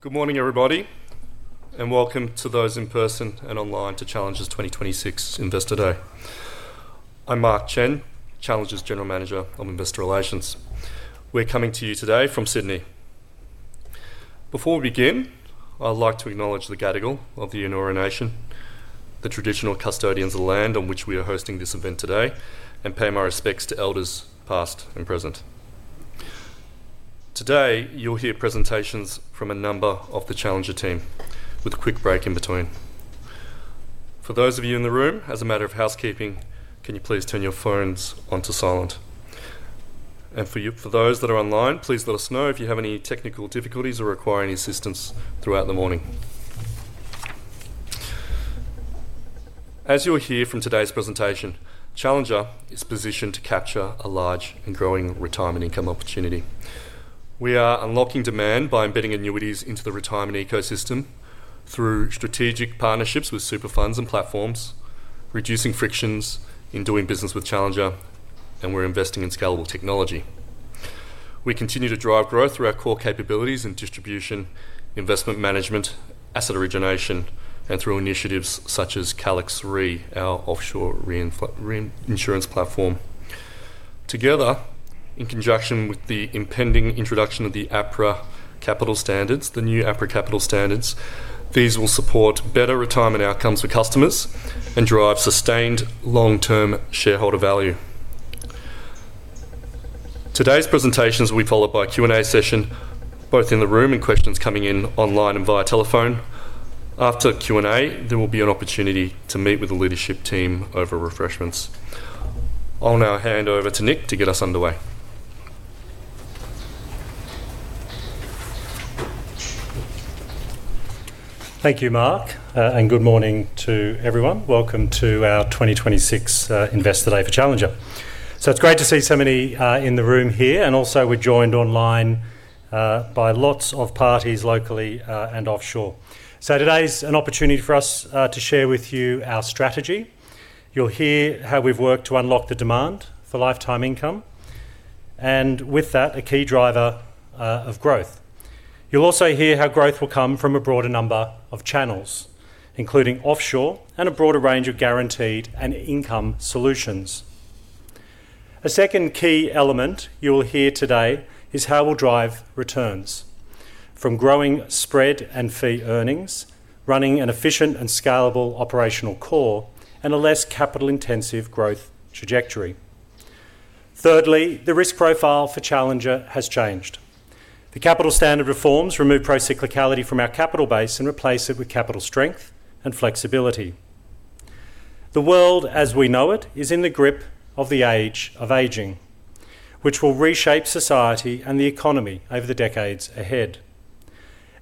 Good morning, everybody, welcome to those in person and online to Challenger's 2026 Investor Day. I'm Mark Chen, Challenger's General Manager of Investor Relations. We're coming to you today from Sydney. Before we begin, I'd like to acknowledge the Gadigal of the Eora Nation, the traditional custodians of the land on which we are hosting this event today, and pay my respects to elders past and present. Today, you'll hear presentations from a number of the Challenger team with a quick break in between. For those of you in the room, as a matter of housekeeping, can you please turn your phones onto silent? For those that are online, please let us know if you have any technical difficulties or require any assistance throughout the morning. As you'll hear from today's presentation, Challenger is positioned to capture a large and growing retirement income opportunity. We are unlocking demand by embedding annuities into the retirement ecosystem through strategic partnerships with super funds and platforms, reducing frictions in doing business with Challenger, and we're investing in scalable technology. We continue to drive growth through our core capabilities in distribution, investment management, asset origination, and through initiatives such as Calix Re, our offshore reinsurance platform. Together, in conjunction with the impending introduction of the new APRA capital standards, these will support better retirement outcomes for customers and drive sustained long-term shareholder value. Today's presentations will be followed by a Q&A session, both in the room and questions coming in online and via telephone. After Q&A, there will be an opportunity to meet with the leadership team over refreshments. I'll now hand over to Nick to get us underway. Thank you, Mark, and good morning to everyone. Welcome to our 2026 Investor Day for Challenger. It's great to see so many in the room here, and also we're joined online by lots of parties locally and offshore. Today's an opportunity for us to share with you our strategy. You'll hear how we've worked to unlock the demand for lifetime income, and with that, a key driver of growth. You'll also hear how growth will come from a broader number of channels, including offshore and a broader range of guaranteed and income solutions. A second key element you'll hear today is how we'll drive returns from growing spread and fee earnings, running an efficient and scalable operational core, and a less capital-intensive growth trajectory. Thirdly, the risk profile for Challenger has changed. The capital standard reforms remove pro-cyclicality from our capital base and replace it with capital strength and flexibility. The world as we know it is in the grip of the age of aging, which will reshape society and the economy over the decades ahead.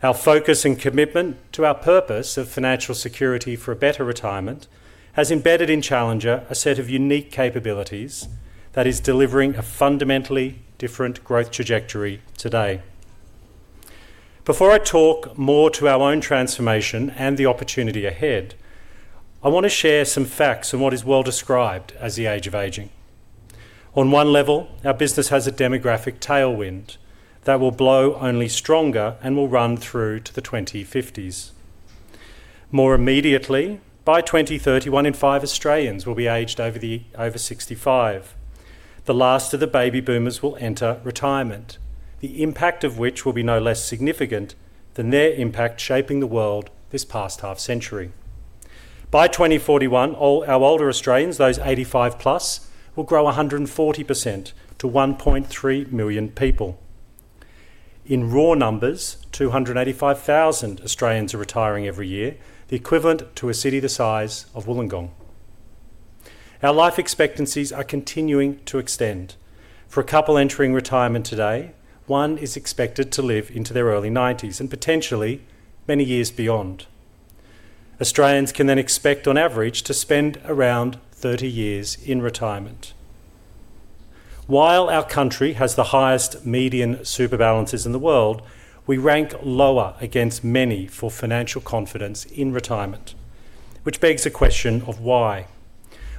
Our focus and commitment to our purpose of financial security for a better retirement has embedded in Challenger a set of unique capabilities that is delivering a fundamentally different growth trajectory today. Before I talk more to our own transformation and the opportunity ahead, I want to share some facts on what is well described as the age of aging. On one level, our business has a demographic tailwind that will blow only stronger and will run through to the 2050s. More immediately, by 2030, one in five Australians will be aged over 65. The last of the baby boomers will enter retirement, the impact of which will be no less significant than their impact shaping the world this past half century. By 2041, our older Australians, those 85 plus, will grow 140% to 1.3 million people. In raw numbers, 285,000 Australians are retiring every year, the equivalent to a city the size of Wollongong. Our life expectancies are continuing to extend. For a couple entering retirement today, one is expected to live into their early 90s, and potentially many years beyond. Australians can then expect, on average, to spend around 30 years in retirement. While our country has the highest median super balances in the world, we rank lower against many for financial confidence in retirement, which begs the question of why.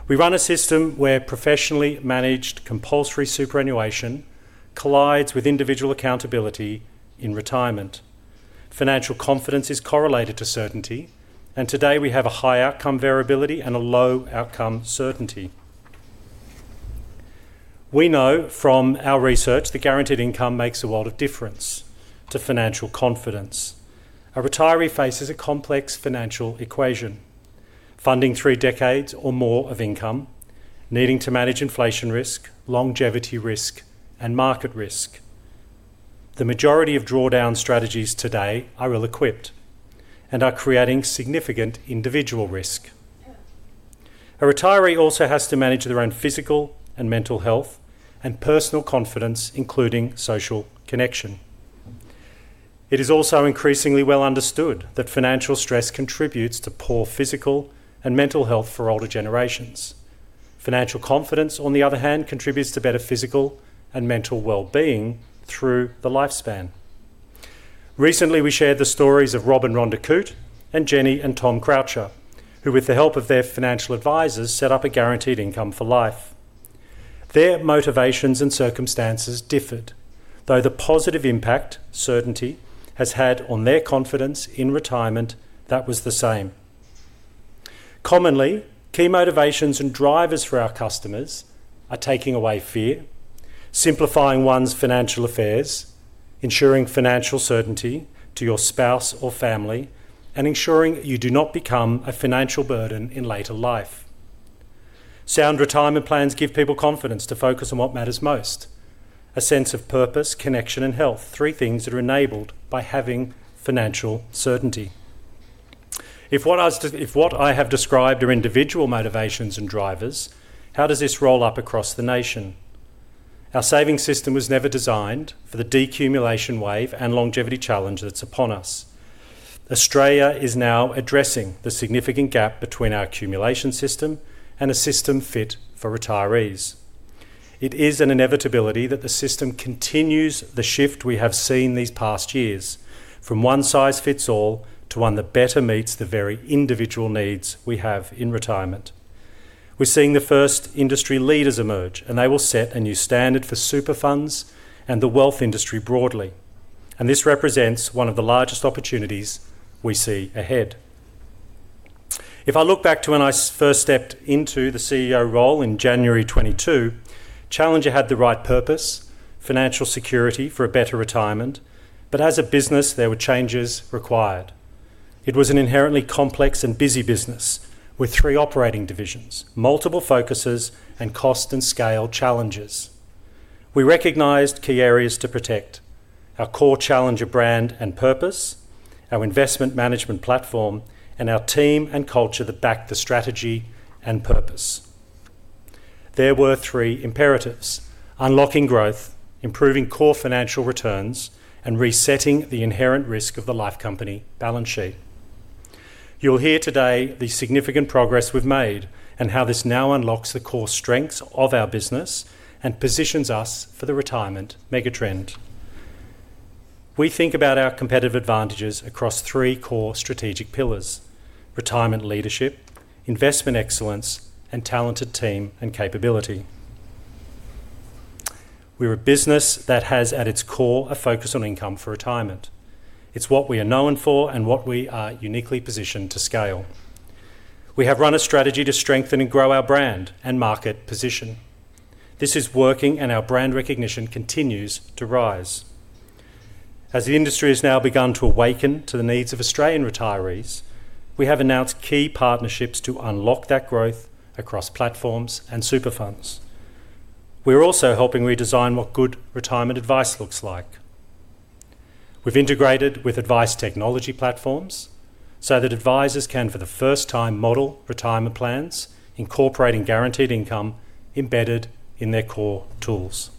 We run a system where professionally managed compulsory superannuation collides with individual accountability in retirement. Financial confidence is correlated to certainty, and today we have a high outcome variability and a low outcome certainty. We know from our research that guaranteed income makes a lot of difference to financial confidence. A retiree faces a complex financial equation, funding three decades or more of income, needing to manage inflation risk, longevity risk, and market risk. The majority of drawdown strategies today are ill-equipped and are creating significant individual risk. A retiree also has to manage their own physical and mental health and personal confidence, including social connection. It is also increasingly well understood that financial stress contributes to poor physical and mental health for older generations. Financial confidence, on the other hand, contributes to better physical and mental well-being through the lifespan. Recently, we shared the stories of Rob and Rhonda Coote and Jenny and Tom Croucher, who, with the help of their financial advisors, set up a guaranteed income for life. Their motivations and circumstances differed. Though the positive impact certainty has had on their confidence in retirement, that was the same. Commonly, key motivations and drivers for our customers are taking away fear, simplifying one's financial affairs, ensuring financial certainty to your spouse or family, and ensuring that you do not become a financial burden in later life. Sound retirement plans give people confidence to focus on what matters most. A sense of purpose, connection, and health. Three things that are enabled by having financial certainty. If what I have described are individual motivations and drivers, how does this roll up across the nation? Our savings system was never designed for the decumulation wave and longevity challenge that's upon us. Australia is now addressing the significant gap between our accumulation system and a system fit for retirees. It is an inevitability that the system continues the shift we have seen these past years from one size fits all to one that better meets the very individual needs we have in retirement. We're seeing the first industry leaders emerge, they will set a new standard for super funds and the wealth industry broadly. This represents one of the largest opportunities we see ahead. If I look back to when I first stepped into the CEO role in January 2022, Challenger had the right purpose, financial security for a better retirement. As a business, there were changes required. It was an inherently complex and busy business with three operating divisions, multiple focuses, and cost and scale challenges. We recognized key areas to protect. Our core Challenger brand and purpose, our investment management platform, and our team and culture that back the strategy and purpose. There were three imperatives. Unlocking growth, improving core financial returns, and resetting the inherent risk of the life company balance sheet. You'll hear today the significant progress we've made and how this now unlocks the core strengths of our business and positions us for the retirement megatrend. We think about our competitive advantages across three core strategic pillars. Retirement leadership, investment excellence, and talented team and capability. We're a business that has at its core a focus on income for retirement. It's what we are known for and what we are uniquely positioned to scale. We have run a strategy to strengthen and grow our brand and market position. This is working, and our brand recognition continues to rise. As the industry has now begun to awaken to the needs of Australian retirees, we have announced key partnerships to unlock that growth across platforms and super funds. We're also helping redesign what good retirement advice looks like. We've integrated with advice technology platforms so that advisors can, for the first time, model retirement plans incorporating guaranteed income embedded in their core tools.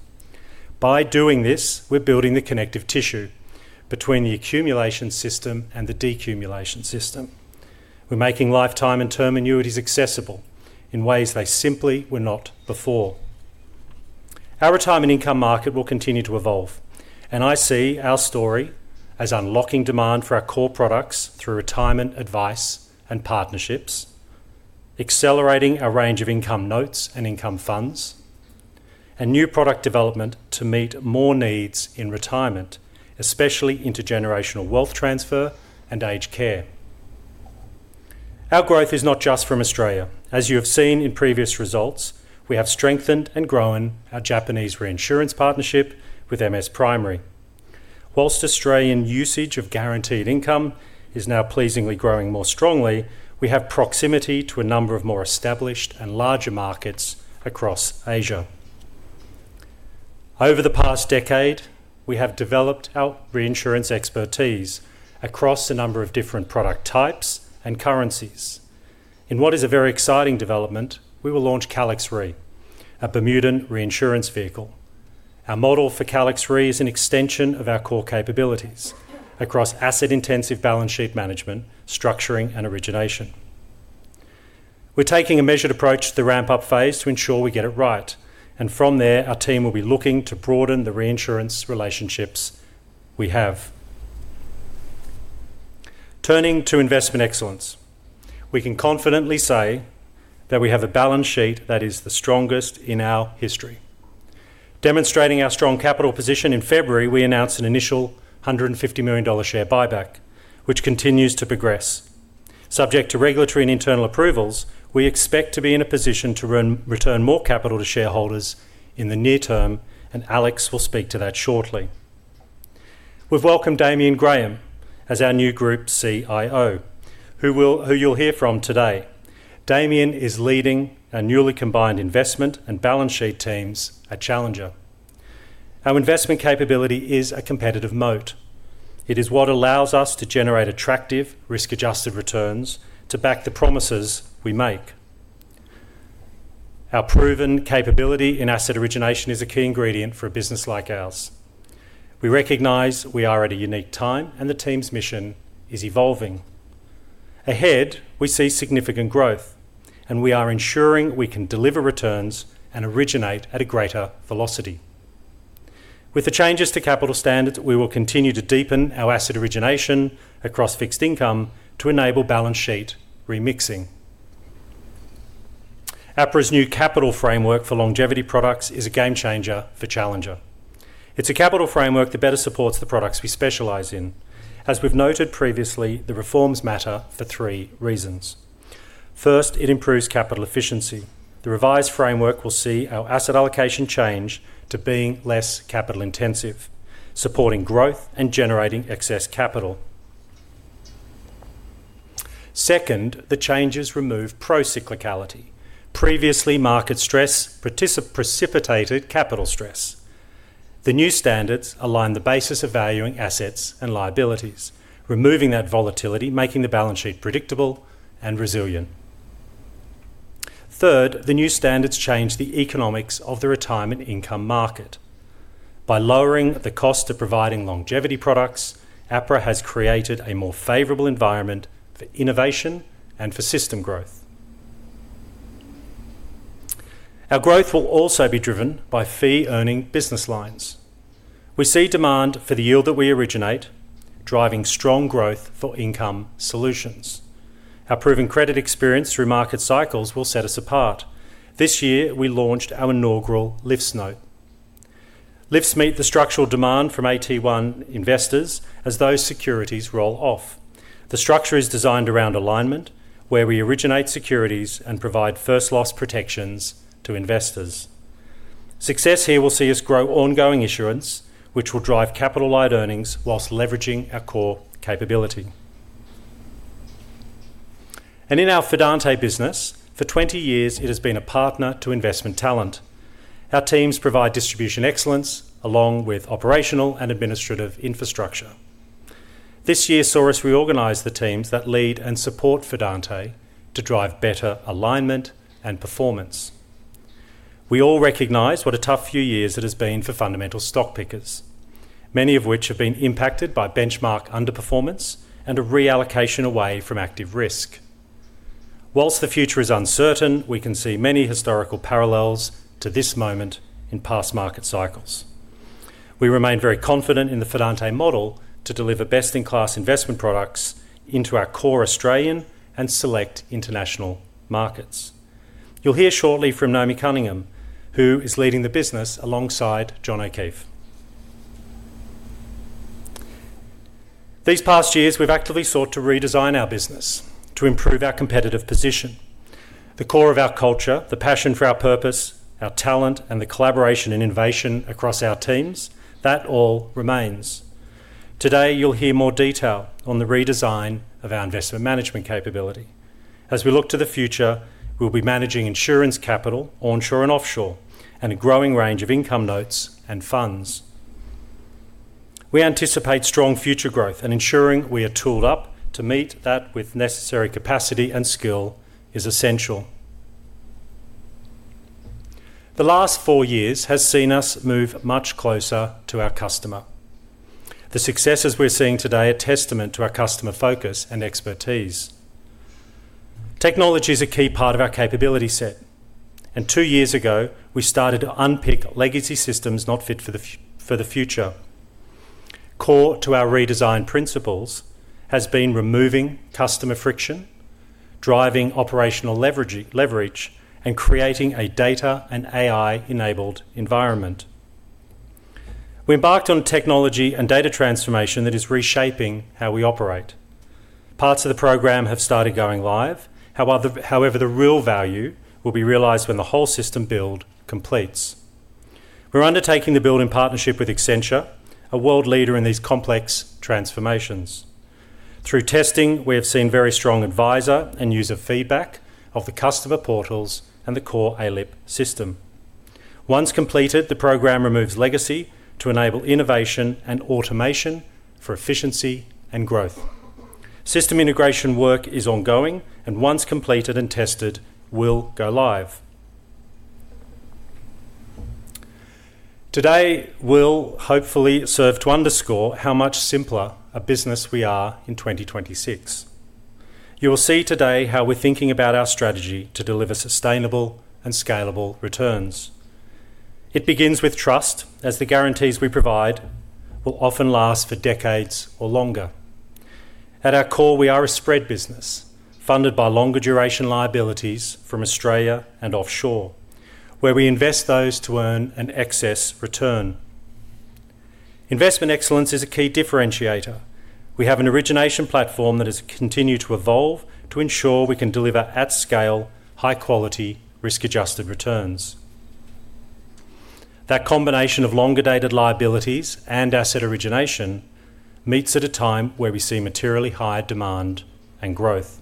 By doing this, we're building the connective tissue between the accumulation system and the decumulation system. We're making lifetime and term annuities accessible in ways they simply were not before. Our retirement income market will continue to evolve, and I see our story as unlocking demand for our core products through retirement advice and partnerships, accelerating a range of income notes and income funds, and new product development to meet more needs in retirement, especially intergenerational wealth transfer and aged care. Our growth is not just from Australia. As you have seen in previous results, we have strengthened and grown our Japanese reinsurance partnership with MS Primary. Whilst Australian usage of guaranteed income is now pleasingly growing more strongly, we have proximity to a number of more established and larger markets across Asia. Over the past decade, we have developed our reinsurance expertise across a number of different product types and currencies. In what is a very exciting development, we will launch Calix Re, our Bermudan reinsurance vehicle. Our model for Calix Re is an extension of our core capabilities across asset-intensive balance sheet management, structuring, and origination. We are taking a measured approach to the ramp-up phase to ensure we get it right, and from there, our team will be looking to broaden the reinsurance relationships we have. Turning to investment excellence. We can confidently say that we have a balance sheet that is the strongest in our history. Demonstrating our strong capital position in February, we announced an initial 150 million dollar share buyback, which continues to progress. Subject to regulatory and internal approvals, we expect to be in a position to return more capital to shareholders in the near term, Alex will speak to that shortly. We've welcomed Damian Graham as our new Group CIO, who you'll hear from today. Damian is leading our newly combined investment and balance sheet teams at Challenger. Our investment capability is a competitive moat. It is what allows us to generate attractive risk-adjusted returns to back the promises we make. Our proven capability in asset origination is a key ingredient for a business like ours. We recognize we are at a unique time, the team's mission is evolving. Ahead, we see significant growth, and we are ensuring we can deliver returns and originate at a greater velocity. With the changes to capital standards, we will continue to deepen our asset origination across fixed income to enable balance sheet remixing. APRA's new capital framework for longevity products is a game changer for Challenger. It's a capital framework that better supports the products we specialize in. As we've noted previously, the reforms matter for three reasons. First, it improves capital efficiency. The revised framework will see our asset allocation change to being less capital intensive, supporting growth and generating excess capital. Second, the changes remove pro-cyclicality. Previously, market stress precipitated capital stress. The new standards align the basis of valuing assets and liabilities, removing that volatility, making the balance sheet predictable and resilient. Third, the new standards change the economics of the retirement income market. By lowering the cost of providing longevity products, APRA has created a more favorable environment for innovation and for system growth. Our growth will also be driven by fee earning business lines. We see demand for the yield that we originate, driving strong growth for income solutions. Our proven credit experience through market cycles will set us apart. This year, we launched our inaugural LiFTS note. LiFTS meet the structural demand from AT1 investors as those securities roll off. The structure is designed around alignment, where we originate securities and provide first loss protections to investors. Success here will see us grow ongoing issuance, which will drive capital light earnings whilst leveraging our core capability. In our Fidante business, for 20 years it has been a partner to investment talent. Our teams provide distribution excellence along with operational and administrative infrastructure. This year saw us reorganize the teams that lead and support Fidante to drive better alignment and performance. We all recognize what a tough few years it has been for fundamental stock pickers, many of which have been impacted by benchmark underperformance and a reallocation away from active risk. Whilst the future is uncertain, we can see many historical parallels to this moment in past market cycles. We remain very confident in the Fidante model to deliver best in class investment products into our core Australian and select international markets. You'll hear shortly from Naomi Cunningham, who is leading the business alongside John O'Keeffe. These past years, we've actively sought to redesign our business to improve our competitive position. The core of our culture, the passion for our purpose, our talent, and the collaboration and innovation across our teams, that all remains. Today, you'll hear more detail on the redesign of our investment management capability. As we look to the future, we'll be managing insurance capital onshore and offshore, and a growing range of income notes and funds. We anticipate strong future growth and ensuring we are tooled up to meet that with necessary capacity and skill is essential. The last four years has seen us move much closer to our customer. The successes we're seeing today are testament to our customer focus and expertise. Technology is a key part of our capability set, and two years ago, we started to unpick legacy systems not fit for the future. Core to our redesign principles has been removing customer friction, driving operational leverage, and creating a data and AI enabled environment. We embarked on technology and data transformation that is reshaping how we operate. Parts of the program have started going live. However, the real value will be realized when the whole system build completes. We're undertaking the build in partnership with Accenture, a world leader in these complex transformations. Through testing, we have seen very strong advisor and user feedback of the customer portals and the core ALIP system. Once completed, the program removes legacy to enable innovation and automation for efficiency and growth. System integration work is ongoing, and once completed and tested, will go live. Today will hopefully serve to underscore how much simpler a business we are in 2026. You will see today how we're thinking about our strategy to deliver sustainable and scalable returns. It begins with trust, as the guarantees we provide will often last for decades or longer. At our core, we are a spread business, funded by longer duration liabilities from Australia and offshore, where we invest those to earn an excess return. Investment excellence is a key differentiator. We have an origination platform that has continued to evolve to ensure we can deliver at scale, high quality, risk-adjusted returns. That combination of longer-dated liabilities and asset origination meets at a time where we see materially higher demand and growth.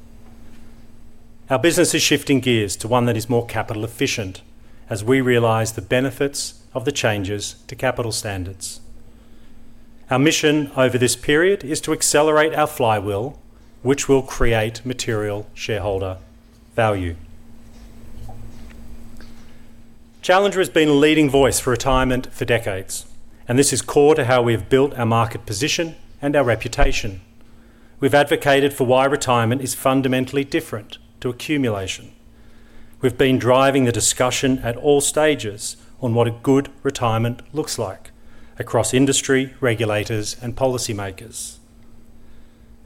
Our business is shifting gears to one that is more capital efficient as we realize the benefits of the changes to capital standards. Our mission over this period is to accelerate our flywheel, which will create material shareholder value. Challenger has been a leading voice for retirement for decades, and this is core to how we've built our market position and our reputation. We've advocated for why retirement is fundamentally different to accumulation. We've been driving the discussion at all stages on what a good retirement looks like across industry, regulators, and policymakers.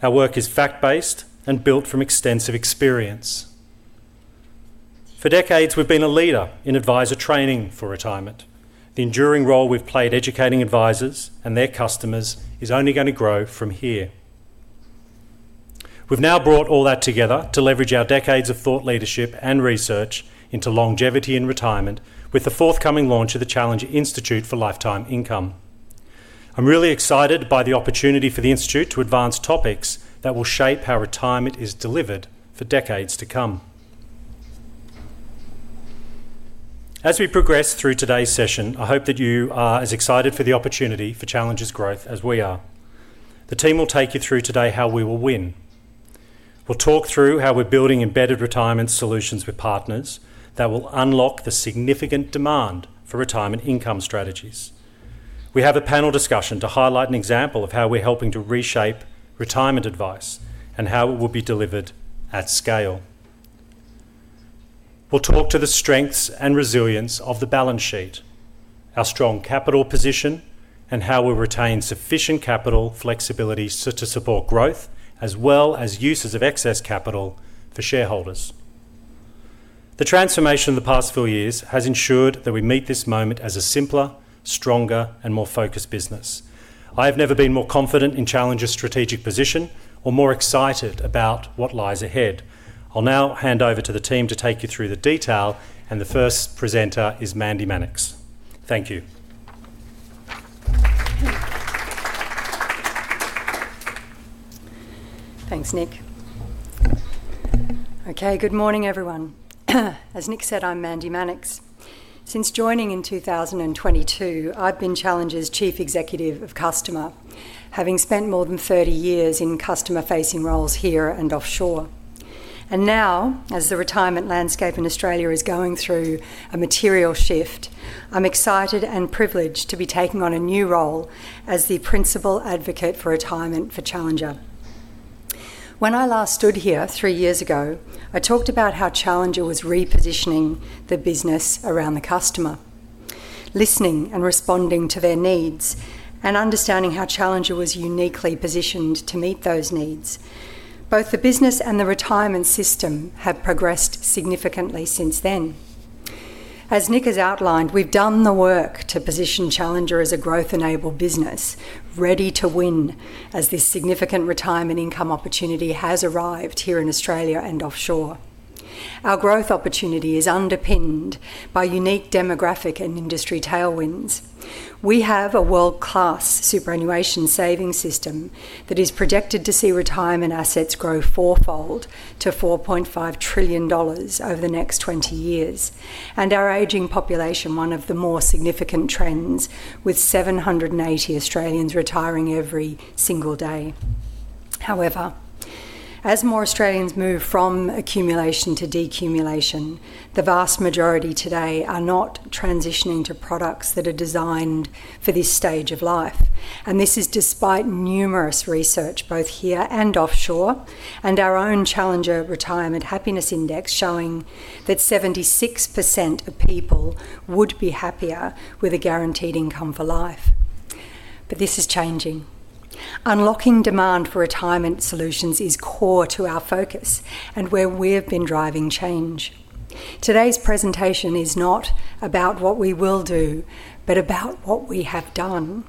Our work is fact-based and built from extensive experience. For decades, we've been a leader in advisor training for retirement. The enduring role we've played educating advisors and their customers is only going to grow from here. We've now brought all that together to leverage our decades of thought leadership and research into longevity and retirement with the forthcoming launch of the Challenger Institute for Lifetime Income. I'm really excited by the opportunity for the institute to advance topics that will shape how retirement is delivered for decades to come. As we progress through today's session, I hope that you are as excited for the opportunity for Challenger's growth as we are. The team will take you through today how we will win. We'll talk through how we're building embedded retirement solutions with partners that will unlock the significant demand for retirement income strategies. We have a panel discussion to highlight an example of how we're helping to reshape retirement advice and how it will be delivered at scale. We'll talk to the strengths and resilience of the balance sheet, our strong capital position, and how we retain sufficient capital flexibility to support growth, as well as uses of excess capital for shareholders. The transformation the past few years has ensured that we meet this moment as a simpler, stronger, and more focused business. I've never been more confident in Challenger's strategic position or more excited about what lies ahead. I'll now hand over to the team to take you through the detail, and the first presenter is Mandy Mannix. Thank you. Thanks, Nick. Okay. Good morning, everyone. As Nick said, I'm Mandy Mannix. Since joining in 2022, I've been Challenger's Chief Executive of Customer, having spent more than 30 years in customer-facing roles here and offshore. Now, as the retirement landscape in Australia is going through a material shift, I'm excited and privileged to be taking on a new role as the principal advocate for retirement for Challenger. When I last stood here three years ago, I talked about how Challenger was repositioning the business around the customer, listening and responding to their needs, and understanding how Challenger was uniquely positioned to meet those needs. Both the business and the retirement system have progressed significantly since then. As Nick has outlined, we've done the work to position Challenger as a growth-enabled business, ready to win as this significant retirement income opportunity has arrived here in Australia and offshore. Our growth opportunity is underpinned by unique demographic and industry tailwinds. We have a world-class superannuation savings system that is projected to see retirement assets grow fourfold to $4.5 trillion over the next 20 years. Our aging population, one of the more significant trends, with 780 Australians retiring every single day. However, as more Australians move from accumulation to decumulation, the vast majority today are not transitioning to products that are designed for this stage of life. This is despite numerous research both here and offshore, and our own Challenger Retirement Happiness Index showing that 76% of people would be happier with a guaranteed income for life. This is changing. Unlocking demand for retirement solutions is core to our focus and where we have been driving change. Today's presentation is not about what we will do, but about what we have done.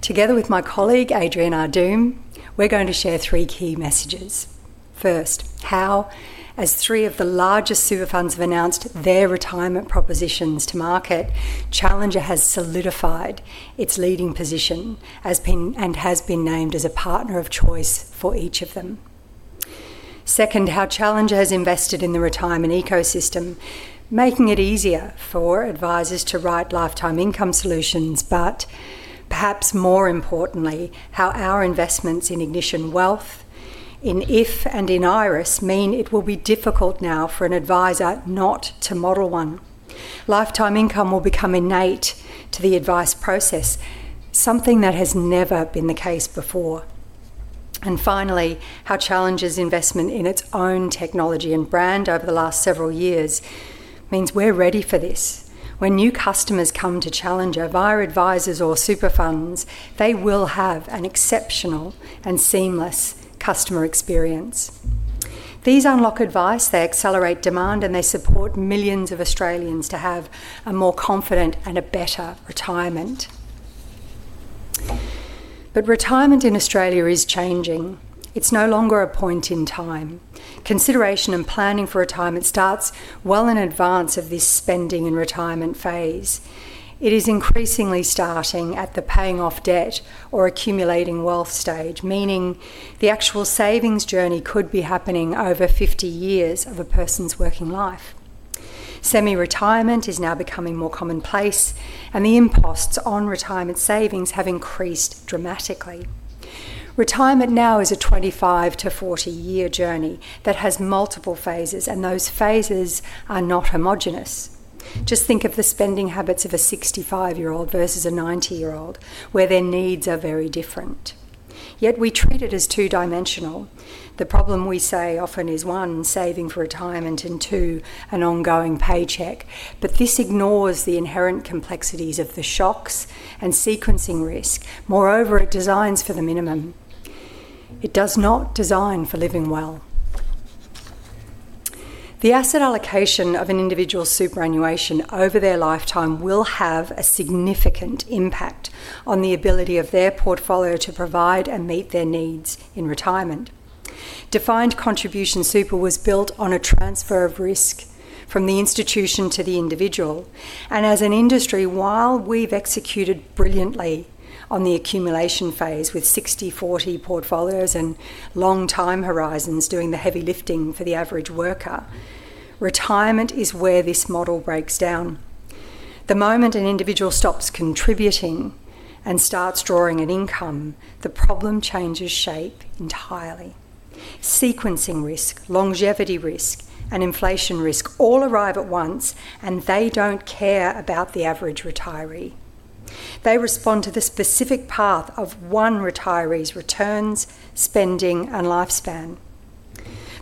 Together with my colleague, Adrian Aardoom, we're going to share three key messages. First, how as three of the largest super funds have announced their retirement propositions to market, Challenger has solidified its leading position and has been named as a partner of choice for each of them. Second, how Challenger has invested in the retirement ecosystem, making it easier for advisors to write lifetime income solutions. Perhaps more importantly, how our investments in Ignition Advice, in If, and in Iress mean it will be difficult now for an advisor not to model one. Lifetime income will become innate to the advice process, something that has never been the case before. Finally, how Challenger's investment in its own technology and brand over the last several years means we're ready for this. When new customers come to Challenger via advisors or super funds, they will have an exceptional and seamless customer experience. These unlock advice, they accelerate demand, and they support millions of Australians to have a more confident and a better retirement. Retirement in Australia is changing. It's no longer a point in time. Consideration and planning for retirement starts well in advance of this spending and retirement phase. It is increasingly starting at the paying off debt or accumulating wealth stage, meaning the actual savings journey could be happening over 50 years of a person's working life. Semi-retirement is now becoming more commonplace, and the imposts on retirement savings have increased dramatically. Retirement now is a 25-40 year journey that has multiple phases, and those phases are not homogenous. Just think of the spending habits of a 65-year-old versus a 90-year-old, where their needs are very different. We treat it as two-dimensional. The problem we say often is, one, saving for retirement, and two, an ongoing paycheck. This ignores the inherent complexities of the shocks and sequencing risk. Moreover, it designs for the minimum. It does not design for living well. The asset allocation of an individual superannuation over their lifetime will have a significant impact on the ability of their portfolio to provide and meet their needs in retirement. Defined contribution super was built on a transfer of risk from the institution to the individual. As an industry, while we've executed brilliantly on the accumulation phase with 60/40 portfolios and long time horizons doing the heavy lifting for the average worker, retirement is where this model breaks down. The moment an individual stops contributing and starts drawing an income, the problem changes shape entirely. Sequencing risk, longevity risk, and inflation risk all arrive at once, and they don't care about the average retiree. They respond to the specific path of one retiree's returns, spending, and lifespan.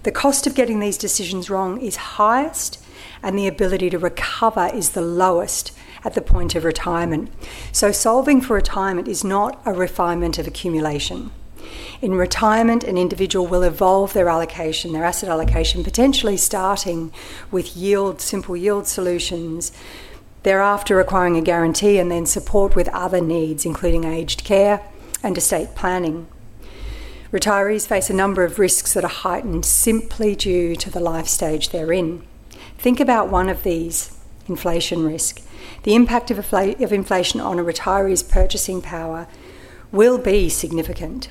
The cost of getting these decisions wrong is highest, and the ability to recover is the lowest at the point of retirement. Solving for retirement is not a refinement of accumulation. In retirement, an individual will evolve their allocation, their asset allocation, potentially starting with simple yield solutions, thereafter requiring a guarantee and then support with other needs, including aged care and estate planning. Retirees face a number of risks that are heightened simply due to the life stage they're in. Think about one of these, inflation risk. The impact of inflation on a retiree's purchasing power will be significant.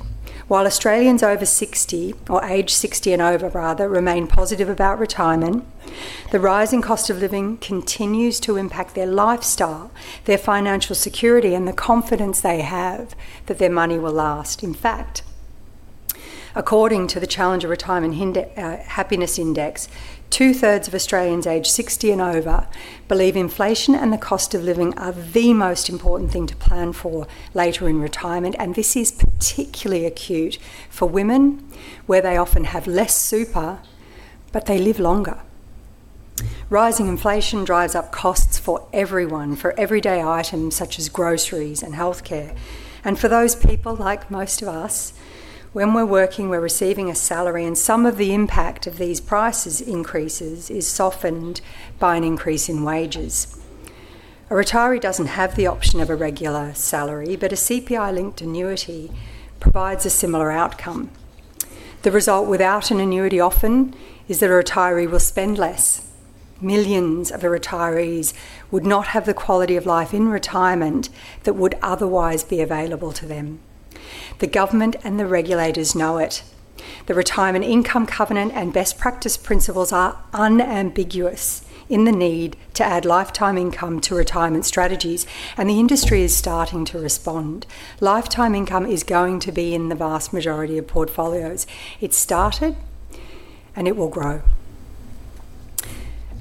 While Australians aged 60 and over remain positive about retirement, the rising cost of living continues to impact their lifestyle, their financial security, and the confidence they have that their money will last. In fact, according to the Challenger Retirement Happiness Index, two-thirds of Australians aged 60 and over believe inflation and the cost of living are the most important thing to plan for later in retirement. This is particularly acute for women, where they often have less super, but they live longer. Rising inflation drives up costs for everyone for everyday items such as groceries and healthcare. For those people, like most of us, when we're working, we're receiving a salary. Some of the impact of these price increases is softened by an increase in wages. A retiree doesn't have the option of a regular salary, but a CPI-linked annuity provides a similar outcome. The result without an annuity often is the retiree will spend less. Millions of retirees would not have the quality of life in retirement that would otherwise be available to them. The government and the regulators know it. The Retirement Income Covenant and best practice principles are unambiguous in the need to add lifetime income to retirement strategies, and the industry is starting to respond. Lifetime income is going to be in the vast majority of portfolios. It's started, and it will grow.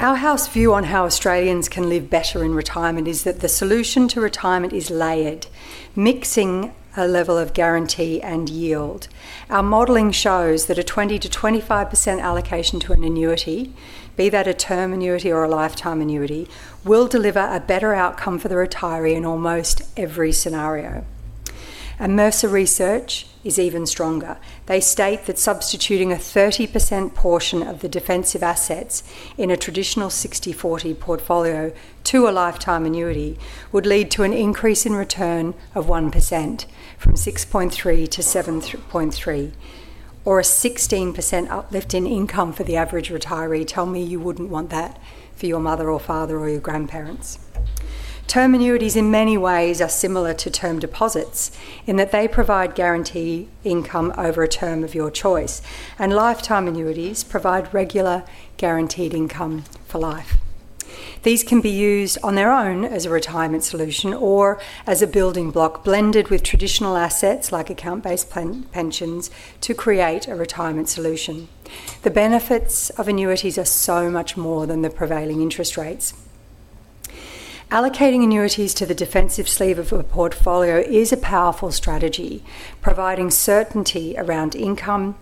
Our house view on how Australians can live better in retirement is that the solution to retirement is layered, mixing a level of guarantee and yield. Our modeling shows that a 20%-25% allocation to an annuity, be that a term annuity or a lifetime annuity, will deliver a better outcome for the retiree in almost every scenario. Mercer research is even stronger. They state that substituting a 30% portion of the defensive assets in a traditional 60/40 portfolio to a lifetime annuity would lead to an increase in return of 1%, from 6.3%-7.3%, or a 16% uplift in income for the average retiree. Tell me you wouldn't want that for your mother or father or your grandparents. Term annuities in many ways are similar to term deposits in that they provide guaranteed income over a term of your choice, and lifetime annuities provide regular guaranteed income for life. These can be used on their own as a retirement solution or as a building block blended with traditional assets like account-based pensions to create a retirement solution. The benefits of annuities are so much more than the prevailing interest rates. Allocating annuities to the defensive sleeve of a portfolio is a powerful strategy, providing certainty around income,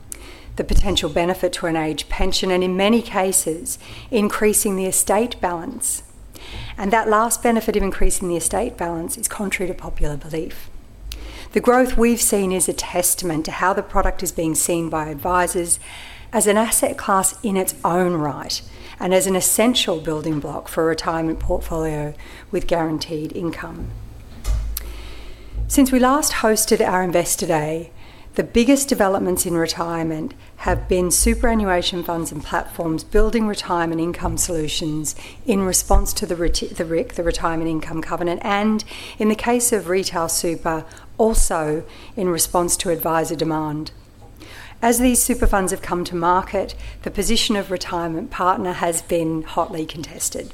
the potential benefit to an Age Pension, and in many cases, increasing the estate balance. That last benefit of increasing the estate balance is contrary to popular belief. The growth we've seen is a testament to how the product is being seen by advisors as an asset class in its own right and as an essential building block for a retirement portfolio with guaranteed income. Since we last hosted our Investor Day, the biggest developments in retirement have been superannuation funds and platforms building retirement income solutions in response to the Retirement Income Covenant and, in the case of retail super, also in response to advisor demand. These super funds have come to market, the position of retirement partner has been hotly contested.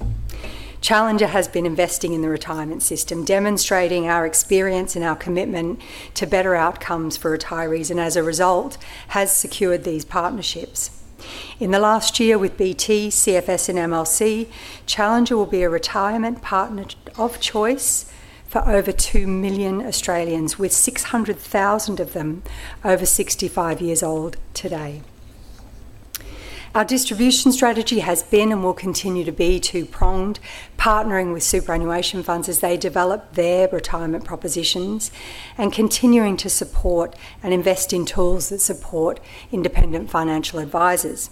Challenger has been investing in the retirement system, demonstrating our experience and our commitment to better outcomes for retirees, and as a result, has secured these partnerships. In the last year with BT, CFS, and MLC, Challenger will be a retirement partner of choice for over 2 million Australians, with 600,000 of them over 65 years old today. Our distribution strategy has been and will continue to be two-pronged, partnering with superannuation funds as they develop their retirement propositions, and continuing to support and invest in tools that support independent financial advisors.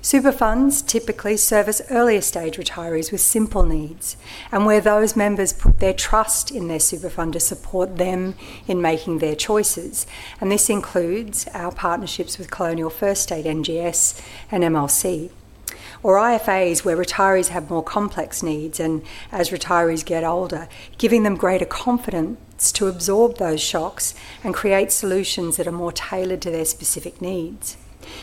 Super funds typically service early-stage retirees with simple needs, and where those members put their trust in their super fund to support them in making their choices. This includes our partnerships with Colonial First State, NGS, and MLC. IFAs where retirees have more complex needs, and as retirees get older, giving them greater confidence to absorb those shocks and create solutions that are more tailored to their specific needs.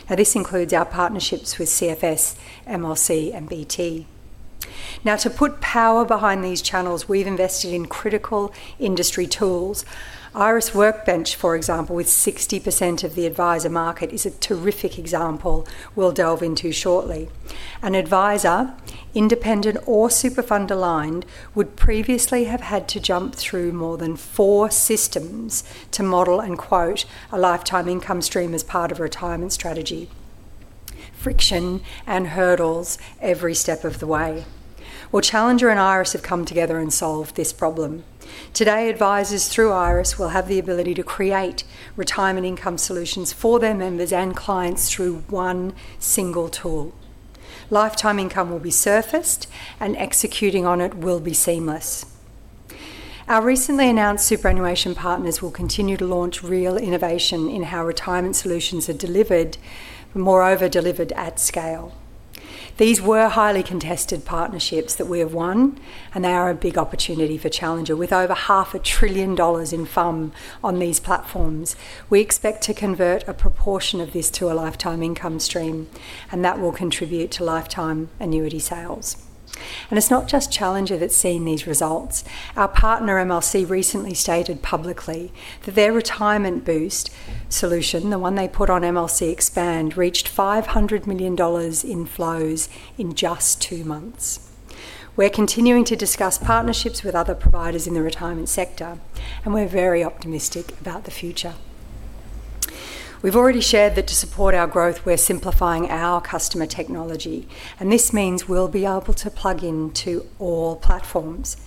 This includes our partnerships with CFS, MLC, and BT. To put power behind these channels, we've invested in critical industry tools. Iress Workbench, for example, with 60% of the advisor market, is a terrific example we'll delve into shortly. An advisor, independent or super fund aligned, would previously have had to jump through more than four systems to model and quote a lifetime income stream as part of a retirement strategy. Friction and hurdles every step of the way. Challenger and Iress have come together and solved this problem. Today, advisors through Iress will have the ability to create retirement income solutions for their members and clients through one single tool. Lifetime income will be surfaced and executing on it will be seamless. Our recently announced superannuation partners will continue to launch real innovation in how retirement solutions are delivered, moreover, delivered at scale. These were highly contested partnerships that we have won and are a big opportunity for Challenger. With over half a trillion dollars in FUM on these platforms, we expect to convert a proportion of this to a lifetime income stream, that will contribute to lifetime annuity sales. It's not just Challenger that's seeing these results. Our partner, MLC, recently stated publicly that their Retirement Boost solution, the one they put on MLC Expand, reached 500 million dollars in flows in just two months. We're continuing to discuss partnerships with other providers in the retirement sector, we're very optimistic about the future. We've already shared that to support our growth, we're simplifying our customer technology, and this means we'll be able to plug into all platforms.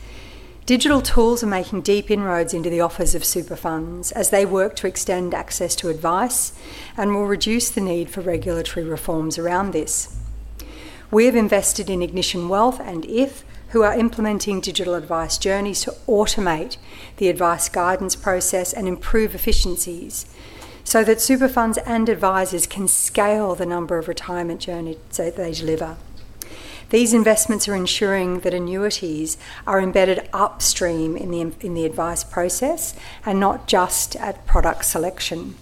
Digital tools are making deep inroads into the office of super funds as they work to extend access to advice and will reduce the need for regulatory reforms around this. We have invested in Ignition Wealth and If, who are implementing digital advice journeys to automate the advice guidance process and improve efficiencies so that super funds and advisors can scale the number of retirement journeys that they deliver. These investments are ensuring that annuities are embedded upstream in the advice process and not just at product selection.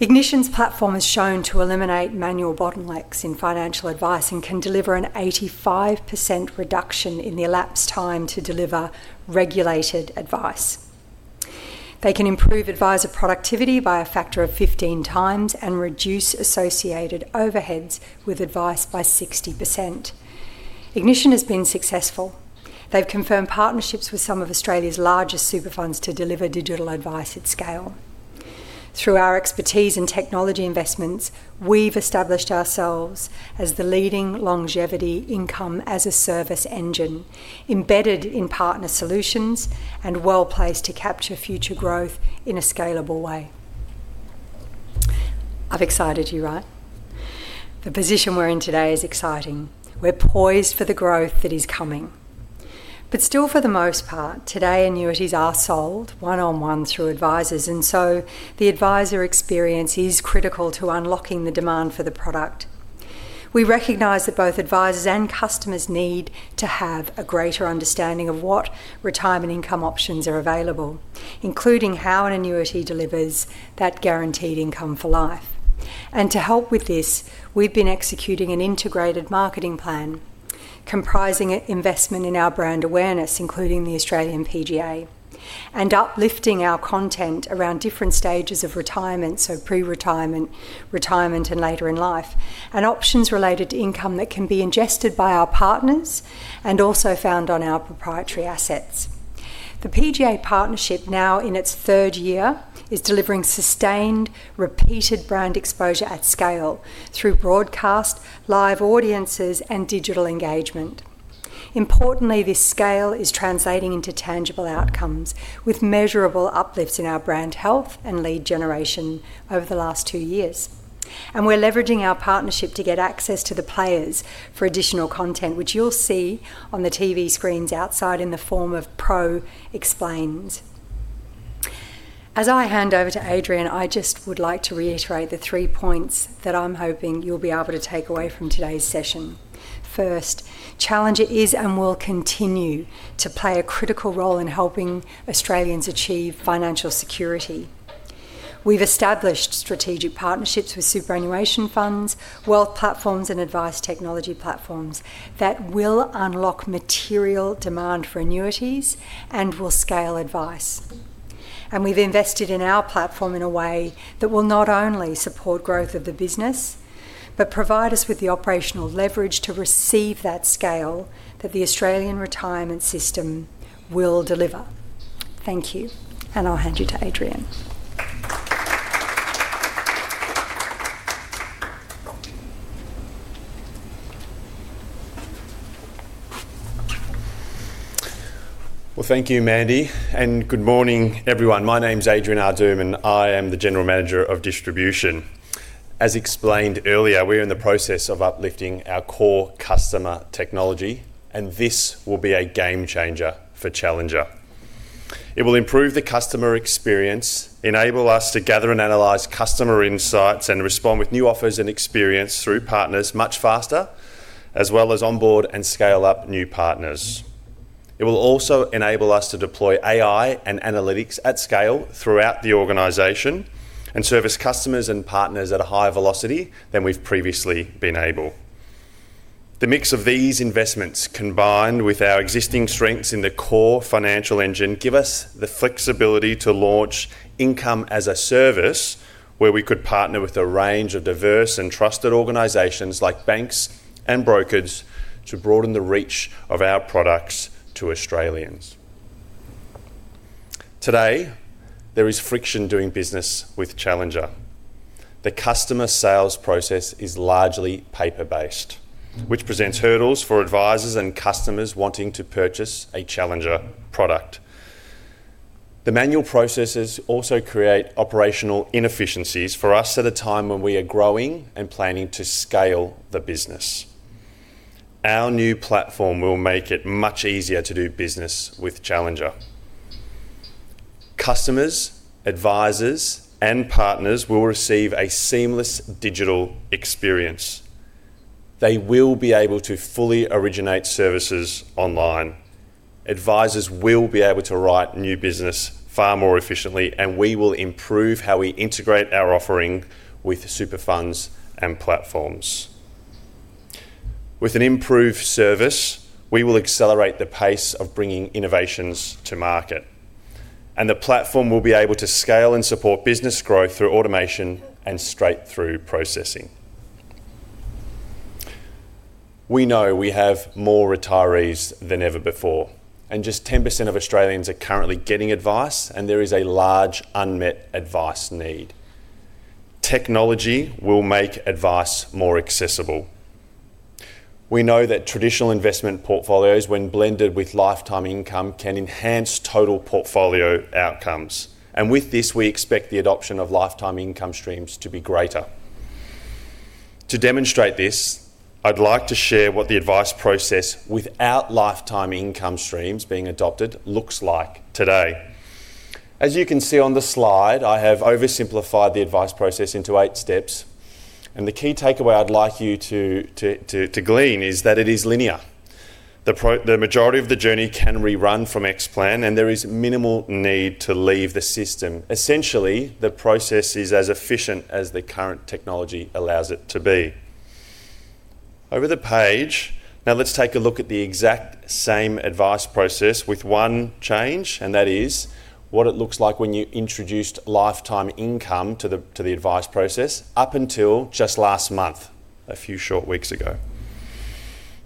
Ignition's platform is shown to eliminate manual bottlenecks in financial advice and can deliver an 85% reduction in the elapsed time to deliver regulated advice. They can improve advisor productivity by a factor of 15x and reduce associated overheads with advice by 60%. Ignition has been successful. They've confirmed partnerships with some of Australia's largest super funds to deliver digital advice at scale. Through our expertise in technology investments, we've established ourselves as the leading longevity income as a service engine, embedded in partner solutions and well-placed to capture future growth in a scalable way. I've excited you, right? The position we're in today is exciting. We're poised for the growth that is coming. Still, for the most part, today annuities are sold one-on-one through advisors, and so the advisor experience is critical to unlocking the demand for the product. We recognize that both advisors and customers need to have a greater understanding of what retirement income options are available, including how an annuity delivers that guaranteed income for life. To help with this, we've been executing an integrated marketing plan comprising investment in our brand awareness, including the Australian PGA, and uplifting our content around different stages of retirement, so pre-retirement, retirement, and later in life, and options related to income that can be ingested by our partners and also found on our proprietary assets. The PGA partnership, now in its third year, is delivering sustained, repeated brand exposure at scale through broadcast, live audiences, and digital engagement. Importantly, this scale is translating into tangible outcomes with measurable uplifts in our brand health and lead generation over the last two years. We're leveraging our partnership to get access to the players for additional content, which you'll see on the TV screens outside in the form of pro explains. As I hand over to Adrian, I just would like to reiterate the three points that I'm hoping you'll be able to take away from today's session. First, Challenger is and will continue to play a critical role in helping Australians achieve financial security. We've established strategic partnerships with superannuation funds, wealth platforms, and advice technology platforms that will unlock material demand for annuities and will scale advice. We've invested in our platform in a way that will not only support growth of the business, but provide us with the operational leverage to receive that scale that the Australian retirement system will deliver. Thank you. I'll hand you to Adrian. Thank you, Mandy. Good morning, everyone. My name's Adrian Aardoom, and I am the general manager of distribution. As explained earlier, we are in the process of uplifting our core customer technology, and this will be a game changer for Challenger. It will improve the customer experience, enable us to gather and analyze customer insights, and respond with new offers and experience through partners much faster, as well as onboard and scale up new partners. It will also enable us to deploy AI and analytics at scale throughout the organization, and service customers and partners at a higher velocity than we've previously been able. The mix of these investments, combined with our existing strengths in the core financial engine, give us the flexibility to launch income-as-a-service, where we could partner with a range of diverse and trusted organizations like banks and brokers to broaden the reach of our products to Australians. Today, there is friction doing business with Challenger. The customer sales process is largely paper-based, which presents hurdles for advisors and customers wanting to purchase a Challenger product. The manual processes also create operational inefficiencies for us at a time when we are growing and planning to scale the business. Our new platform will make it much easier to do business with Challenger. Customers, advisors, and partners will receive a seamless digital experience. They will be able to fully originate services online. Advisors will be able to write new business far more efficiently, and we will improve how we integrate our offering with super funds and platforms. With an improved service, we will accelerate the pace of bringing innovations to market. The platform will be able to scale and support business growth through automation and straight-through processing. We know we have more retirees than ever before, and just 10% of Australians are currently getting advice, and there is a large unmet advice need. Technology will make advice more accessible. We know that traditional investment portfolios, when blended with lifetime income, can enhance total portfolio outcomes. With this, we expect the adoption of lifetime income streams to be greater. To demonstrate this, I'd like to share what the advice process without lifetime income streams being adopted looks like today. As you can see on the slide, I have oversimplified the advice process into eight steps, and the key takeaway I'd like you to glean is that it is linear. The majority of the journey can rerun from Xplan, and there is minimal need to leave the system. Essentially, the process is as efficient as the current technology allows it to be. Over the page, now let's take a look at the exact same advice process with one change, and that is what it looks like when you introduced lifetime income to the advice process up until just last month, a few short weeks ago.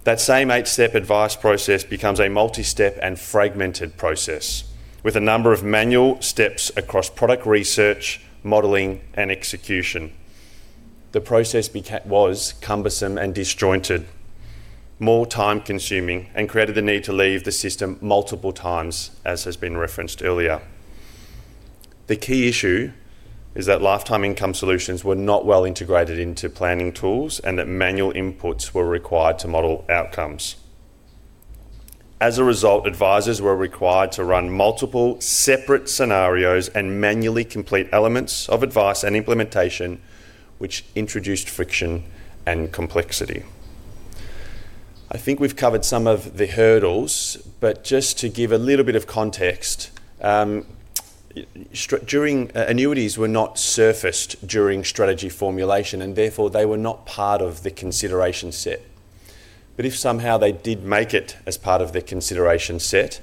That same eight-step advice process becomes a multi-step and fragmented process with a number of manual steps across product research, modeling, and execution. The process was cumbersome and disjointed, more time-consuming, and created the need to leave the system multiple times, as has been referenced earlier. The key issue is that lifetime income solutions were not well integrated into planning tools, and that manual inputs were required to model outcomes. As a result, advisors were required to run multiple separate scenarios and manually complete elements of advice and implementation, which introduced friction and complexity. I think we've covered some of the hurdles, but just to give a little bit of context. Annuities were not surfaced during strategy formulation, and therefore they were not part of the consideration set. If somehow they did make it as part of the consideration set,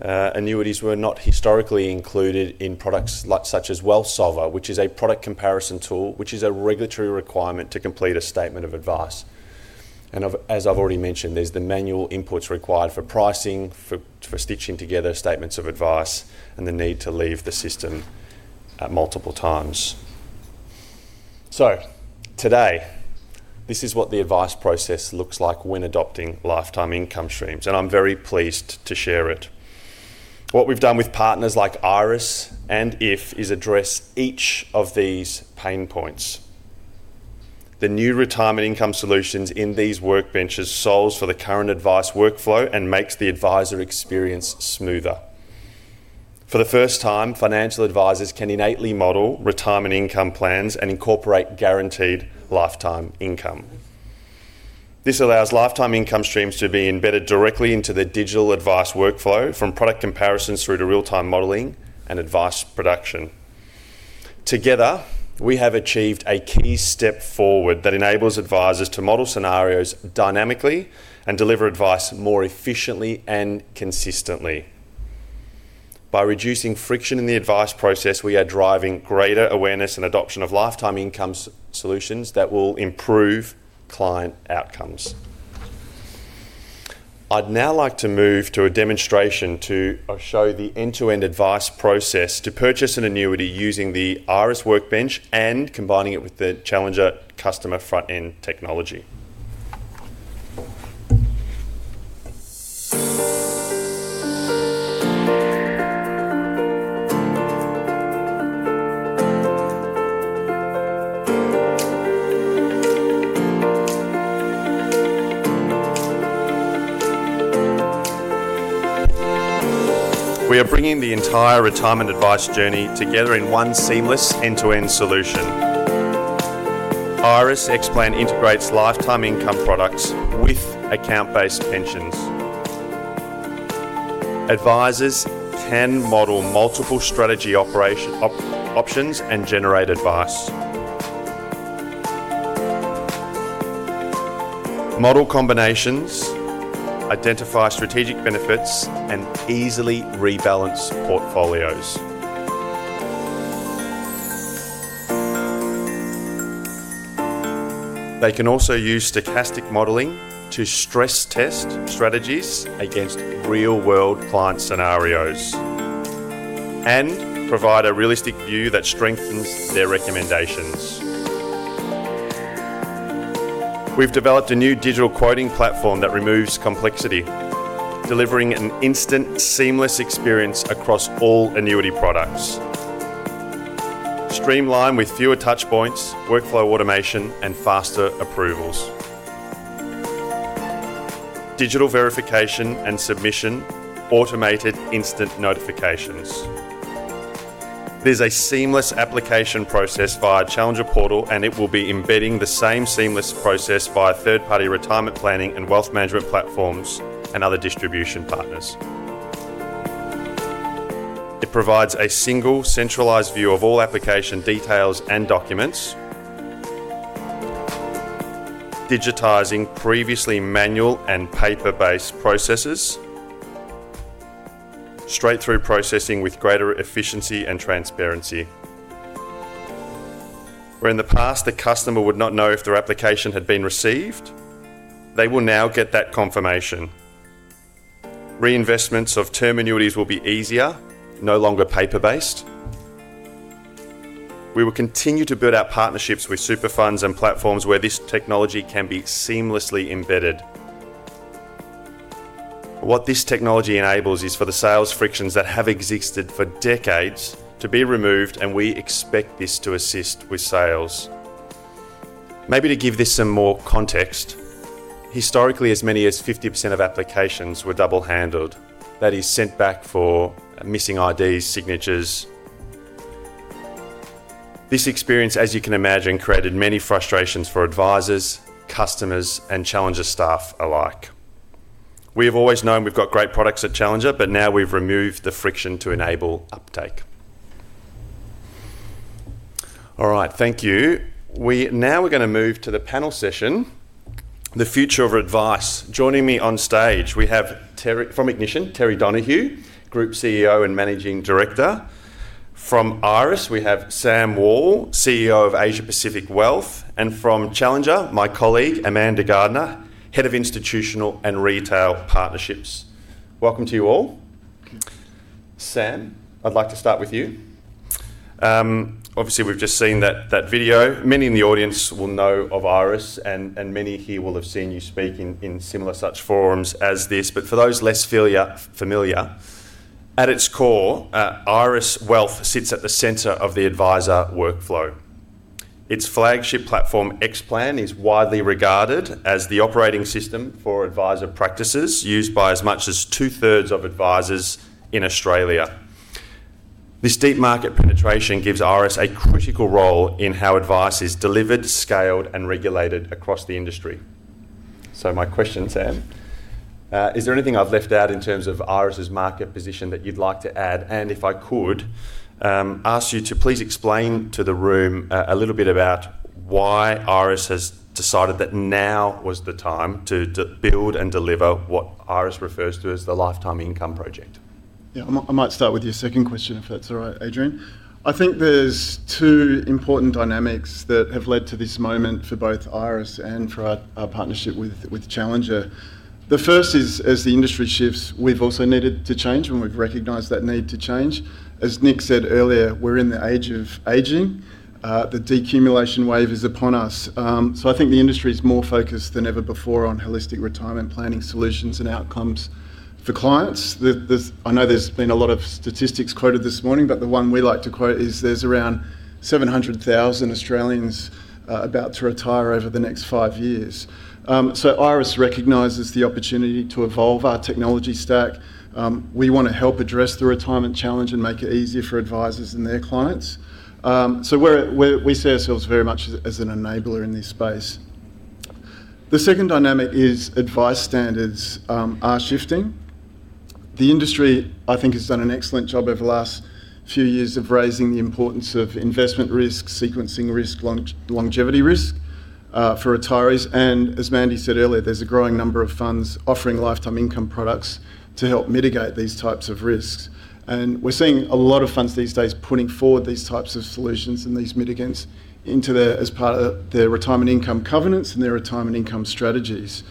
annuities were not historically included in products such as WealthSolver, which is a product comparison tool, which is a regulatory requirement to complete a statement of advice. As I've already mentioned, there's the manual inputs required for pricing, for stitching together statements of advice, and the need to leave the system at multiple times. Today, this is what the advice process looks like when adopting lifetime income streams, and I'm very pleased to share it. What we've done with partners like Iress and If is address each of these pain points. The new retirement income solutions in these workbenches solves for the current advice workflow and makes the advisor experience smoother. For the first time, financial advisors can innately model retirement income plans and incorporate guaranteed lifetime income. This allows lifetime income streams to be embedded directly into the digital advice workflow, from product comparisons through to real-time modeling and advice production. Together, we have achieved a key step forward that enables advisors to model scenarios dynamically and deliver advice more efficiently and consistently. By reducing friction in the advice process, we are driving greater awareness and adoption of lifetime income solutions that will improve client outcomes. I'd now like to move to a demonstration to show the end-to-end advice process to purchase an annuity using the Iress Workbench and combining it with the Challenger customer front-end technology. We are bringing the entire retirement advice journey together in one seamless end-to-end solution. Iress Xplan integrates lifetime income products with account-based pensions. Advisers can model multiple strategy options and generate advice. Model combinations identify strategic benefits and easily rebalance portfolios. They can also use stochastic modeling to stress test strategies against real-world client scenarios and provide a realistic view that strengthens their recommendations. We've developed a new digital quoting platform that removes complexity, delivering an instant, seamless experience across all annuity products, streamlined with fewer touch points, workflow automation, and faster approvals. Digital verification and submission. Automated instant notifications. There's a seamless application process via Challenger Portal, and it will be embedding the same seamless process via third-party retirement planning and wealth management platforms and other distribution partners. It provides a single, centralized view of all application details and documents, digitizing previously manual and paper-based processes. Straight-through processing with greater efficiency and transparency. Where in the past, the customer would not know if their application had been received, they will now get that confirmation. Reinvestments of term annuities will be easier, no longer paper-based. We will continue to build our partnerships with super funds and platforms where this technology can be seamlessly embedded. What this technology enables is for the sales frictions that have existed for decades to be removed, and we expect this to assist with sales. Maybe to give this some more context, historically as many as 50% of applications were double-handled. That is, sent back for missing IDs, signatures. This experience, as you can imagine, created many frustrations for advisors, customers, and Challenger staff alike. We have always known we've got great products at Challenger, now we've removed the friction to enable uptake. All right. Thank you. We're going to move to the panel session, The Future of Advice. Joining me on stage, we have from Ignition, Terry Donohoe, Group CEO and Managing Director. From Iress, we have Sam Wall, CEO of Asia Pacific Wealth. From Challenger, my colleague, Amanda Gardner, Head of Institutional and Retail Partnerships. Welcome to you all. Sam, I'd like to start with you. Obviously, we've just seen that video. Many in the audience will know of Iress, and many here will have seen you speak in similar such forums as this. For those less familiar, at its core, Iress Wealth sits at the center of the advisor workflow. Its flagship platform, Xplan, is widely regarded as the operating system for advisor practices, used by as much as two-thirds of advisors in Australia. This deep market penetration gives Iress a critical role in how advice is delivered, scaled, and regulated across the industry. My question, Sam, is there anything I've left out in terms of Iress's market position that you'd like to add? If I could, ask you to please explain to the room a little bit about why Iress has decided that now was the time to build and deliver what Iress refers to as the Lifetime Income Project. I might start with your second question, if that's all right, Adrian. I think there's two important dynamics that have led to this moment for both Iress and for our partnership with Challenger. The first is, as the industry shifts, we've also needed to change, and we've recognized that need to change. As Nick said earlier, we're in the age of aging. The decumulation wave is upon us. I think the industry is more focused than ever before on holistic retirement planning solutions and outcomes for clients. I know there's been a lot of statistics quoted this morning, the one we like to quote is there's around 700,000 Australians about to retire over the next five years. Iress recognizes the opportunity to evolve our technology stack. We want to help address the retirement challenge and make it easier for advisors and their clients. We see ourselves very much as an enabler in this space. The second dynamic is advice standards are shifting. The industry, I think, has done an excellent job over the last few years of raising the importance of investment risk, sequencing risk, longevity risk for retirees. As Mandy said earlier, there's a growing number of funds offering lifetime income products to help mitigate these types of risks. We're seeing a lot of funds these days putting forward these types of solutions and these mitigants as part of their retirement income covenants and their retirement income strategies.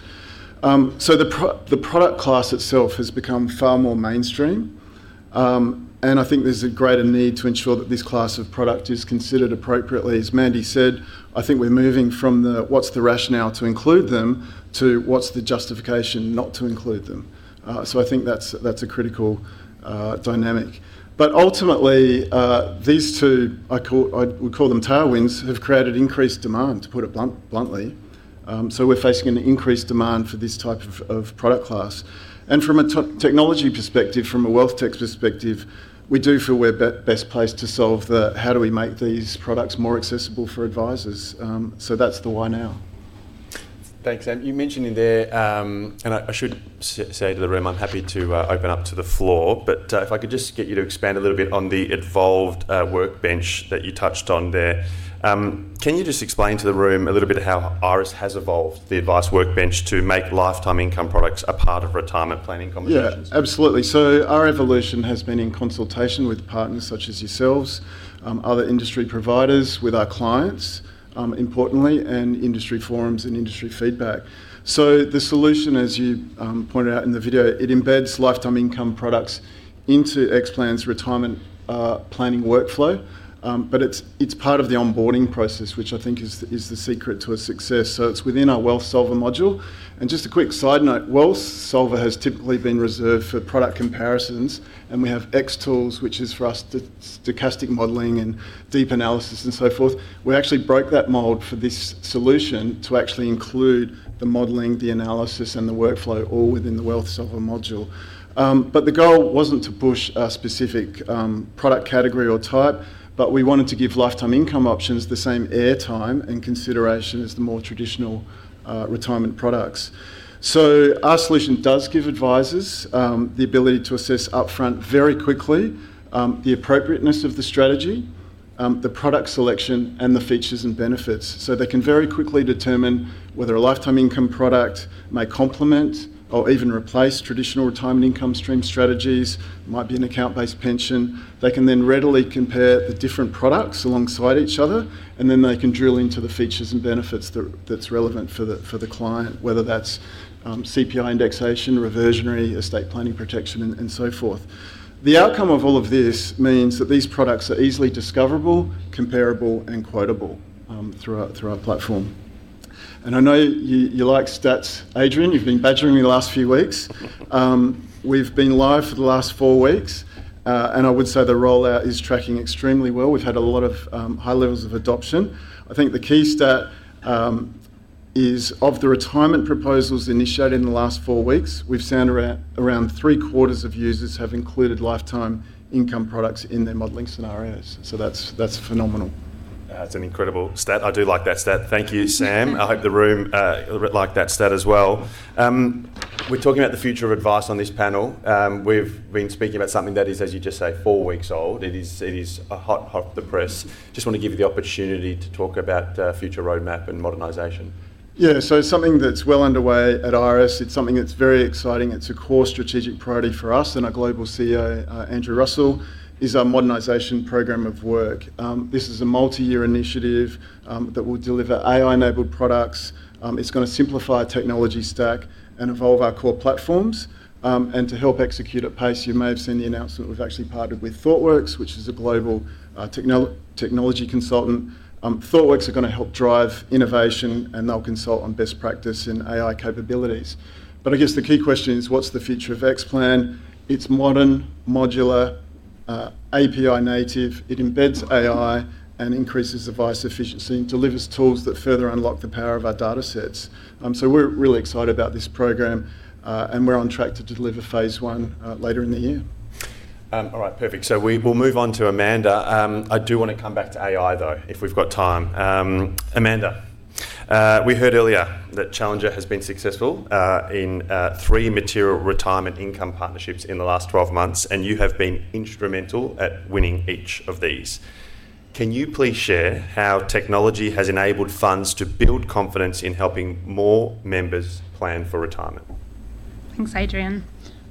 The product class itself has become far more mainstream, and I think there's a greater need to ensure that this class of product is considered appropriately. As Mandy said, I think we're moving from the what's the rationale to include them to what's the justification not to include them. I think that's a critical dynamic. Ultimately, these two, I would call them tailwinds, have created increased demand, to put it bluntly. We're facing an increased demand for this type of product class. From a technology perspective, from a wealth tech perspective, we do feel we're best placed to solve the how do we make these products more accessible for advisors. That's the why now. Thanks, Sam. You mentioned there, and I should say to the room, I'm happy to open up to the floor, but if I could just get you to expand a little bit on the evolved workbench that you touched on there. Can you just explain to the room a little bit how Iress has evolved the advice workbench to make lifetime income products a part of retirement planning conversations? Yeah, absolutely. Our evolution has been in consultation with partners such as yourselves, other industry providers, with our clients, importantly, and industry forums and industry feedback. The solution, as you pointed out in the video, it embeds lifetime income products into Xplan's retirement planning workflow. It's part of the onboarding process, which I think is the secret to its success. It's within our WealthSolver module. Just a quick side note, WealthSolver has typically been reserved for product comparisons, and we have Xtools, which is for stochastic modeling and deep analysis and so forth. We actually broke that mold for this solution to actually include the modeling, the analysis, and the workflow all within the WealthSolver module. The goal wasn't to push a specific product category or type, but we wanted to give lifetime income options the same air time and consideration as the more traditional retirement products. Our solution does give advisors the ability to assess upfront very quickly the appropriateness of the strategy, the product selection, and the features and benefits. They can very quickly determine whether a lifetime income product may complement or even replace traditional retirement income stream strategies, might be an account-based pension. They can readily compare the different products alongside each other, and then they can drill into the features and benefits that's relevant for the client, whether that's CPI indexation, reversionary, estate planning protection, and so forth. The outcome of all of this means that these products are easily discoverable, comparable, and quotable through our platform. I know you like stats, Adrian. You've been badgering me the last few weeks. We've been live for the last four weeks. I would say the rollout is tracking extremely well. We've had a lot of high levels of adoption. I think the key stat is of the retirement proposals initiated in the last four weeks, we've seen around three-quarters of users have included lifetime income products in their modeling scenarios. That's phenomenal. That's an incredible stat. I do like that stat. Thank you, Sam. I hope the room like that stat as well. We're talking about the future of advice on this panel. We've been speaking about something that is, as you just said, four weeks old. It is hot off the press. Just want to give you the opportunity to talk about future roadmap and modernization? Something that's well underway at Iress, it's something that's very exciting, it's a core strategic priority for us and our global CEO, Andrew Russell, is our modernization program of work. This is a multi-year initiative that will deliver AI-enabled products. It's going to simplify our technology stack and evolve our core platforms. To help execute at pace, you may have seen the announcement, we've actually partnered with Thoughtworks, which is a global technology consultant. Thoughtworks are going to help drive innovation, and they'll consult on best practice and AI capabilities. I guess the key question is, what's the future of Xplan? It's modern, modular, API native. It embeds AI and increases advice efficiency and delivers tools that further unlock the power of our datasets. We're really excited about this program, and we're on track to deliver phase I later in the year. All right. Perfect. We will move on to Amanda. I do want to come back to AI, though, if we've got time. Amanda, we heard earlier that Challenger has been successful in three material retirement income partnerships in the last 12 months, and you have been instrumental at winning each of these. Can you please share how technology has enabled funds to build confidence in helping more members plan for retirement? Thanks, Adrian.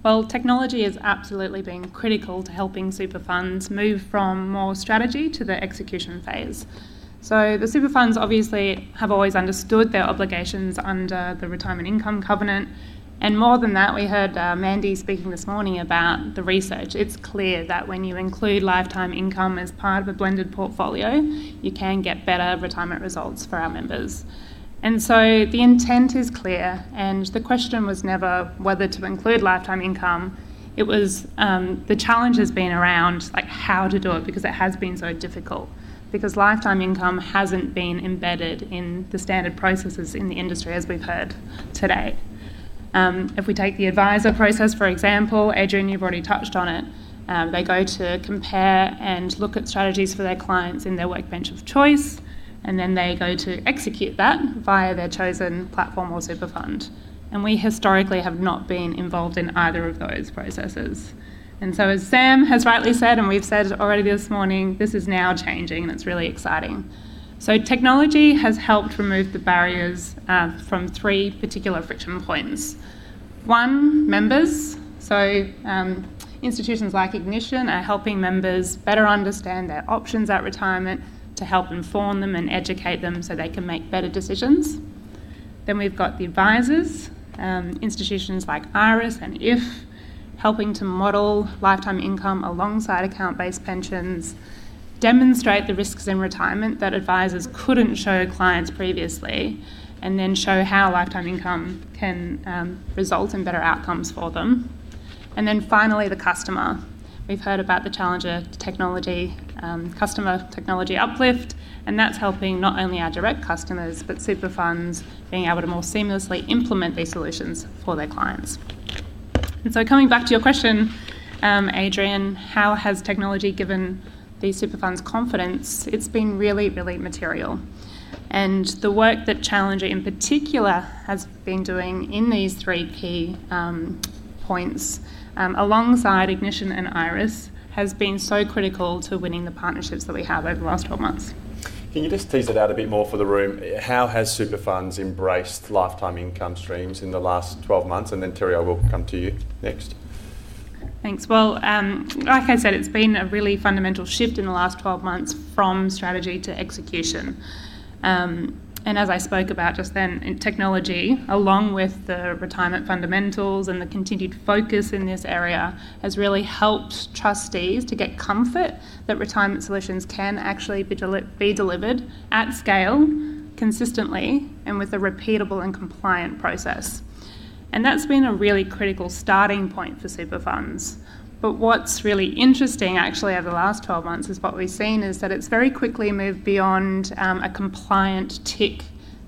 Well, technology has absolutely been critical to helping super funds move from more strategy to the execution phase. The super funds obviously have always understood their obligations under the retirement income covenant. More than that, we heard Mandy speaking this morning about the research. It's clear that when you include lifetime income as part of a blended portfolio, you can get better retirement results for our members. The intent is clear, and the question was never whether to include lifetime income. The challenge has been around how to do it, because it has been so difficult. Lifetime income hasn't been embedded in the standard processes in the industry, as we've heard today. If we take the advisor process, for example, Adrian, you've already touched on it. They go to compare and look at strategies for their clients in their workbench of choice, they go to execute that via their chosen platform or super fund. We historically have not been involved in either of those processes. As Sam has rightly said, and we've said already this morning, this is now changing. It's really exciting. Technology has helped remove the barriers from three particular friction points. One, members. Institutions like Ignition are helping members better understand their options at retirement to help inform them and educate them so they can make better decisions. We've got the advisors. Institutions like Iress and Iress helping to model lifetime income alongside account-based pensions, demonstrate the risks in retirement that advisors couldn't show clients previously, show how lifetime income can result in better outcomes for them. Finally, the customer. We've heard about the Challenger technology, customer technology uplift, and that's helping not only our direct customers, but super funds being able to more seamlessly implement these solutions for their clients. Coming back to your question, Adrian, how has technology given these super funds confidence? It's been really, really material. The work that Challenger in particular has been doing in these three key points, alongside Ignition and Iress, has been so critical to winning the partnerships that we have over the last 12 months. Can you just tease it out a bit more for the room? How has super funds embraced lifetime income streams in the last 12 months? Terry, I will come to you next. Thanks. Well, like I said, it's been a really fundamental shift in the last 12 months from strategy to execution. As I spoke about just then, technology, along with the retirement fundamentals and the continued focus in this area, has really helped trustees to get comfort that retirement solutions can actually be delivered at scale, consistently, and with a repeatable and compliant process. That's been a really critical starting point for super funds. What's really interesting, actually, over the last 12 months is what we've seen is that it's very quickly moved beyond a compliant tick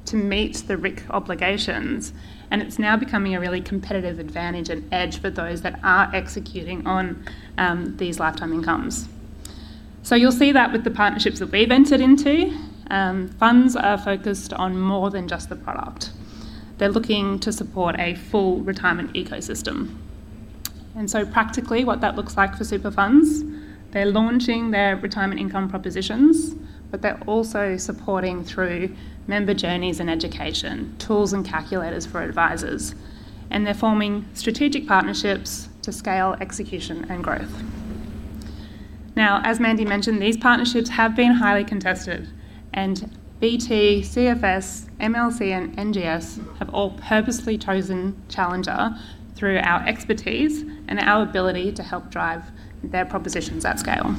to meet the RIC obligations, and it's now becoming a really competitive advantage and edge for those that are executing on these lifetime incomes. You'll see that with the partnerships that we've entered into. Funds are focused on more than just the product. They're looking to support a full retirement ecosystem. Practically, what that looks like for super funds, they're launching their retirement income propositions, but they're also supporting through member journeys and education, tools and calculators for advisors. They're forming strategic partnerships to scale execution and growth. As Mandy mentioned, these partnerships have been highly contested, and BT, CFS, MLC, and NGS have all purposely chosen Challenger through our expertise and our ability to help drive their propositions at scale.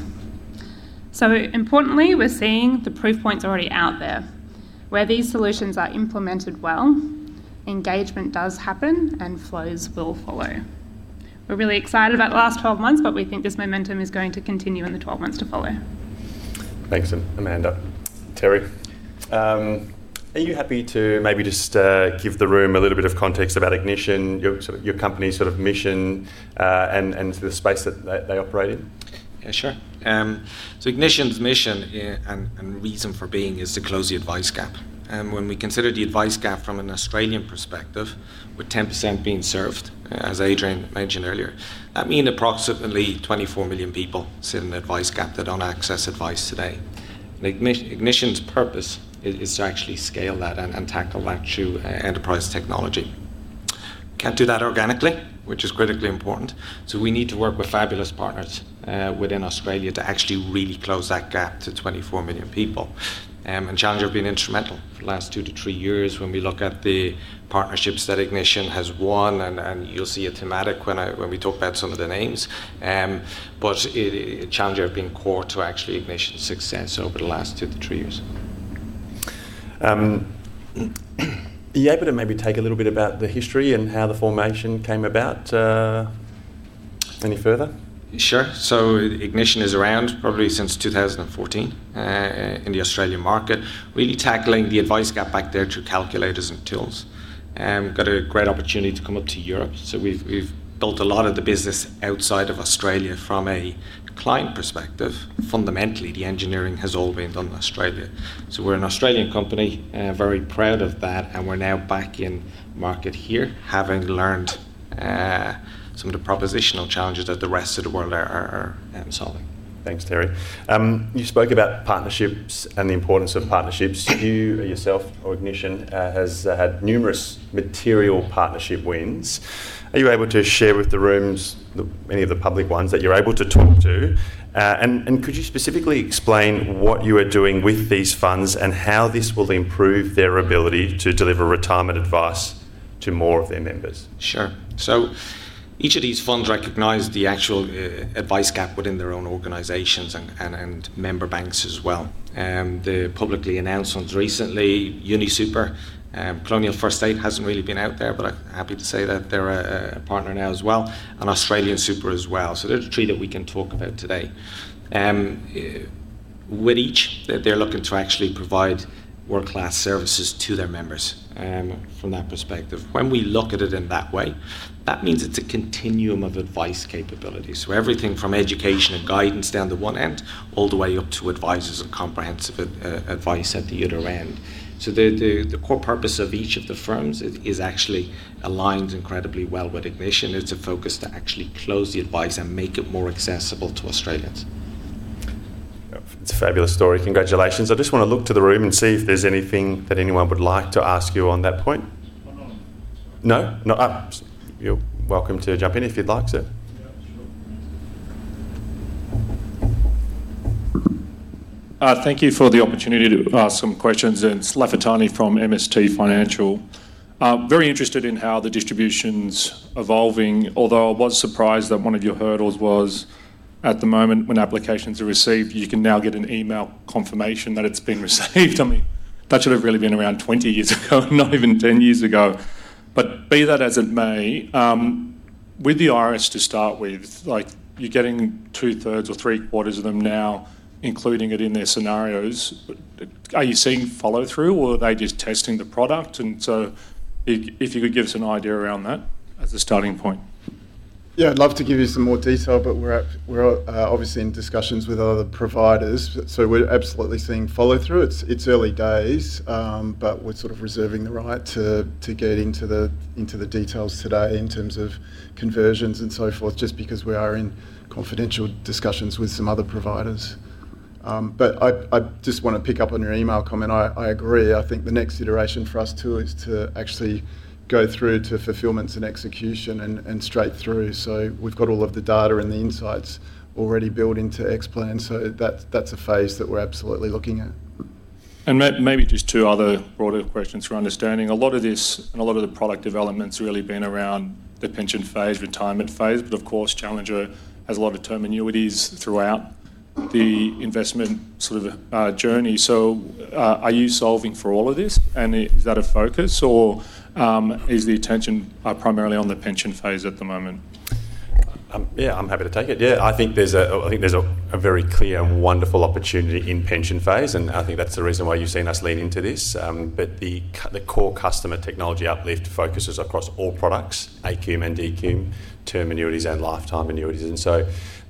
Importantly, we're seeing the proof points already out there. Where these solutions are implemented well, engagement does happen, and flows will follow. We're really excited about the last 12 months, but we think this momentum is going to continue in the 12 months to follow. Thanks, Amanda. Terry, are you happy to maybe just give the room a little bit of context about Ignition, your company's mission, and the space that they operate in? Yeah, sure. Ignition's mission and reason for being is to close the advice gap. When we consider the advice gap from an Australian perspective, with 10% being served, as Adrian mentioned earlier, that means approximately 24 million people sit in the advice gap. They don't access advice today. Ignition's purpose is to actually scale that and tackle that through enterprise technology. Can't do that organically, which is critically important. We need to work with fabulous partners within Australia to actually really close that gap to 24 million people. Challenger have been instrumental for the last two to three years when we look at the partnerships that Ignition has won, and you'll see a thematic when we talk about some of the names. Challenger have been core to actually Ignition's success over the last two to three years. Are you able to maybe talk a little bit about the history and how the formation came about any further? Sure. Ignition is around probably since 2014, in the Australian market, really tackling the advice gap back there through calculators and tools. We got a great opportunity to come up to Europe. We've built a lot of the business outside of Australia from a client perspective. Fundamentally, the engineering has all been done in Australia. We're an Australian company, very proud of that, and we're now back in market here, having learned some of the propositional challenges that the rest of the world are solving. Thanks, Terry. You spoke about partnerships and the importance of partnerships. You yourself, or Ignition, has had numerous material partnership wins. Are you able to share with the rooms any of the public ones that you're able to talk to? Could you specifically explain what you are doing with these funds and how this will improve their ability to deliver retirement advice to more of their members? Sure. Each of these funds recognize the actual advice gap within their own organizations and member banks as well. The publicly announced ones recently, UniSuper. Colonial First State hasn't really been out there, but happy to say that they're a partner now as well, and AustralianSuper as well. There's three that we can talk about today. With each, they're looking to actually provide world-class services to their members from that perspective. When we look at it in that way, that means it's a continuum of advice capability. Everything from education and guidance down the one end, all the way up to advisors and comprehensive advice at the other end. The core purpose of each of the firms is actually aligned incredibly well with Ignition. It's a focus to actually close the advice and make it more accessible to Australians. It's a fabulous story. Congratulations. I just want to look to the room and see if there's anything that anyone would like to ask you on that point. Hold on. No, you're welcome to jump in if you'd like to. Yeah, sure. Thank you for the opportunity to ask some questions. It's Lafitani from MST Financial. Very interested in how the distribution's evolving, although I was surprised that one of your hurdles was, at the moment, when applications are received, you can now get an email confirmation that it's been received. That should've really been around 20 years ago, not even 10 years ago. Be that as it may, with the Iress to start with, you're getting two thirds or three quarters of them now, including it in their scenarios. Are you seeing follow-through, or are they just testing the product? If you could give us an idea around that as a starting point. Yeah, I'd love to give you some more detail, but we're obviously in discussions with other providers, so we're absolutely seeing follow-through. It's early days, but we're sort of reserving the right to get into the details today in terms of conversions and so forth, just because we are in confidential discussions with some other providers. Okay. I just want to pick up on your email comment. I agree. I think the next iteration for us, too, is to actually go through to fulfillments and execution and straight through. We've got all of the data and the insights already built into Xplan, so that's a phase that we're absolutely looking at. Maybe just two other broader questions for understanding. A lot of the product development's really been around the pension phase, retirement phase. Of course, Challenger has a lot of term annuities throughout the investment journey. Are you solving for all of this, and is that a focus, or is the attention primarily on the pension phase at the moment? I'm happy to take it. I think there's a very clear and wonderful opportunity in pension phase, I think that's the reason why you've seen us lean into this. The core customer technology uplift focuses across all products, accum and decum, term annuities, and lifetime annuities.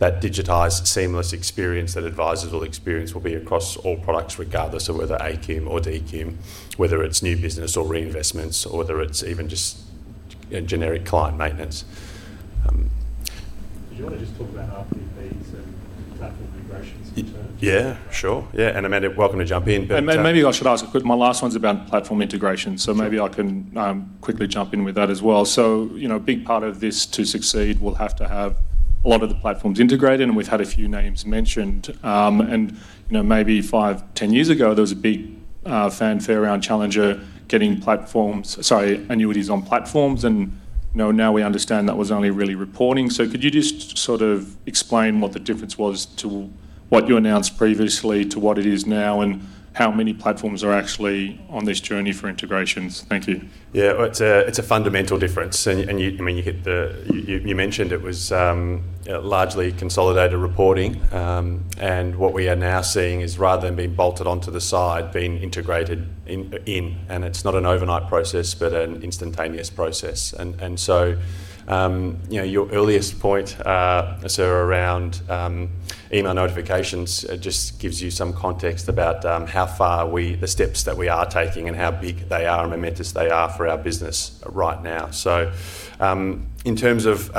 That digitized, seamless experience that advisors will experience will be across all products, regardless of whether accum or decum, whether it's new business or reinvestments, or whether it's even just generic client maintenance. Do you want to just talk about RPPs and platform integrations in turn? Yeah. Sure. Yeah. Amanda, you're welcome to jump in. Maybe I should ask, my last one's about platform integration, so maybe I can quickly jump in with that as well. A big part of this to succeed will have to have a lot of the platforms integrated, and we've had a few names mentioned. Maybe 5, 10 years ago, there was a big fanfare around Challenger getting annuities on platforms, and now we understand that was only really reporting. Could you just sort of explain what the difference was to what you announced previously to what it is now, and how many platforms are actually on this journey for integrations? Thank you. Yeah. It's a fundamental difference. You mentioned it was largely consolidated reporting. What we are now seeing is rather than being bolted onto the side, being integrated in. It's not an overnight process, but an instantaneous process. Your earliest point, sir, around email notifications, it just gives you some context about the steps that we are taking and how big they are and momentous they are for our business right now. In terms of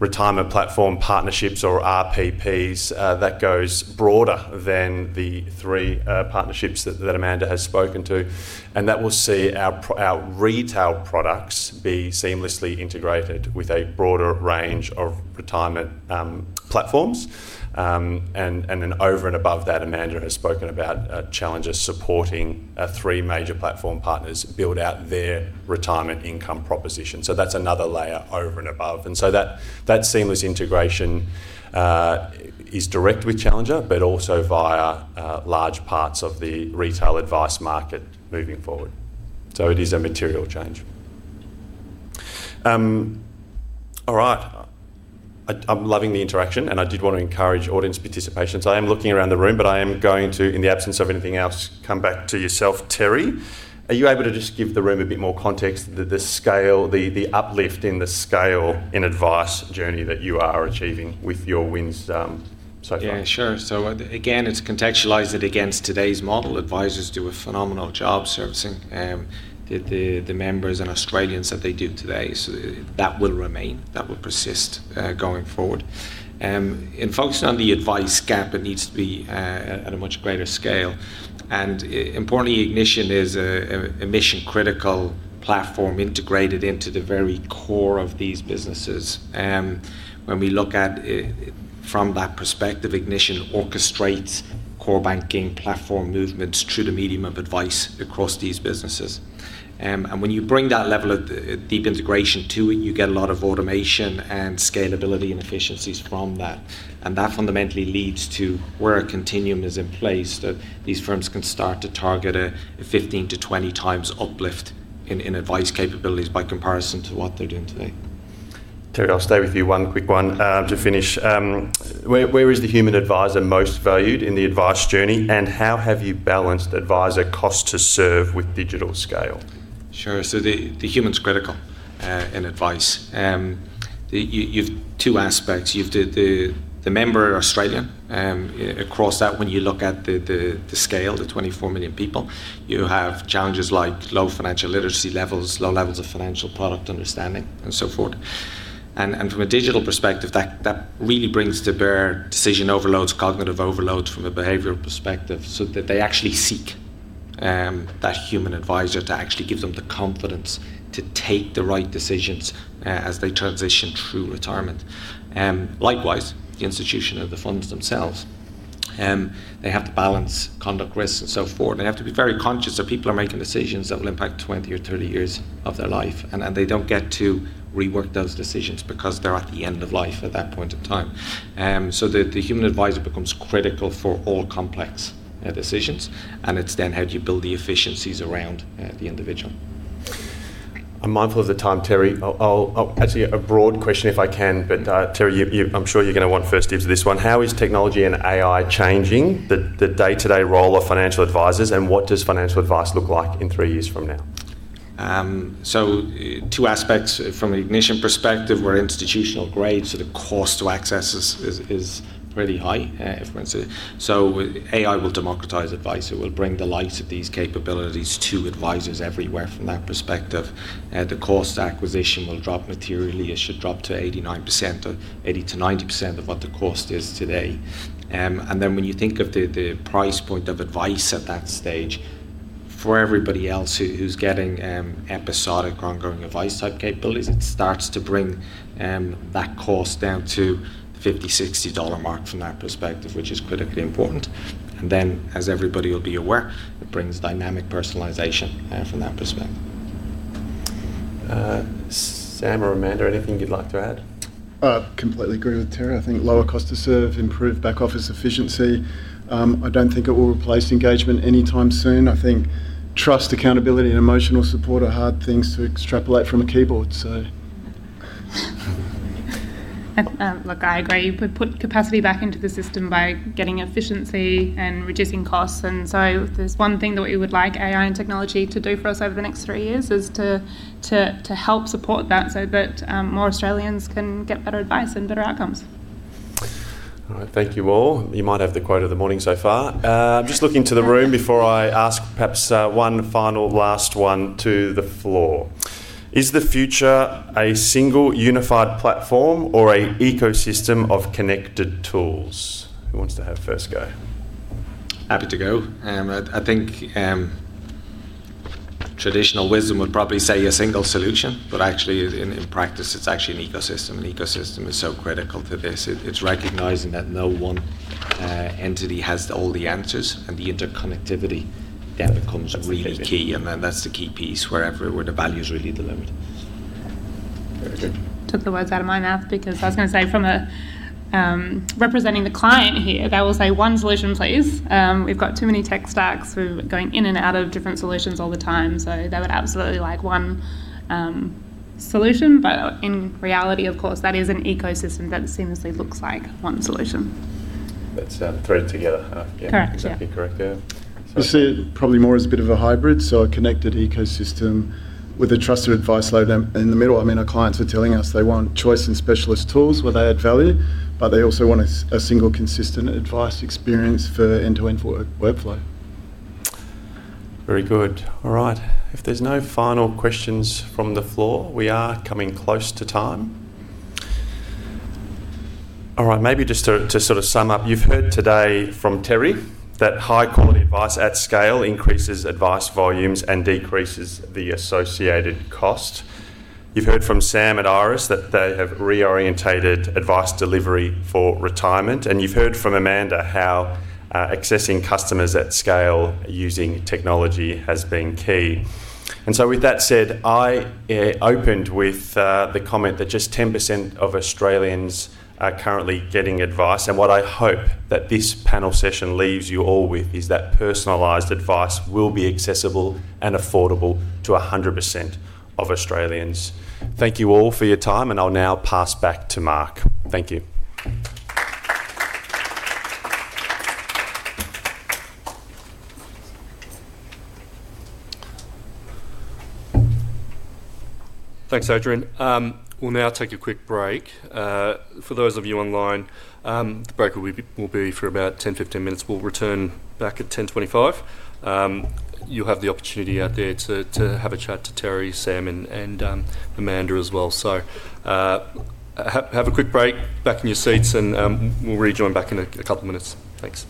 retirement platform partnerships or RPPs, that goes broader than the three partnerships that Amanda has spoken to, and that will see our retail products be seamlessly integrated with a broader range of retirement platforms. Over and above that, Amanda has spoken about Challenger's supporting our three major platform partners build out their retirement income proposition. That's another layer over and above. That seamless integration is direct with Challenger, but also via large parts of the retail advice market moving forward. It is a material change. All right. I am loving the interaction, and I did want to encourage audience participation. I am looking around the room, but I am going to, in the absence of anything else, come back to yourself, Terry. Are you able to just give the room a bit more context, the uplift in the scale in advice journey that you are achieving with your wins so far? Yeah. Sure. Again, it's contextualized against today's model. Advisors do a phenomenal job servicing the members and Australians that they do today. That will remain, that will persist, going forward. In focusing on the advice gap, it needs to be at a much greater scale. Importantly, Ignition is a mission-critical platform integrated into the very core of these businesses. When we look at it from that perspective, Ignition orchestrates core banking platform movements through the medium of advice across these businesses. When you bring that level of deep integration to it, you get a lot of automation and scalability and efficiencies from that. That fundamentally leads to where a continuum is in place, that these firms can start to target a 15-20x uplift in advice capabilities by comparison to what they're doing today. Terry, I'll stay with you. One quick one to finish. Where is the human adviser most valued in the advice journey, and how have you balanced adviser cost to serve with digital scale? Sure. The human's critical in advice. You have two aspects. You have the member in Australia. Across that, when you look at the scale, the 24 million people, you have challenges like low financial literacy levels, low levels of financial product understanding, and so forth. From a digital perspective, that really brings to bear decision overloads, cognitive overloads from a behavioral perspective, so that they actually seek that human adviser to actually give them the confidence to take the right decisions as they transition through retirement. Likewise, the institution of the funds themselves, they have to balance conduct risk and so forth. They have to be very conscious that people are making decisions that will impact 20 or 30 years of their life, and they don't get to rework those decisions because they're at the end of life at that point in time. The human adviser becomes critical for all complex decisions, and it's then how do you build the efficiencies around the individual. I'm mindful of the time, Terry. Actually, a broad question if I can, Terry, I'm sure you know what first is to this one. How is technology and AI changing the day-to-day role of financial advisers, and what does financial advice look like in three years from now? Two aspects. From an Ignition perspective, we're institutional grade, the cost to access us is pretty high. AI will democratize advice. It will bring the likes of these capabilities to advisers everywhere from that perspective. The cost to acquisition will drop materially. It should drop to 80%-90% of what the cost is today. When you think of the price point of advice at that stage, for everybody else who's getting episodic, ongoing advice type capabilities, it starts to bring that cost down to 50-60 dollar mark from that perspective, which is critically important. As everybody will be aware, it brings dynamic personalization from that perspective. Sam or Amanda, anything you'd like to add? I completely agree with Terry. I think lower cost to serve, improved back office efficiency. I don't think it will replace engagement anytime soon. I think trust, accountability, and emotional support are hard things to extrapolate from a keyboard. Look, I agree. We put capacity back into the system by getting efficiency and reducing costs. If there's one thing that we would like AI and technology to do for us over the next three years is to help support that so that more Australians can get better advice and better outcomes. All right. Thank you all. You might have the quote of the morning so far. Looking to the room before I ask perhaps one final last one to the floor. Is the future a single unified platform or an ecosystem of connected tools? Who wants to have first a go? Happy to go. I think traditional wisdom would probably say a single solution. Actually, in practice, it's actually an ecosystem. An ecosystem is so critical for this. It's recognizing that no one entity has all the answers. The interconnectivity becomes really key. That's the key piece wherever, where the value's really delivered. Very good. Took the words out of my mouth because I was going to say from representing the client here, they will say, "One solution, please. We've got too many tech stacks. We're going in and out of different solutions all the time." They would absolutely like one solution. In reality, of course, that is an ecosystem, but it seamlessly looks like one solution. That's threaded together. Correct, yeah. perfectly correctly. I see it probably more as a bit of a hybrid, so a connected ecosystem with a trusted advice layer in the middle. I mean, our clients are telling us they want choice and specialist tools where they add value, but they also want a single, consistent advice experience for the end-to-end workflow. Very good. All right. If there's no final questions from the floor, we are coming close to time. All right. Maybe just to sort of sum up, you've heard today from Terry that high-quality advice at scale increases advice volumes and decreases the associated cost. You've heard from Sam at Iress that they have reorientated advice delivery for retirement. You've heard from Amanda how accessing customers at scale using technology has been key. With that said, I opened with the comment that just 10% of Australians are currently getting advice. What I hope that this panel session leaves you all with is that personalized advice will be accessible and affordable to 100% of Australians. Thank you all for your time, and I'll now pass back to Mark. Thank you. Thanks, Adrian. We'll now take a quick break. For those of you online, the break will be for about 10, 15 minutes. We'll return back at 10:25 A.M. You'll have the opportunity out there to have a chat to Terry, Sam, and Amanda as well. Have a quick break. Back in your seats, we'll rejoin back in a couple of minutes. Thanks.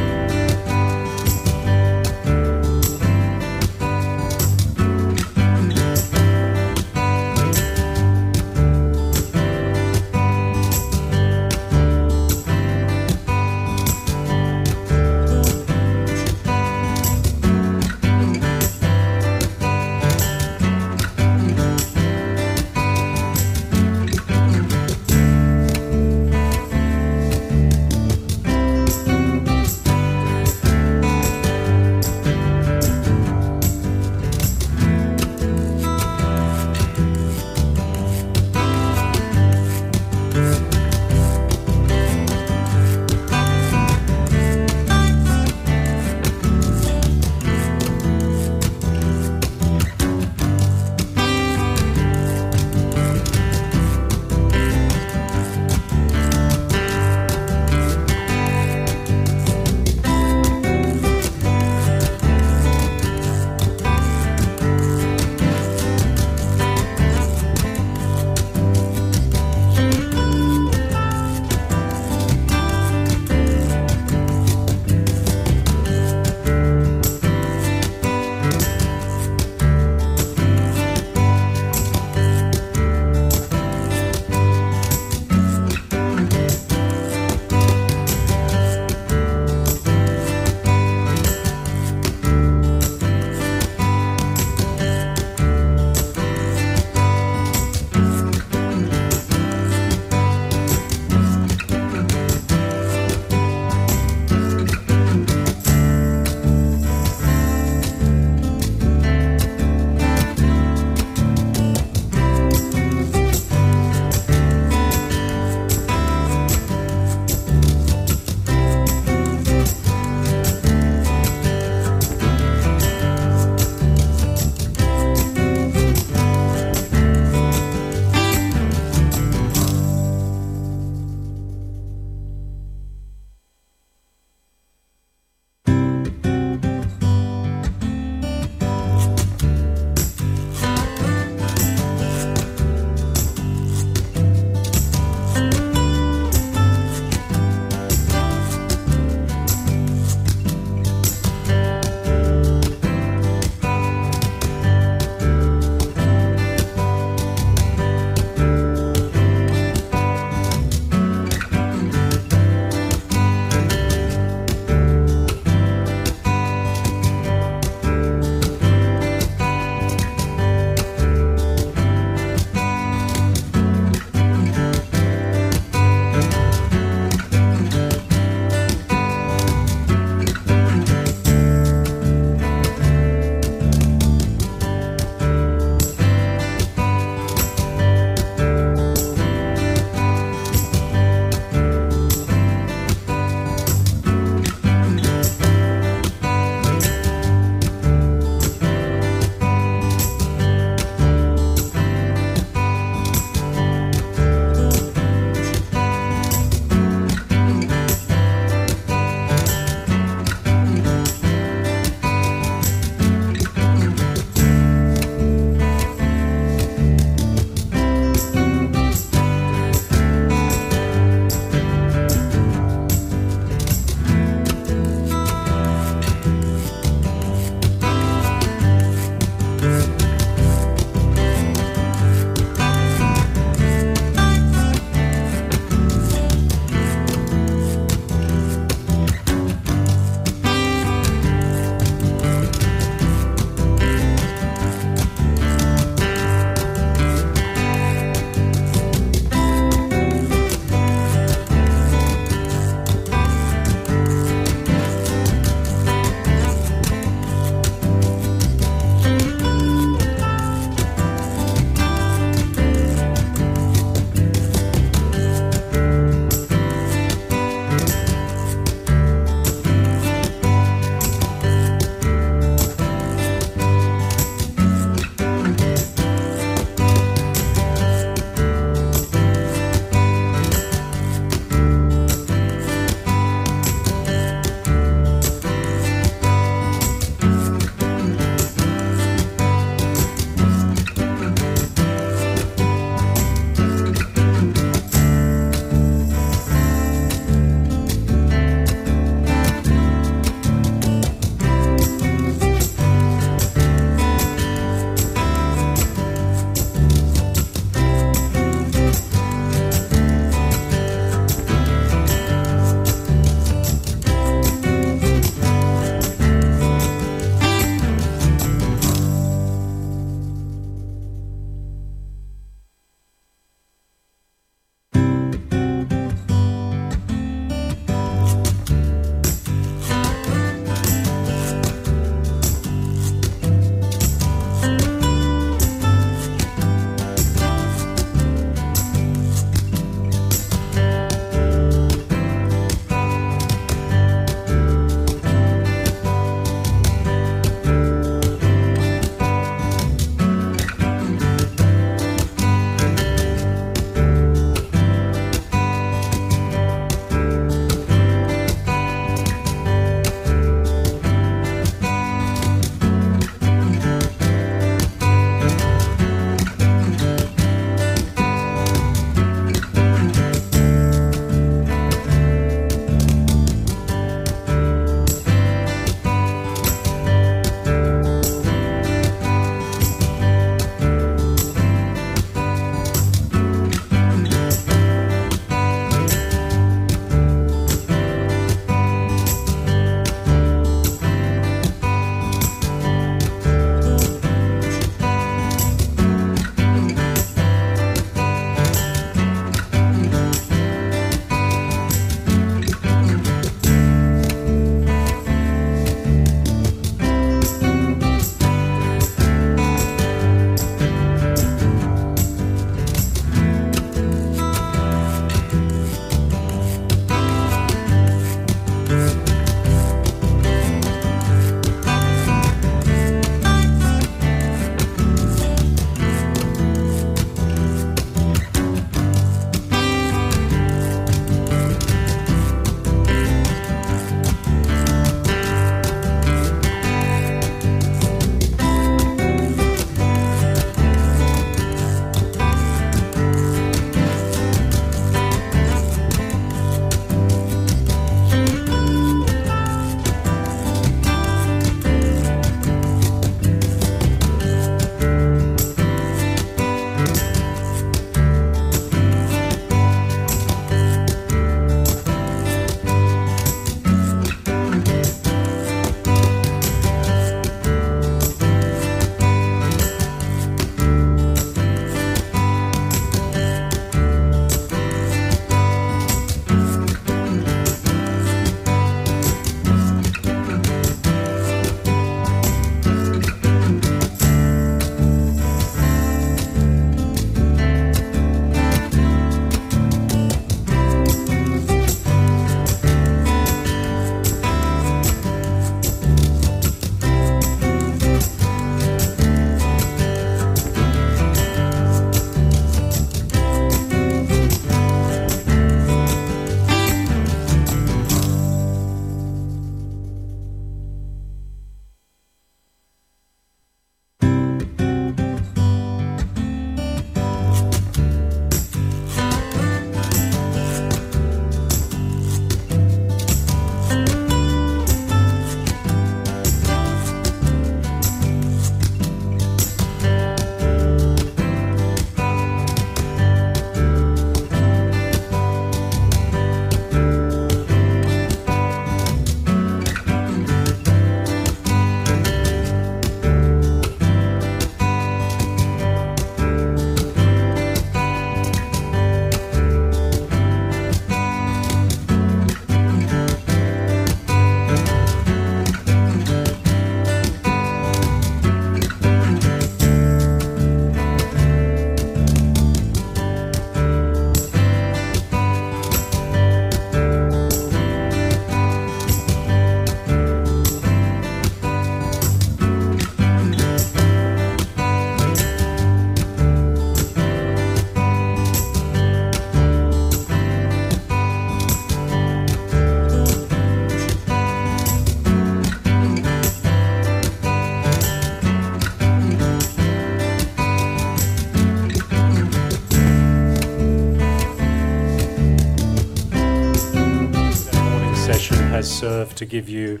That morning session has served to give you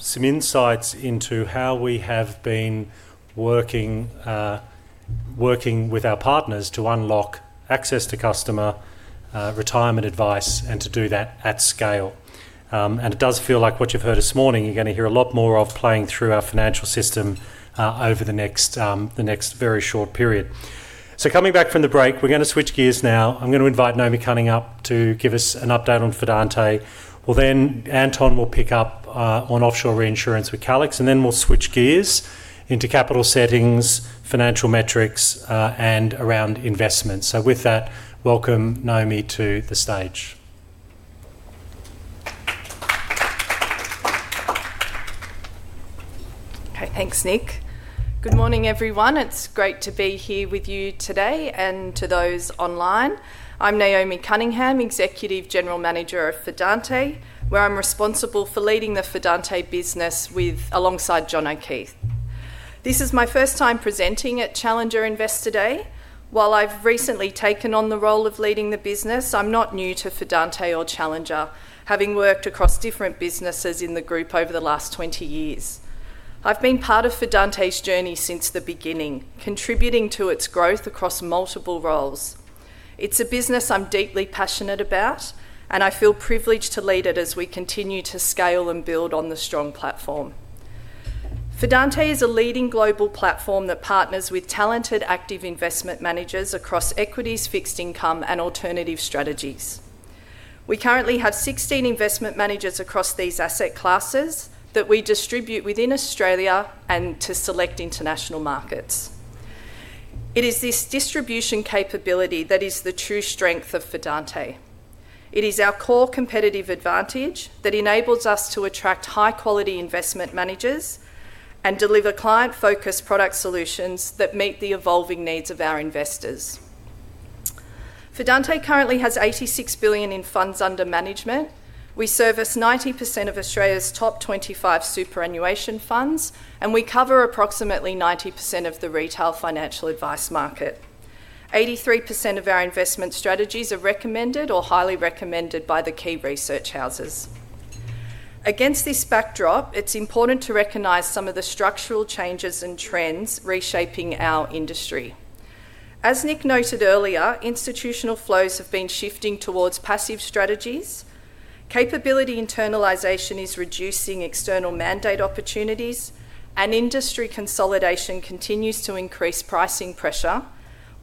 some insights into how we have been working with our partners to unlock access to customer retirement advice and to do that at scale. It does feel like what you've heard this morning, you're going to hear a lot more of playing through our financial system over the next very short period. Coming back from the break, we're going to switch gears now. I'm going to invite Naomi Cunningham up to give us an update on Fidante. Anton will pick up on offshore reinsurance with Calix, we'll switch gears into capital settings, financial metrics, and around investment. With that, welcome Naomi to the stage. Hey, thanks Nick. Good morning, everyone. It's great to be here with you today and to those online. I'm Naomi Cunningham, Executive General Manager of Fidante, where I'm responsible for leading the Fidante business alongside John O'Keeffe. This is my first time presenting at Challenger Investor Day. While I've recently taken on the role of leading the business, I'm not new to Fidante or Challenger, having worked across different businesses in the group over the last 20 years. I've been part of Fidante's journey since the beginning, contributing to its growth across multiple roles. It's a business I'm deeply passionate about, and I feel privileged to lead it as we continue to scale and build on the strong platform. Fidante is a leading global platform that partners with talented active investment managers across equities, fixed income, and alternative strategies. We currently have 16 investment managers across these asset classes that we distribute within Australia and to select international markets. It is this distribution capability that is the true strength of Fidante. It is our core competitive advantage that enables us to attract high-quality investment managers and deliver client-focused product solutions that meet the evolving needs of our investors. Fidante currently has 86 billion in funds under management. We service 90% of Australia's top 25 superannuation funds, and we cover approximately 90% of the retail financial advice market. 83% of our investment strategies are recommended or highly recommended by the key research houses. Against this backdrop, it is important to recognize some of the structural changes and trends reshaping our industry. As Nick noted earlier, institutional flows have been shifting towards passive strategies. Capability internalization is reducing external mandate opportunities, industry consolidation continues to increase pricing pressure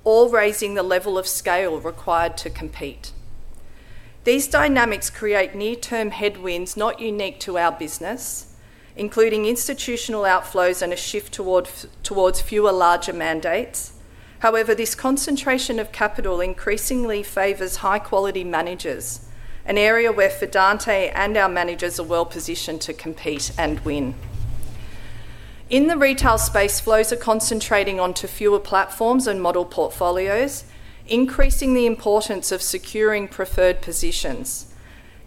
or raising the level of scale required to compete. These dynamics create near-term headwinds not unique to our business, including institutional outflows and a shift towards fewer larger mandates. However, this concentration of capital increasingly favors high-quality managers, an area where Fidante and our managers are well positioned to compete and win. In the retail space, flows are concentrating onto fewer platforms and model portfolios, increasing the importance of securing preferred positions.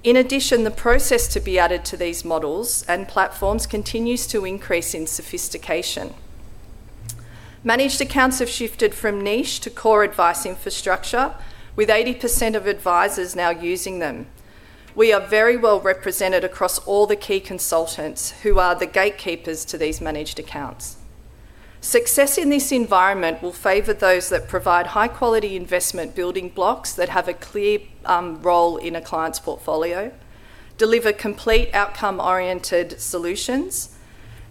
In addition, the process to be added to these models and platforms continues to increase in sophistication. Managed accounts have shifted from niche to core advice infrastructure, with 80% of advisors now using them. We are very well represented across all the key consultants who are the gatekeepers to these managed accounts. Success in this environment will favor those that provide high-quality investment building blocks that have a clear role in a client's portfolio, deliver complete outcome-oriented solutions,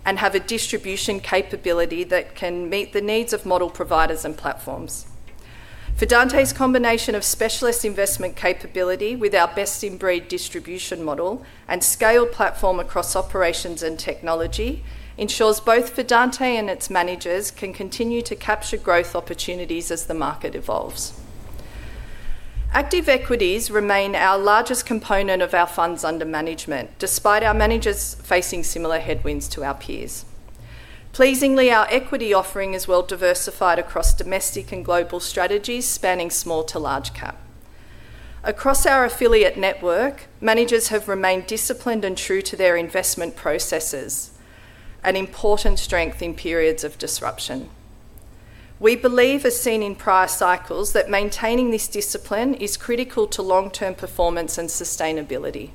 and have a distribution capability that can meet the needs of model providers and platforms. Fidante's combination of specialist investment capability with our best-in-breed distribution model and scale platform across operations and technology ensures both Fidante and its managers can continue to capture growth opportunities as the market evolves. Active equities remain our largest component of our funds under management, despite our managers facing similar headwinds to our peers. Pleasingly, our equity offering is well diversified across domestic and global strategies spanning small to large cap. Across our affiliate network, managers have remained disciplined and true to their investment processes, an important strength in periods of disruption. We believe, as seen in prior cycles, that maintaining this discipline is critical to long-term performance and sustainability.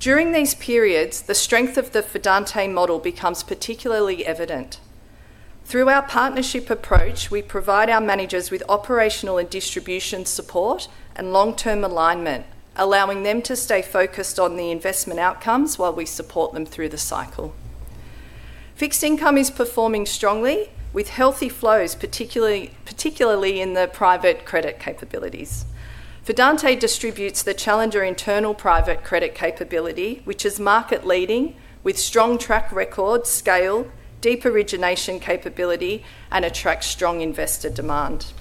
During these periods, the strength of the Fidante model becomes particularly evident. Through our partnership approach, we provide our managers with operational and distribution support and long-term alignment, allowing them to stay focused on the investment outcomes while we support them through the cycle. Fixed income is performing strongly with healthy flows, particularly in the private credit capabilities. Fidante distributes the Challenger internal private credit capability, which is market leading with strong track record, scale, deep origination capability, and attracts strong investor demand.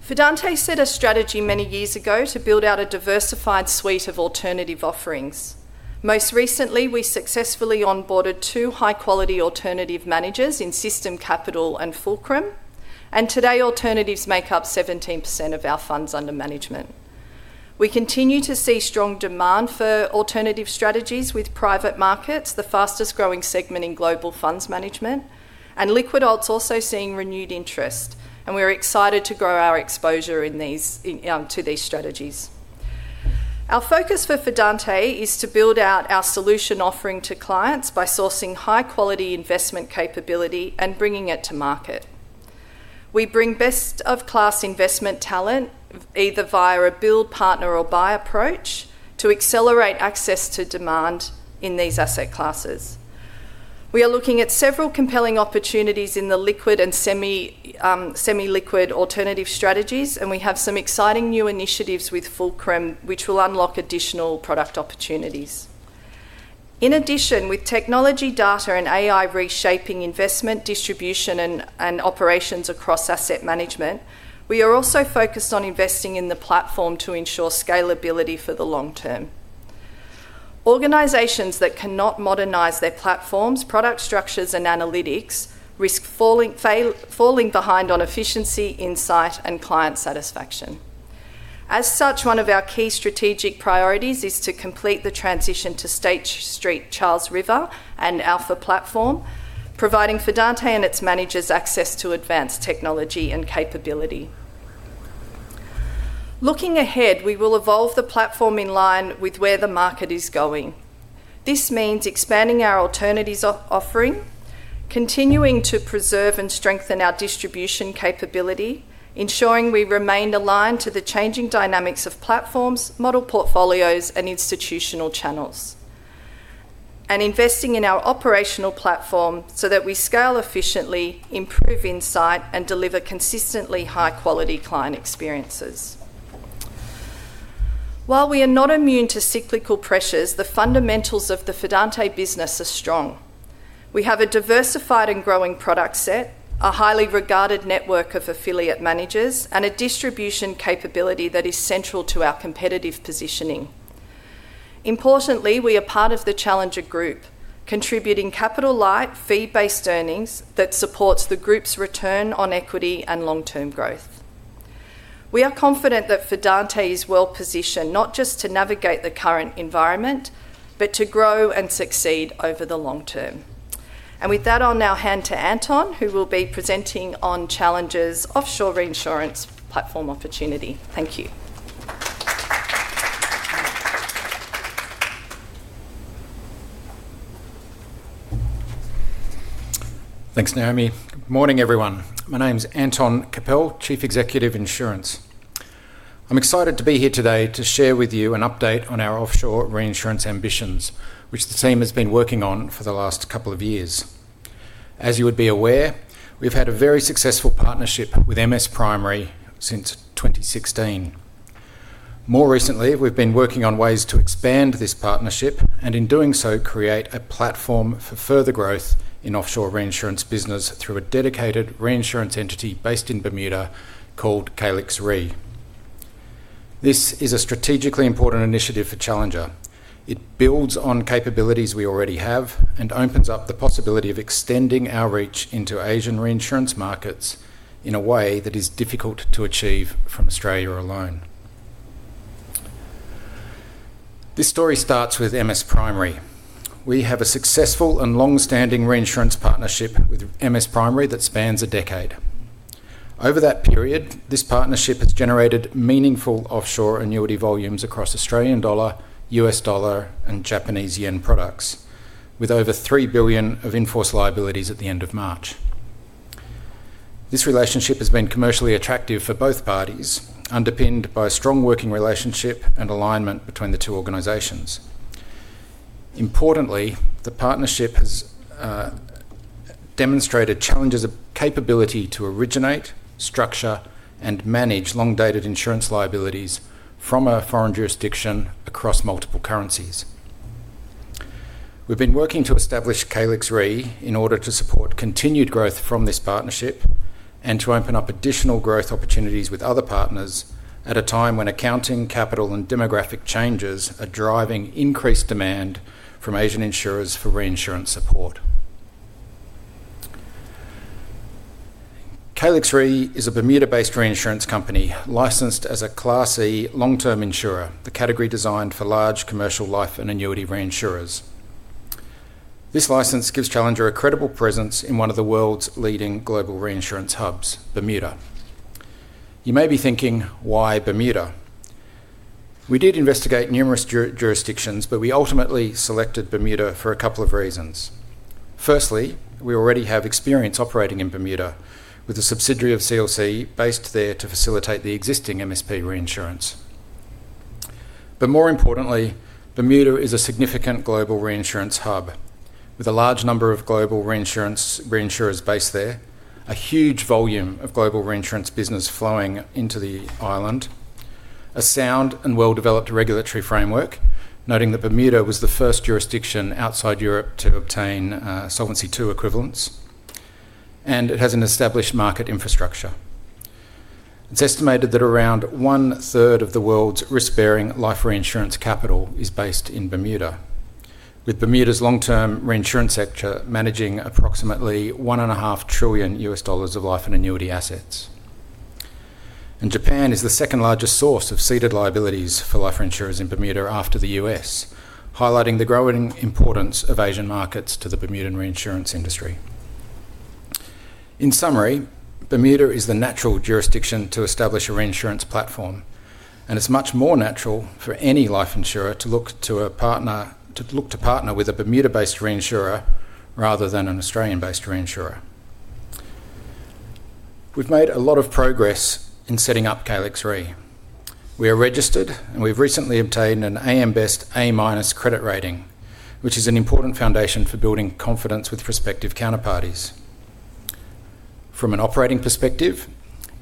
Fidante set a strategy many years ago to build out a diversified suite of alternative offerings. Most recently, we successfully onboarded two high-quality alternative managers in System Capital and Fulcrum, and today alternatives make up 17% of our funds under management. We continue to see strong demand for alternative strategies with private markets, the fastest growing segment in global funds management, liquid alts also seeing renewed interest, and we're excited to grow our exposure to these strategies. Our focus for Fidante is to build out our solution offering to clients by sourcing high-quality investment capability and bringing it to market. We bring best of class investment talent, either via a build, partner, or buy approach, to accelerate access to demand in these asset classes. We are looking at several compelling opportunities in the liquid and semi-liquid alternative strategies, we have some exciting new initiatives with Fulcrum which will unlock additional product opportunities. In addition, with technology data and AI reshaping investment distribution and operations across asset management, we are also focused on investing in the platform to ensure scalability for the long term. Organizations that cannot modernize their platforms, product structures, and analytics risk falling behind on efficiency, insight, and client satisfaction. As such, one of our key strategic priorities is to complete the transition to State Street, Charles River, and Alpha platform, providing Fidante and its managers access to advanced technology and capability. Looking ahead, we will evolve the platform in line with where the market is going. This means expanding our alternatives offering, continuing to preserve and strengthen our distribution capability, ensuring we remain aligned to the changing dynamics of platforms, model portfolios, and institutional channels, and investing in our operational platform so that we scale efficiently, improve insight, and deliver consistently high-quality client experiences. While we are not immune to cyclical pressures, the fundamentals of the Fidante business are strong. We have a diversified and growing product set, a highly regarded network of affiliate managers, and a distribution capability that is central to our competitive positioning. Importantly, we are part of the Challenger Group, contributing capital light fee-based earnings that supports the Group's return on equity and long-term growth. We are confident that Fidante is well-positioned not just to navigate the current environment, but to grow and succeed over the long term. With that, I'll now hand to Anton, who will be presenting on Challenger's offshore reinsurance platform opportunity. Thank you. Thanks, Naomi. Good morning, everyone. My name's Anton Kapel, Chief Executive, Insurance. I'm excited to be here today to share with you an update on our offshore reinsurance ambitions, which the team has been working on for the last couple of years. As you would be aware, we've had a very successful partnership with MS Primary since 2016. More recently, we've been working on ways to expand this partnership and in doing so, create a platform for further growth in offshore reinsurance business through a dedicated reinsurance entity based in Bermuda called Calix Re. This is a strategically important initiative for Challenger. It builds on capabilities we already have and opens up the possibility of extending our reach into Asian reinsurance markets in a way that is difficult to achieve from Australia alone. This story starts with MS Primary. We have a successful and longstanding reinsurance partnership with MS Primary that spans a decade. Over that period, this partnership has generated meaningful offshore annuity volumes across Australian dollar, US dollar, and Japanese yen products, with over 3 billion of in-force liabilities at the end of March. This relationship has been commercially attractive for both parties, underpinned by a strong working relationship and alignment between the two organizations. Importantly, the partnership has demonstrated Challenger's capability to originate, structure, and manage long-dated insurance liabilities from a foreign jurisdiction across multiple currencies. We've been working to establish Calix Re in order to support continued growth from this partnership and to open up additional growth opportunities with other partners at a time when accounting, capital, and demographic changes are driving increased demand from Asian insurers for reinsurance support. Calix Re is a Bermuda-based reinsurance company licensed as a Class E long-term insurer, the category designed for large commercial life and annuity reinsurers. This license gives Challenger a credible presence in one of the world's leading global reinsurance hubs, Bermuda. You may be thinking, why Bermuda? We did investigate numerous jurisdictions, but we ultimately selected Bermuda for a couple of reasons. Firstly, we already have experience operating in Bermuda with a subsidiary of CLC based there to facilitate the existing MS Primary reinsurance. More importantly, Bermuda is a significant global reinsurance hub with a large number of global reinsurers based there, a huge volume of global reinsurance business flowing into the island. It has a sound and well-developed regulatory framework, noting that Bermuda was the first jurisdiction outside Europe to obtain Solvency II equivalence, and it has an established market infrastructure. It's estimated that around one-third of the world's risk-bearing life reinsurance capital is based in Bermuda, with Bermuda's long-term reinsurance sector managing approximately $1.5 trillion of life and annuity assets. Japan is the second-largest source of ceded liabilities for life insurers in Bermuda after the U.S., highlighting the growing importance of Asian markets to the Bermudan reinsurance industry. In summary, Bermuda is the natural jurisdiction to establish a reinsurance platform, and it's much more natural for any life insurer to look to partner with a Bermuda-based reinsurer rather than an Australian-based reinsurer. We've made a lot of progress in setting up Calix Re. We are registered, and we've recently obtained an AM Best A-minus credit rating, which is an important foundation for building confidence with prospective counterparties. From an operating perspective,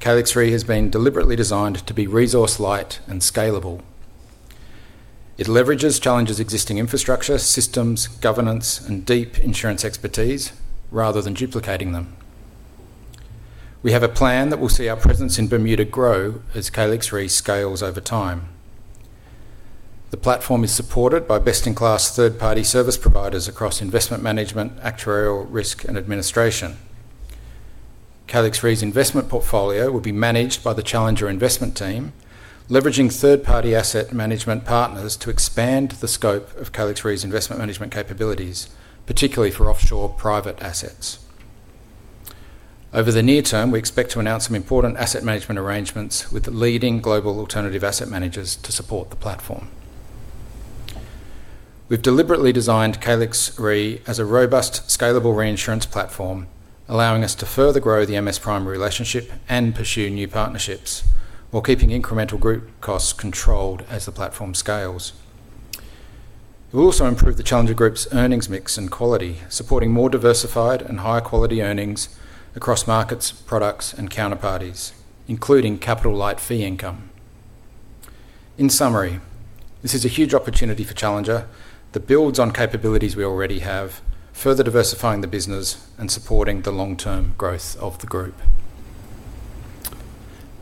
Calix Re has been deliberately designed to be resource-light and scalable. It leverages Challenger's existing infrastructure, systems, governance, and deep insurance expertise rather than duplicating them. We have a plan that will see our presence in Bermuda grow as Calix Re scales over time. The platform is supported by best-in-class third-party service providers across investment management, actuarial risk, and administration. Calix Re's investment portfolio will be managed by the Challenger investment team, leveraging third-party asset management partners to expand the scope of Calix Re's investment management capabilities, particularly for offshore private assets. Over the near term, we expect to announce some important asset management arrangements with leading global alternative asset managers to support the platform. We've deliberately designed Calix Re as a robust, scalable reinsurance platform, allowing us to further grow the MS Primary relationship and pursue new partnerships while keeping incremental group costs controlled as the platform scales. We'll also improve the Challenger group's earnings mix and quality, supporting more diversified and high-quality earnings across markets, products, and counterparties, including capital-light fee income. In summary, this is a huge opportunity for Challenger that builds on capabilities we already have, further diversifying the business and supporting the long-term growth of the group.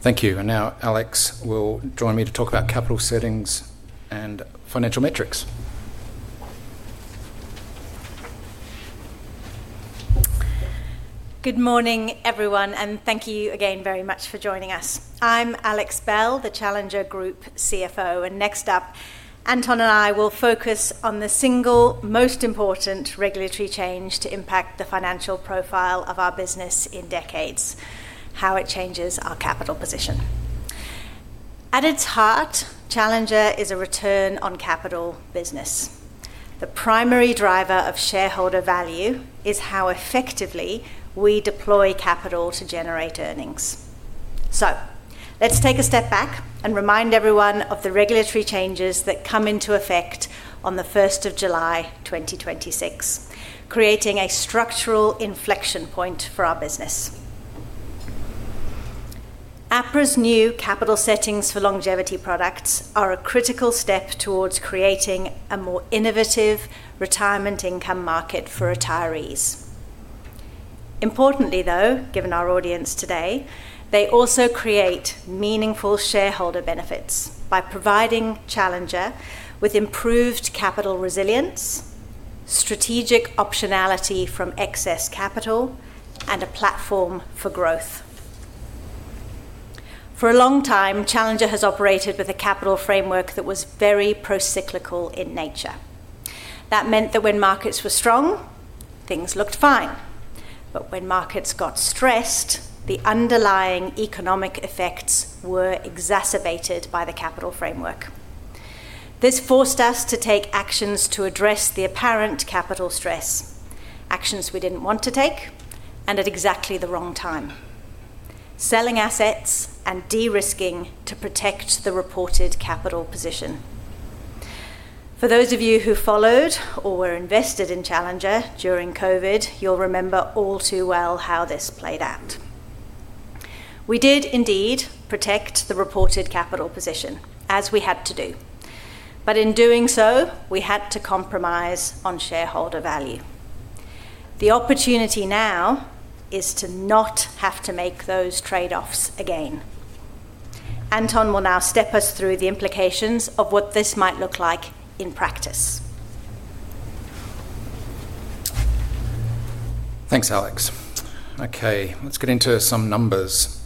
Thank you. Now Alex will join me to talk about capital settings and financial metrics. Good morning, everyone, and thank you again very much for joining us. I'm Alex Bell, the Challenger Group CFO. Next up, Anton and I will focus on the single most important regulatory change to impact the financial profile of our business in decades, how it changes our capital position. At its heart, Challenger is a return on capital business. The primary driver of shareholder value is how effectively we deploy capital to generate earnings. Let's take a step back and remind everyone of the regulatory changes that come into effect on the 1st of July 2026, creating a structural inflection point for our business. APRA's new capital settings for longevity products are a critical step towards creating a more innovative retirement income market for retirees. Importantly, though, given our audience today, they also create meaningful shareholder benefits by providing Challenger with improved capital resilience, strategic optionality from excess capital, and a platform for growth. For a long time, Challenger has operated with a capital framework that was very pro-cyclical in nature. That meant that when markets were strong, things looked fine. When markets got stressed, the underlying economic effects were exacerbated by the capital framework. This forced us to take actions to address the apparent capital stress, actions we didn't want to take and at exactly the wrong time, selling assets and de-risking to protect the reported capital position. For those of you who followed or were invested in Challenger during COVID, you'll remember all too well how this played out. We did indeed protect the reported capital position, as we had to do. In doing so, we had to compromise on shareholder value. The opportunity now is to not have to make those trade-offs again. Anton will now step us through the implications of what this might look like in practice. Thanks, Alex. Okay. Let's get into some numbers.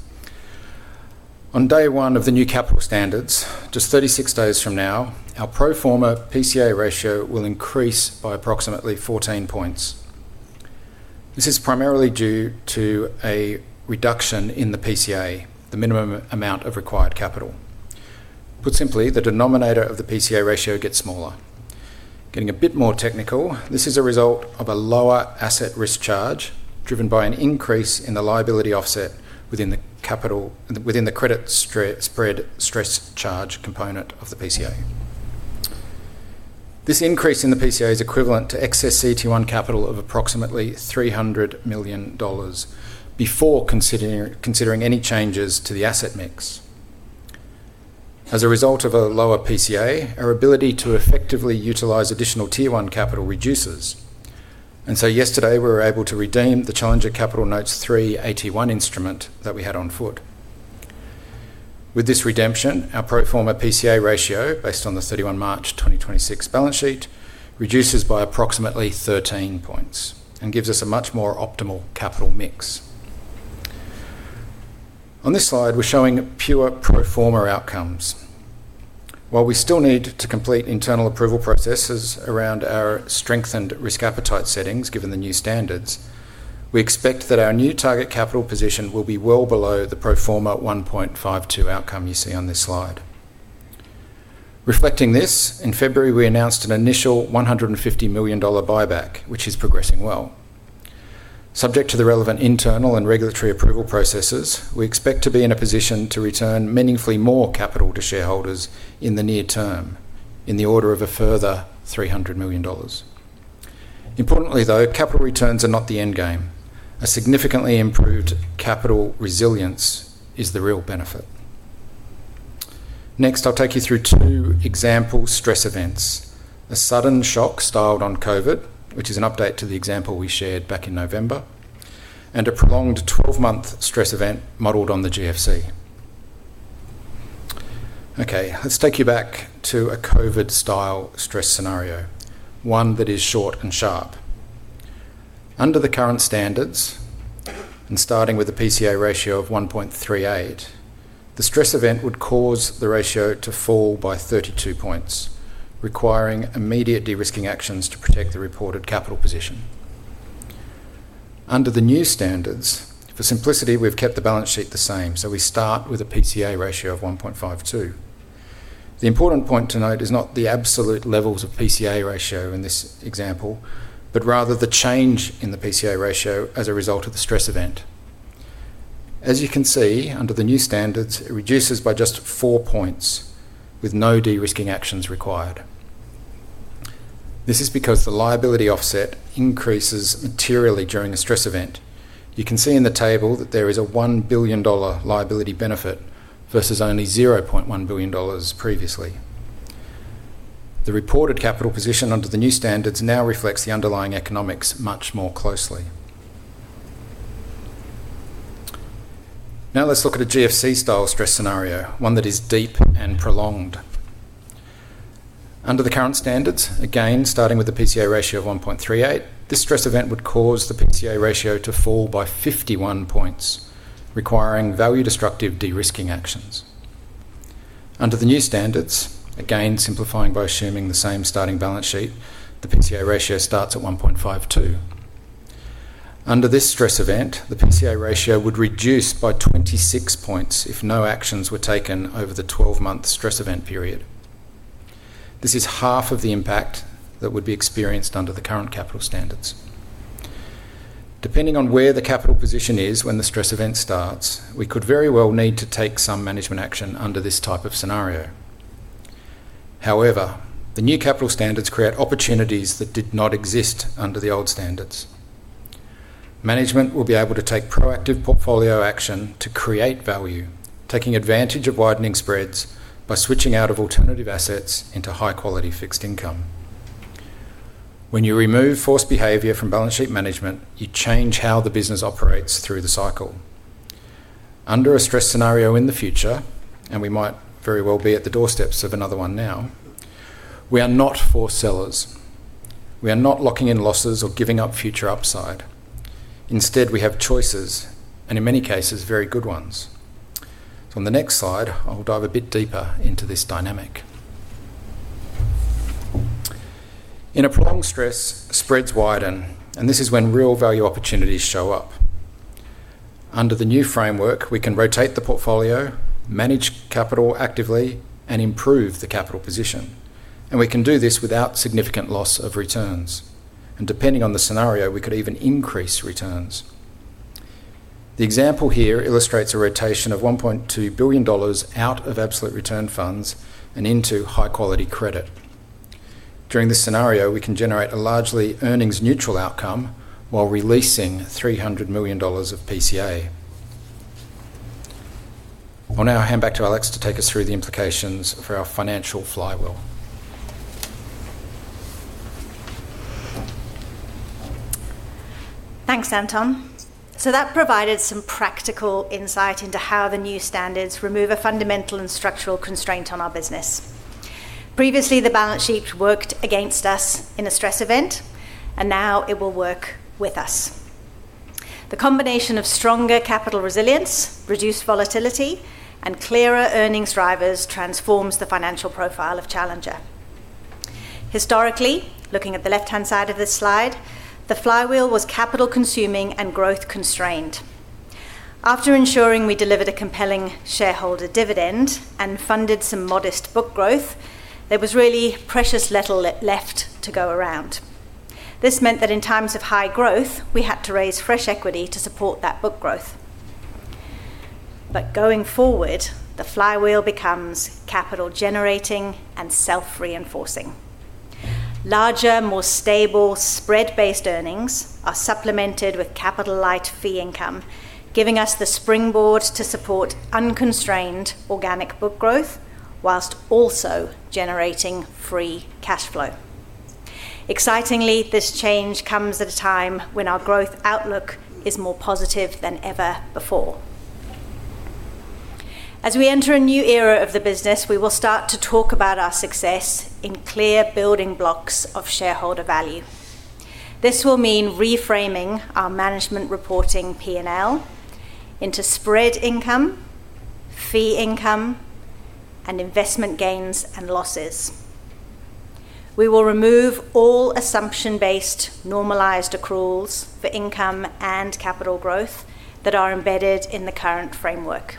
On day one of the new capital standards, just 36 days from now, our pro forma PCA ratio will increase by approximately 14 points. This is primarily due to a reduction in the PCA, the minimum amount of required capital. Put simply, the denominator of the PCA ratio gets smaller. Getting a bit more technical, this is a result of a lower asset risk charge driven by an increase in the liability offset within the credit spread stress charge component of the PCA. This increase in the PCA is equivalent to excess CET1 capital of approximately 300 million dollars before considering any changes to the asset mix. As a result of a lower PCA, our ability to effectively utilize additional Tier 1 capital reduces, and so yesterday we were able to redeem the Challenger Capital Notes 3 AT1 instrument that we had on foot. With this redemption, our pro forma PCA ratio, based on the 31 March 2026 balance sheet, reduces by approximately 13 points and gives us a much more optimal capital mix. On this slide, we're showing pure pro forma outcomes. While we still need to complete internal approval processes around our strengthened risk appetite settings given the new standards, we expect that our new target capital position will be well below the pro forma 1.52 outcome you see on this slide. Reflecting this, in February, we announced an initial 150 million dollar buyback, which is progressing well. Subject to the relevant internal and regulatory approval processes, we expect to be in a position to return meaningfully more capital to shareholders in the near term, in the order of a further 300 million dollars. Importantly, though, capital returns are not the end game. A significantly improved capital resilience is the real benefit. I'll take you through two example stress events, a sudden shock styled on COVID, which is an update to the example we shared back in November, and a prolonged 12-month stress event modeled on the GFC. Let's take you back to a COVID-style stress scenario, one that is short and sharp. Under the current standards, and starting with a PCA ratio of 1.38, the stress event would cause the ratio to fall by 32 points, requiring immediate de-risking actions to protect the reported capital position. Under the new standards, for simplicity, we've kept the balance sheet the same, so we start with a PCA ratio of 1.52. The important point to note is not the absolute levels of PCA ratio in this example, but rather the change in the PCA ratio as a result of the stress event. As you can see, under the new standards, it reduces by just four points, with no de-risking actions required. This is because the liability offset increases materially during a stress event. You can see in the table that there is an 1 billion dollar liability benefit versus only 0.1 billion dollars previously. The reported capital position under the new standards now reflects the underlying economics much more closely. Now let's look at a GFC-style stress scenario, one that is deep and prolonged. Under the current standards, again starting with a PCA ratio of 1.38, this stress event would cause the PCA ratio to fall by 51 points, requiring value destructive de-risking actions. Under the new standards, again simplifying by assuming the same starting balance sheet, the PCA ratio starts at 1.52. Under this stress event, the PCA ratio would reduce by 26 points if no actions were taken over the 12-month stress event period. This is half of the impact that would be experienced under the current capital standards. Depending on where the capital position is when the stress event starts, we could very well need to take some management action under this type of scenario. However, the new capital standards create opportunities that did not exist under the old standards. Management will be able to take proactive portfolio action to create value, taking advantage of widening spreads by switching out of alternative assets into high-quality fixed income. When you remove forced behavior from balance sheet management, you change how the business operates through the cycle. Under a stress scenario in the future, and we might very well be at the doorsteps of another one now, we are not for sellers. We are not locking in losses or giving up future upside. Instead, we have choices, and in many cases, very good ones. On the next slide, I'll dive a bit deeper into this dynamic. In a prolonged stress, spreads widen, and this is when real value opportunities show up. Under the new framework, we can rotate the portfolio, manage capital actively, and improve the capital position, and we can do this without significant loss of returns. Depending on the scenario, we could even increase returns. The example here illustrates a rotation of 1.2 billion dollars out of absolute return funds and into high-quality credit. During this scenario, we can generate a largely earnings-neutral outcome while releasing 300 million dollars of PCA. I'll now hand back to Alex to take us through the implications for our financial flywheel. Thanks, Anton. That provided some practical insight into how the new standards remove a fundamental and structural constraint on our business. Previously, the balance sheet worked against us in a stress event, and now it will work with us. The combination of stronger capital resilience, reduced volatility, and clearer earnings drivers transforms the financial profile of Challenger. Historically, looking at the left-hand side of this slide, the flywheel was capital consuming and growth constrained. After ensuring we delivered a compelling shareholder dividend and funded some modest book growth, there was really precious little left to go around. This meant that in times of high growth, we had to raise fresh equity to support that book growth. Going forward, the flywheel becomes capital generating and self-reinforcing. Larger, more stable spread-based earnings are supplemented with capital-light fee income, giving us the springboard to support unconstrained organic book growth whilst also generating free cash flow. Excitingly, this change comes at a time when our growth outlook is more positive than ever before. As we enter a new era of the business, we will start to talk about our success in clear building blocks of shareholder value. This will mean reframing our management reporting P&L into spread income, fee income, and investment gains and losses. We will remove all assumption-based normalized accruals for income and capital growth that are embedded in the current framework.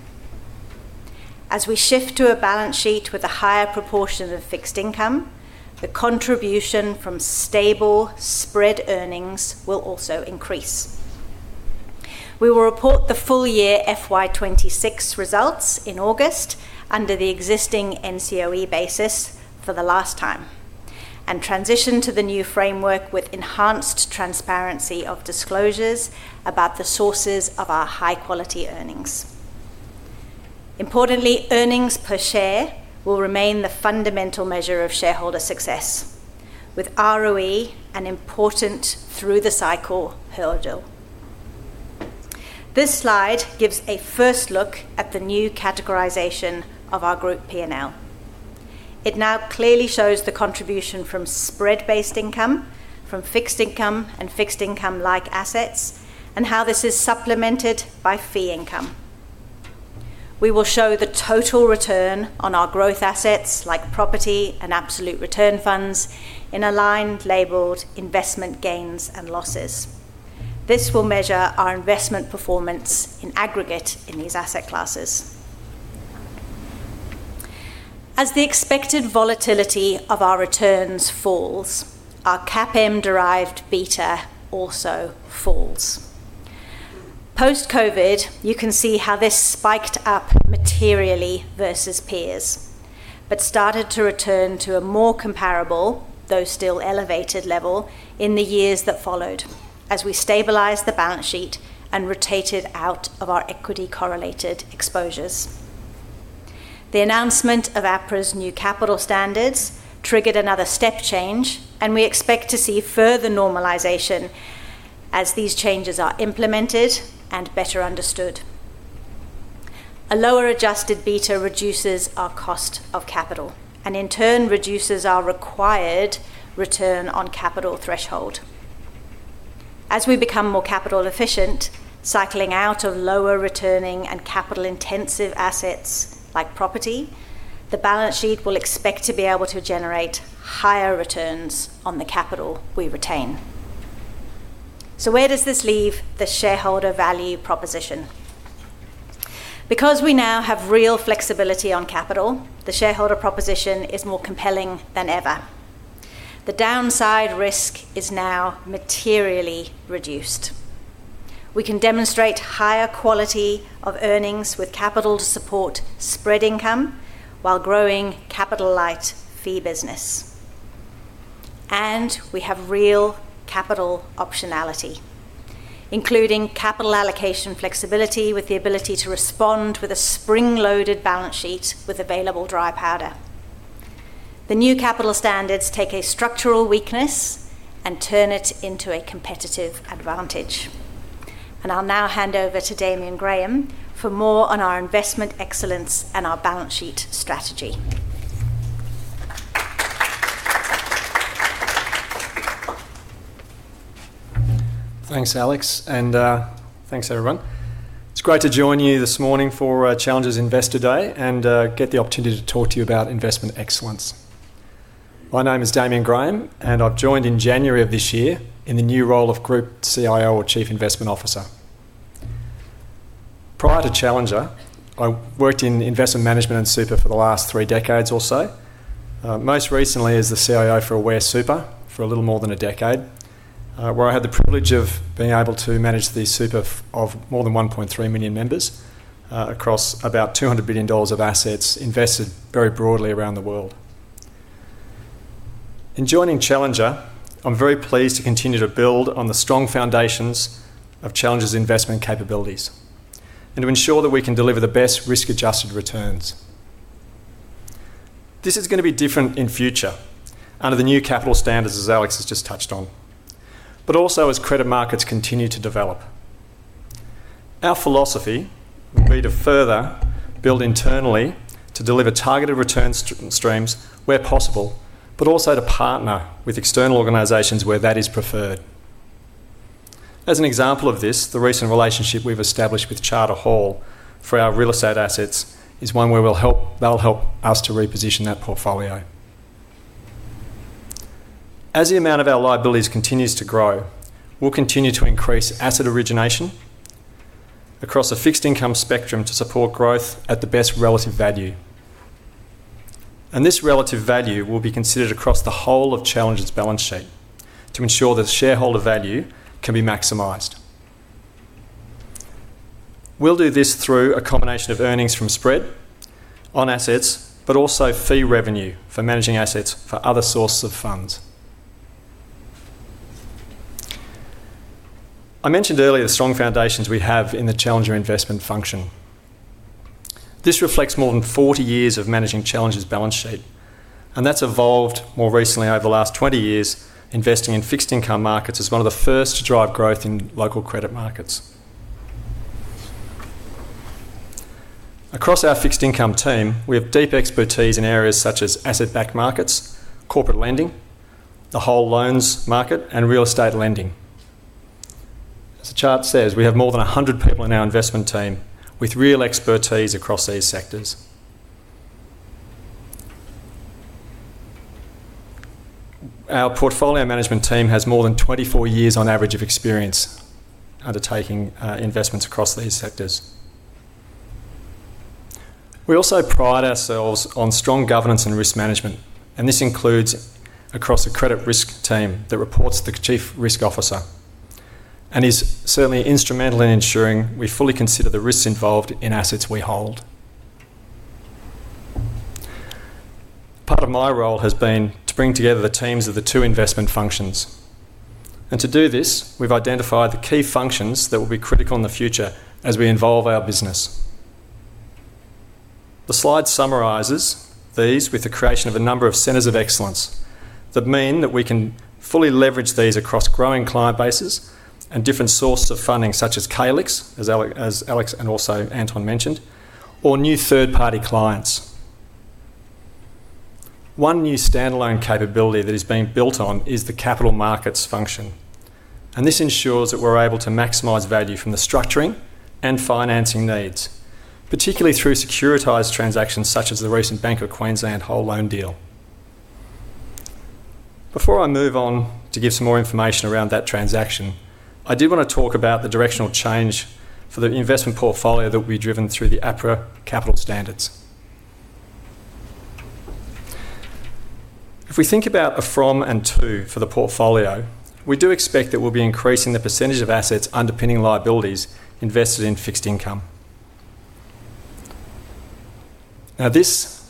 As we shift to a balance sheet with a higher proportion of fixed income, the contribution from stable spread earnings will also increase. We will report the full year FY 2026 results in August under the existing NCOE basis for the last time, and transition to the new framework with enhanced transparency of disclosures about the sources of our high-quality earnings. Importantly, earnings per share will remain the fundamental measure of shareholder success, with ROE an important through-the-cycle hurdle. This slide gives a first look at the new categorization of our group P&L. It now clearly shows the contribution from spread-based income, from fixed income and fixed income-like assets, and how this is supplemented by fee income. We will show the total return on our growth assets, like property and absolute return funds, in a line labeled investment gains and losses. This will measure our investment performance in aggregate in these asset classes. As the expected volatility of our returns falls, our CAPM-derived beta also falls. Post-COVID, you can see how this spiked up materially versus peers, but started to return to a more comparable, though still elevated level, in the years that followed as we stabilized the balance sheet and rotated out of our equity-correlated exposures. The announcement of APRA's new capital standards triggered another step change, and we expect to see further normalization as these changes are implemented and better understood. A lower adjusted beta reduces our cost of capital, and in turn, reduces our required return on capital threshold. As we become more capital efficient, cycling out of lower returning and capital-intensive assets like property, the balance sheet will expect to be able to generate higher returns on the capital we retain. Where does this leave the shareholder value proposition? We now have real flexibility on capital, the shareholder proposition is more compelling than ever. The downside risk is now materially reduced. We can demonstrate higher quality of earnings with capital to support spread income while growing capital light fee business. We have real capital optionality, including capital allocation flexibility with the ability to respond with a spring-loaded balance sheet with available dry powder. The new capital standards take a structural weakness and turn it into a competitive advantage. I'll now hand over to Damian Graham for more on our investment excellence and our balance sheet strategy. Thanks, Alex. Thanks everyone. It's great to join you this morning for Challenger's Investor Day and get the opportunity to talk to you about investment excellence. My name is Damian Graham, and I've joined in January of this year in the new role of Group CIO, or Chief Investment Officer. Prior to Challenger, I worked in investment management super for the last three decades or so. Most recently as the CIO for Aware Super for a little more than a decade, where I had the privilege of being able to manage the super of more than 1.3 million members across about 200 billion dollars of assets invested very broadly around the world. In joining Challenger, I'm very pleased to continue to build on the strong foundations of Challenger's investment capabilities and ensure that we can deliver the best risk-adjusted returns. This is going to be different in future under the new capital standards, as Alex has just touched on, but also as credit markets continue to develop. Our philosophy will be to further build internally to deliver targeted return streams where possible, but also to partner with external organizations where that is preferred. As an example of this, the recent relationship we've established with Charter Hall for our real estate assets is one where they'll help us to reposition that portfolio. As the amount of our liabilities continues to grow, we'll continue to increase asset origination across a fixed income spectrum to support growth at the best relative value. This relative value will be considered across the whole of Challenger's balance sheet to ensure that shareholder value can be maximized. We'll do this through a combination of earnings from spread on assets, but also fee revenue for managing assets for other sources of funds. I mentioned earlier the strong foundations we have in the Challenger investment function. This reflects more than 40 years of managing Challenger's balance sheet, and that's evolved more recently over the last 20 years, investing in fixed income markets as one of the first to drive growth in local credit markets. Across our fixed income team, we have deep expertise in areas such as asset-backed markets, corporate lending, the whole loans market, and real estate lending. As the chart says, we have more than 100 people in our investment team with real expertise across these sectors. Our portfolio management team has more than 24 years on average of experience undertaking investments across these sectors. We also pride ourselves on strong governance and risk management. This includes across the credit risk team that reports to the Chief Risk Officer and is certainly instrumental in ensuring we fully consider the risks involved in assets we hold. Part of my role has been to bring together the teams of the two investment functions. To do this, we've identified the key functions that will be critical in the future as we evolve our business. The slide summarizes these with the creation of a number of centers of excellence that mean that we can fully leverage these across growing client bases and different sources of funding, such as Calix, as Alex and also Anton mentioned, or new third-party clients. One new standalone capability that is being built on is the capital markets function. This ensures that we're able to maximize value from the structuring and financing needs, particularly through securitized transactions such as the recent Bank of Queensland whole loan deal. Before I move on to give some more information around that transaction, I did want to talk about the directional change for the investment portfolio that will be driven through the APRA capital standards. If we think about the from and to for the portfolio, we do expect that we'll be increasing the percentage of assets underpinning liabilities invested in fixed income. Now, this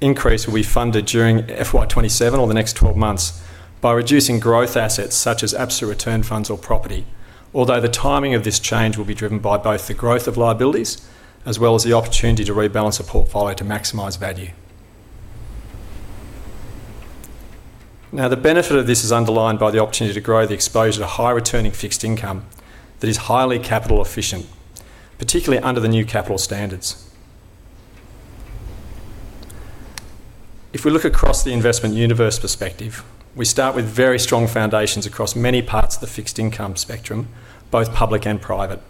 increase will be funded during FY 2027 over the next 12 months by reducing growth assets such as absolute return funds or property. Although the timing of this change will be driven by both the growth of liabilities as well as the opportunity to rebalance the portfolio to maximize value. The benefit of this is underlined by the opportunity to grow the exposure to high returning fixed income that is highly capital efficient, particularly under the new capital standards. If we look across the investment universe perspective, we start with very strong foundations across many parts of the fixed income spectrum, both public and private.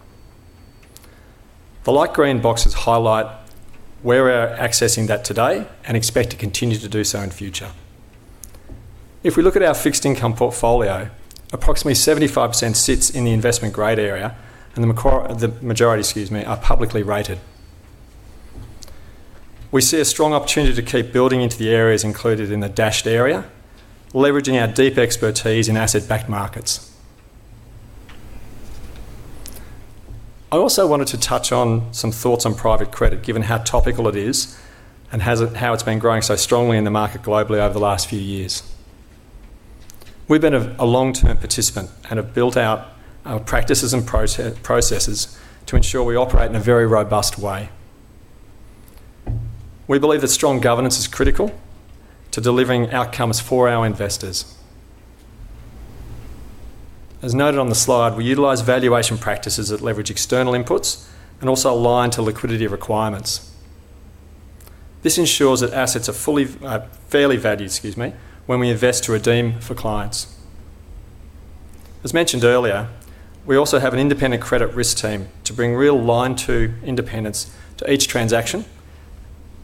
The light green boxes highlight where we are accessing that today and expect to continue to do so in future. We look at our fixed income portfolio, approximately 75% sits in the investment grade area and the majority are publicly rated. We see a strong opportunity to keep building into the areas included in the dashed area, leveraging our deep expertise in asset-backed markets. I also wanted to touch on some thoughts on private credit, given how topical it is and how it's been growing so strongly in the market globally over the last few years. We've been a long-term participant and have built out our practices and processes to ensure we operate in a very robust way. We believe that strong governance is critical to delivering outcomes for our investors. As noted on the slide, we utilize valuation practices that leverage external inputs and also align to liquidity requirements. This ensures that assets are fairly valued when we invest to redeem for clients. As mentioned earlier, we also have an independent credit risk team to bring real-line two independence to each transaction.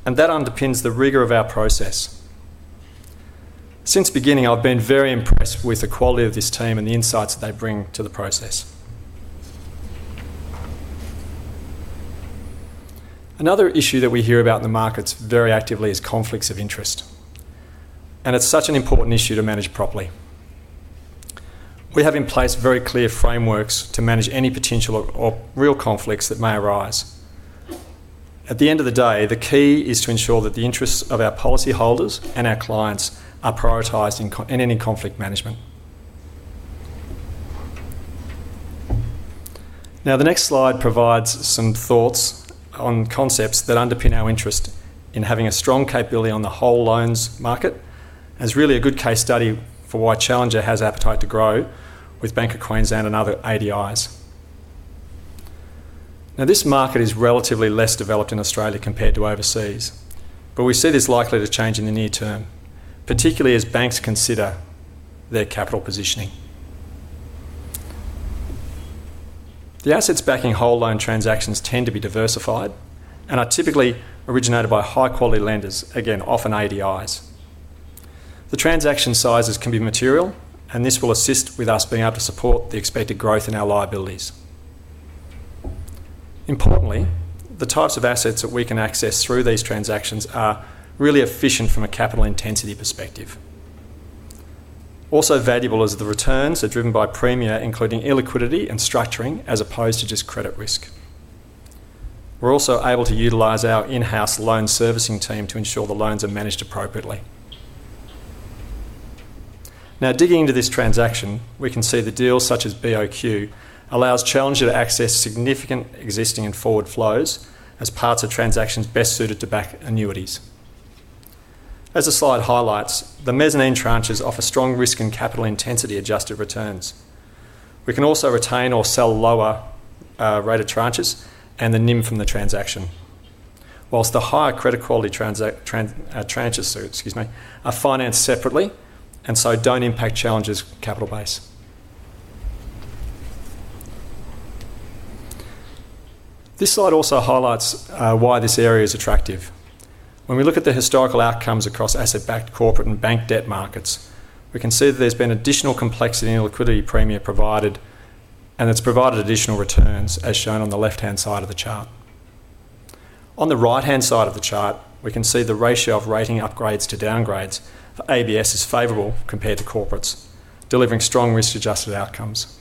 That underpins the rigor of our process. Since beginning, I've been very impressed with the quality of this team and the insights they bring to the process. Another issue that we hear about in the markets very actively is conflicts of interest, and it's such an important issue to manage properly. We have in place very clear frameworks to manage any potential or real conflicts that may arise. At the end of the day, the key is to ensure that the interests of our policyholders and our clients are prioritized in any conflict management. Now, the next slide provides some thoughts on concepts that underpin our interest in having a strong capability on the whole loans market, and it's really a good case study for why Challenger has appetite to grow with Bank of Queensland and other ADIs. This market is relatively less developed in Australia compared to overseas, but we see this likely to change in the near term, particularly as banks consider their capital positioning. The assets backing whole loan transactions tend to be diversified and are typically originated by high-quality lenders, again, often ADIs. The transaction sizes can be material, and this will assist with us being able to support the expected growth in our liabilities. Importantly, the types of assets that we can access through these transactions are really efficient from a capital intensity perspective. Also valuable is the returns are driven by premia, including illiquidity and structuring, as opposed to just credit risk. We're also able to utilize our in-house loan servicing team to ensure the loans are managed appropriately. Digging into this transaction, we can see the deals such as BOQ allows Challenger to access significant existing and forward flows as parts of transactions best suited to backed annuities. As the slide highlights, the mezzanine tranches offer strong risk and capital intensity adjusted returns. We can also retain or sell lower rate tranches and the NIM from the transaction, whilst the higher credit quality tranches are financed separately and so don't impact Challenger's capital base. This slide also highlights why this area is attractive. When we look at the historical outcomes across asset-backed corporate and bank debt markets, we can see that there's been additional complexity and illiquidity premia provided, and it's provided additional returns, as shown on the left-hand side of the chart. On the right-hand side of the chart, we can see the ratio of rating upgrades to downgrades for ABS is favorable compared to corporates, delivering strong risk-adjusted outcomes.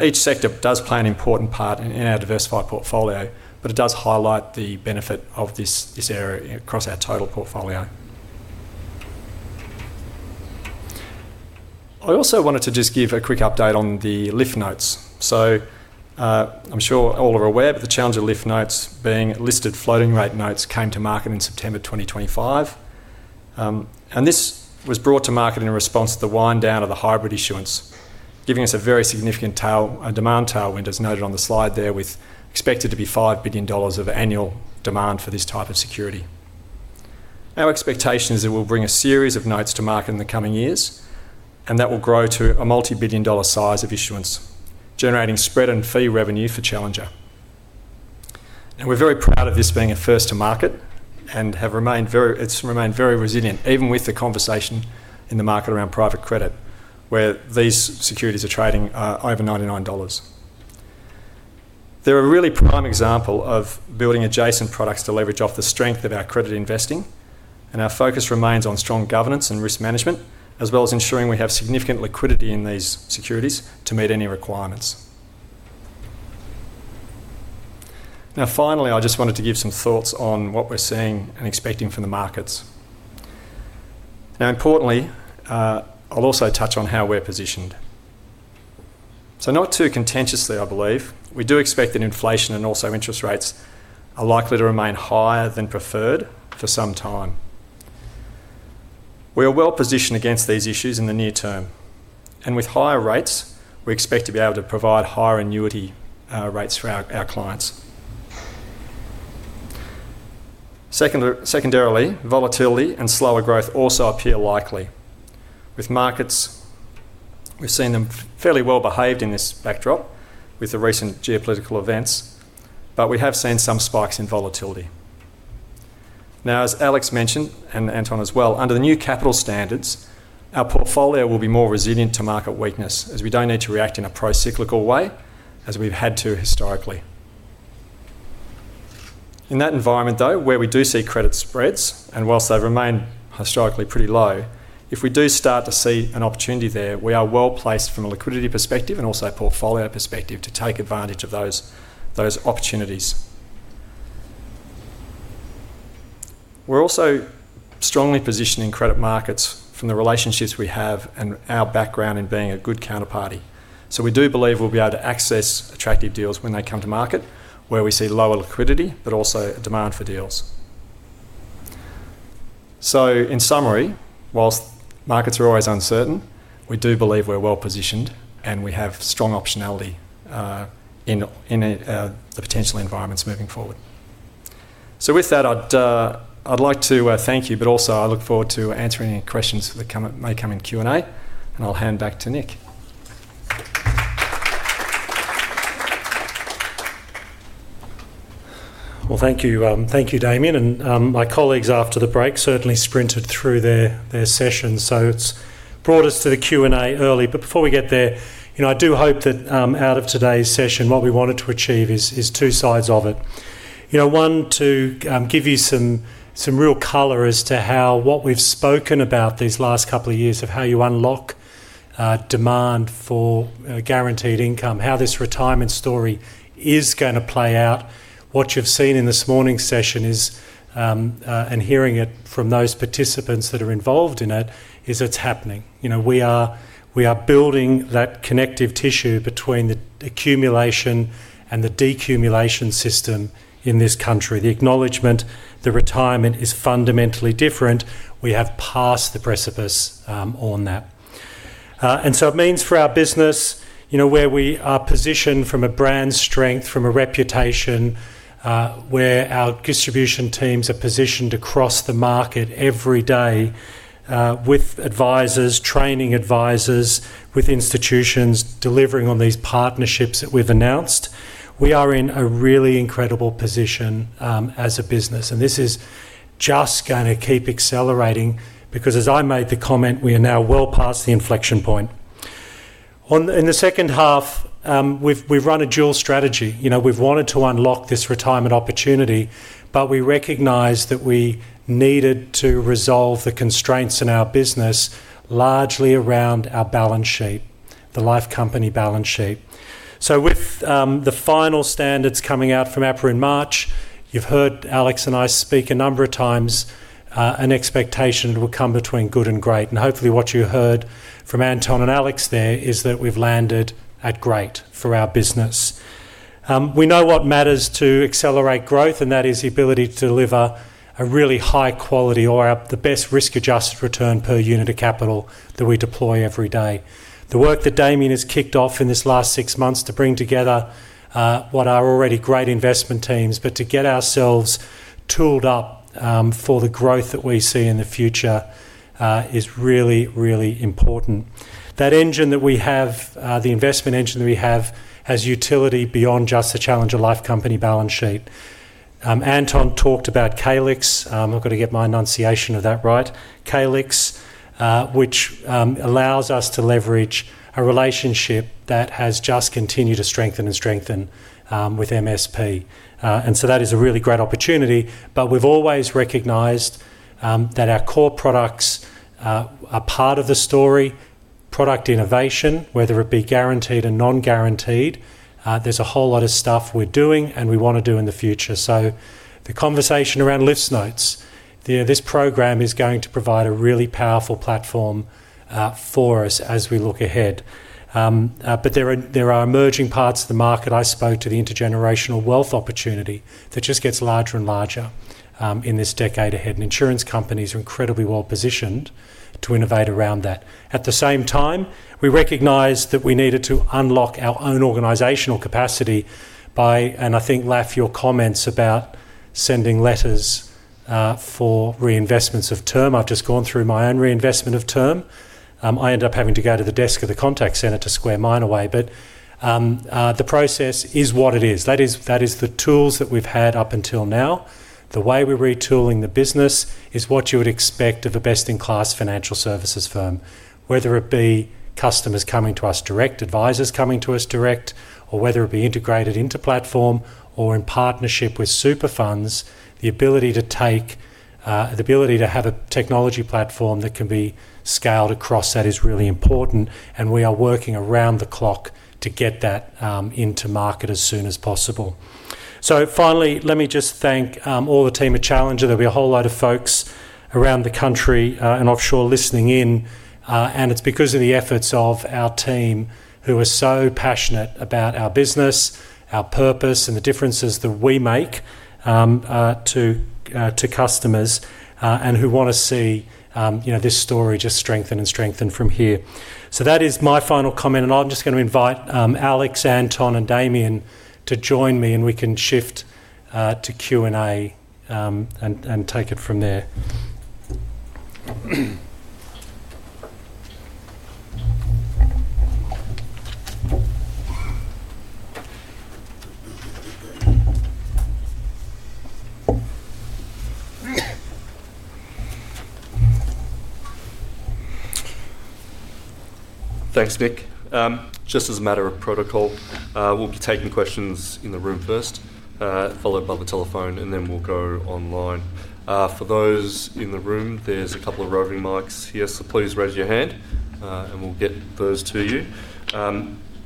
Each sector does play an important part in our diversified portfolio, but it does highlight the benefit of this area across our total portfolio. I also wanted to just give a quick update on the LiFTS notes. I'm sure all are aware that the Challenger LiFTS notes being listed floating rate notes came to market in September 2025. This was brought to market in response to the wind down of the hybrid issuance, giving us a very significant demand tailwind, as noted on the slide there, with expected to be 5 billion dollars of annual demand for this type of security. Our expectation is it will bring a series of notes to market in the coming years. That will grow to a multi-billion AUD size of issuance, generating spread and fee revenue for Challenger. We're very proud of this being a first to market, and it's remained very resilient, even with the conversation in the market around private credit, where these securities are trading over 99 dollars. They're a really prime example of building adjacent products to leverage off the strength of our credit investing. Our focus remains on strong governance and risk management, as well as ensuring we have significant liquidity in these securities to meet any requirements. Finally, I just wanted to give some thoughts on what we're seeing and expecting from the markets. Importantly, I'll also touch on how we're positioned. Not too contentiously, I believe, we do expect that inflation and also interest rates are likely to remain higher than preferred for some time. We are well-positioned against these issues in the near term, and with higher rates, we expect to be able to provide higher annuity rates for our clients. Secondarily, volatility and slower growth also appear likely. With markets, we've seen them fairly well-behaved in this backdrop with the recent geopolitical events, but we have seen some spikes in volatility. As Alex mentioned, and Anton as well, under the new capital standards, our portfolio will be more resilient to market weakness, as we don't need to react in a pro-cyclical way, as we've had to historically. In that environment, though, where we do see credit spreads, and whilst they remain historically pretty low, if we do start to see an opportunity there, we are well-placed from a liquidity perspective and also a portfolio perspective to take advantage of those opportunities. We're also strongly positioned in credit markets from the relationships we have and our background in being a good counterparty. We do believe we'll be able to access attractive deals when they come to market, where we see lower liquidity, but also a demand for deals. In summary, whilst markets are always uncertain, we do believe we're well-positioned, and we have strong optionality in the potential environments moving forward. With that, I'd like to thank you, but also I look forward to answering any questions for the may come in Q&A, and I'll hand back to Nick. Well, thank you, Damian. My colleagues after the break certainly sprinted through their session. It's brought us to the Q&A early. Before we get there, I do hope that out of today's session, what we wanted to achieve is two sides of it. One, to give you some real color as to how what we've spoken about these last couple of years of how you unlock demand for guaranteed income, how this retirement story is going to play out. What you've seen in this morning's session is, hearing it from those participants that are involved in it, is it's happening. We are building that connective tissue between the accumulation and the decumulation system in this country. The acknowledgment that retirement is fundamentally different. We have passed the precipice on that. It means for our business, where we are positioned from a brand strength, from a reputation, where our distribution teams are positioned across the market every day, with advisors, training advisors, with institutions, delivering on these partnerships that we've announced. We are in a really incredible position as a business, and this is just going to keep accelerating because as I made the comment, we are now well past the inflection point. In the second half, we've run a dual strategy. We've wanted to unlock this retirement opportunity, but we recognized that we needed to resolve the constraints in our business, largely around our balance sheet, the life company balance sheet. With the final standards coming out from APRA in March, you've heard Alex and I speak a number of times, an expectation it will come between good and great. Hopefully what you heard from Anton and Alex there is that we've landed at great for our business. We know what matters to accelerate growth, and that is the ability to deliver a really high quality or the best risk-adjusted return per unit of capital that we deploy every day. The work that Damian has kicked off in this last six months to bring together what are already great investment teams, but to get ourselves tooled up for the growth that we see in the future, is really, really important. That engine that we have, the investment engine that we have, has utility beyond just the Challenger Life Company balance sheet. Anton talked about Calix. I've got to get my enunciation of that right. Calix, which allows us to leverage a relationship that has just continued to strengthen and strengthen, with MS Primary. That is a really great opportunity, but we've always recognized that our core products are part of the story, product innovation, whether it be guaranteed or non-guaranteed. There's a whole lot of stuff we're doing and we want to do in the future. The conversation around LiFTS notes. This program is going to provide a really powerful platform for us as we look ahead. There are emerging parts of the market. I spoke to the intergenerational wealth opportunity that just gets larger and larger in this decade ahead, and insurance companies are incredibly well positioned to innovate around that. At the same time, we recognized that we needed to unlock our own organizational capacity. I think, Laf, your comments about sending letters for reinvestments of term. I've just gone through my own reinvestment of term. I ended up having to go to the desk of the contact center to square mine away. The process is what it is. That is the tools that we've had up until now. The way we're retooling the business is what you would expect of a best-in-class financial services firm, whether it be customers coming to us direct, advisors coming to us direct, or whether it be integrated into platform or in partnership with super funds. The ability to have a technology platform that can be scaled across that is really important, and we are working around the clock to get that into market as soon as possible. Finally, let me just thank all the team at Challenger. There'll be a whole lot of folks around the country and offshore listening in. It's because of the efforts of our team who are so passionate about our business, our purpose, the differences that we make to customers, who want to see this story just strengthen and strengthen from here. That is my final comment. I'm just going to invite Alex, Anton, and Damian to join me. We can shift to Q&A and take it from there. Thanks, Nick. Just as a matter of protocol, we'll be taking questions in the room first, followed by the telephone, and then we'll go online. For those in the room, there's a couple of roving mics here, so please raise your hand, and we'll get those to you.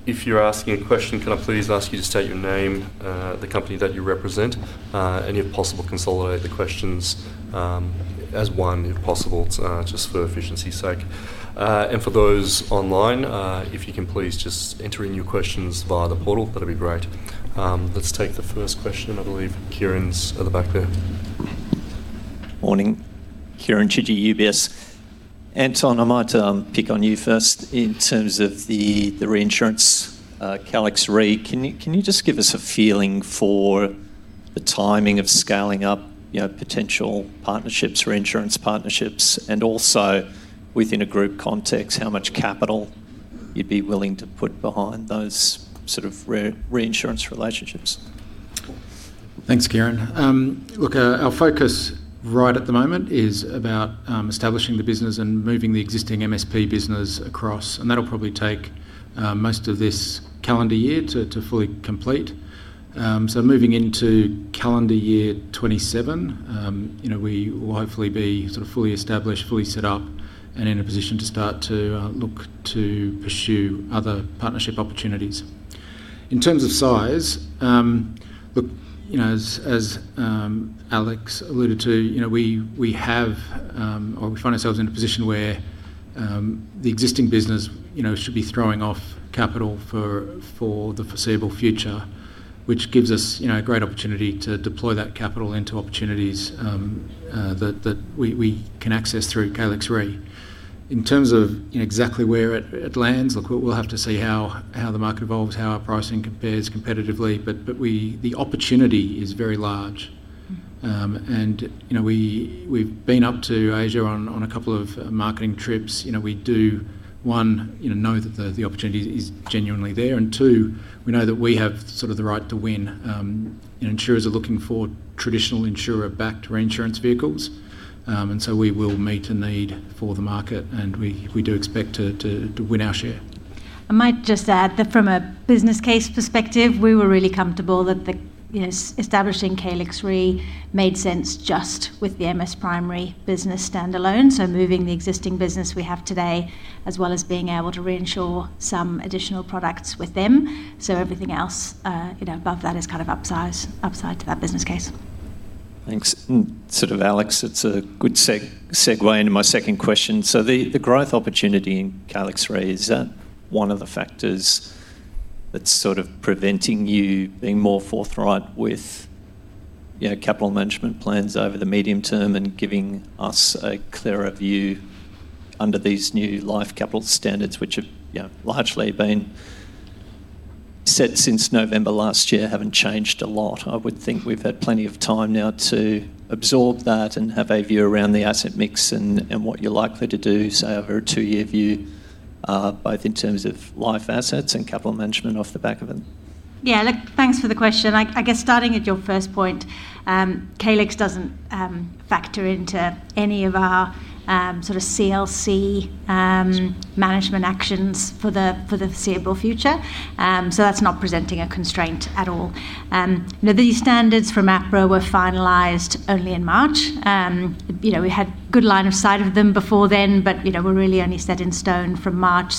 If you're asking a question, can I please ask you to state your name, the company that you represent, and if possible, consolidate the questions as one if possible, just for efficiency's sake. For those online, if you can please just enter in your questions via the portal, that'd be great. Let's take the first question. I believe Kieren's at the back there. Morning. Kieren Chidgey, UBS. Anton, I might pick on you first in terms of the reinsurance, Calix Re. Can you just give us a feeling for the timing of scaling up potential partnerships, reinsurance partnerships, and also within a group context, how much capital you'd be willing to put behind those sort of reinsurance relationships? Thanks, Kieren. Our focus right at the moment is about establishing the business and moving the existing MSP business across, and that'll probably take most of this calendar year to fully complete. Moving into calendar year 2027, we will hopefully be sort of fully established, fully set up, and in a position to start to look to pursue other partnership opportunities. In terms of size, as Alex alluded to, we find ourselves in a position where the existing business should be throwing off capital for the foreseeable future, which gives us a great opportunity to deploy that capital into opportunities that we can access through Calix Re. In terms of exactly where it lands, look, we'll have to see how the market evolves, how our pricing compares competitively, but the opportunity is very large. We've been up to Asia on a couple of marketing trips. We do, one, know that the opportunity is genuinely there, and two, we know that we have sort of the right to win. Insurers are looking for traditional insurer-backed reinsurance vehicles. So we will meet a need for the market, and we do expect to win our share. I might just add that from a business case perspective, we were really comfortable that establishing Calix Re made sense just with the MS Primary business standalone. Moving the existing business we have today, as well as being able to reinsure some additional products with them, so everything else above that is kind of upside to that business case. Thanks. Alex, it's a good segue into my second question. The growth opportunity in Calix Re, is that one of the factors that's sort of preventing you being more forthright with capital management plans over the medium term and giving us a clearer view under these new life capital standards, which have largely been set since November last year, haven't changed a lot. I would think we've had plenty of time now to absorb that and have a view around the asset mix and what you're likely to do, say, over a two-year view, both in terms of life assets and capital management off the back of it. Yeah. Look, thanks for the question. I guess starting at your first point, Calix doesn't factor into any of our sort of CLC- Sure management actions for the foreseeable future. That's not presenting a constraint at all. These standards from APRA were finalized only in March. We had good line of sight of them before then, but were really only set in stone from March.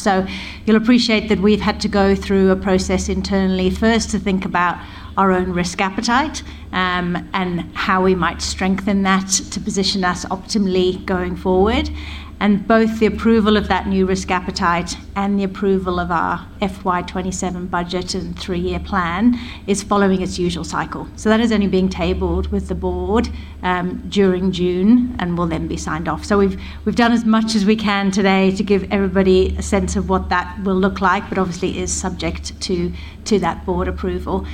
You'll appreciate that we've had to go through a process internally, first to think about our own risk appetite, and how we might strengthen that to position us optimally going forward. Both the approval of that new risk appetite and the approval of our FY 2027 budget and three-year plan is following its usual cycle. That is only being tabled with the board during June and will then be signed off. We've done as much as we can today to give everybody a sense of what that will look like, but obviously is subject to that board approval.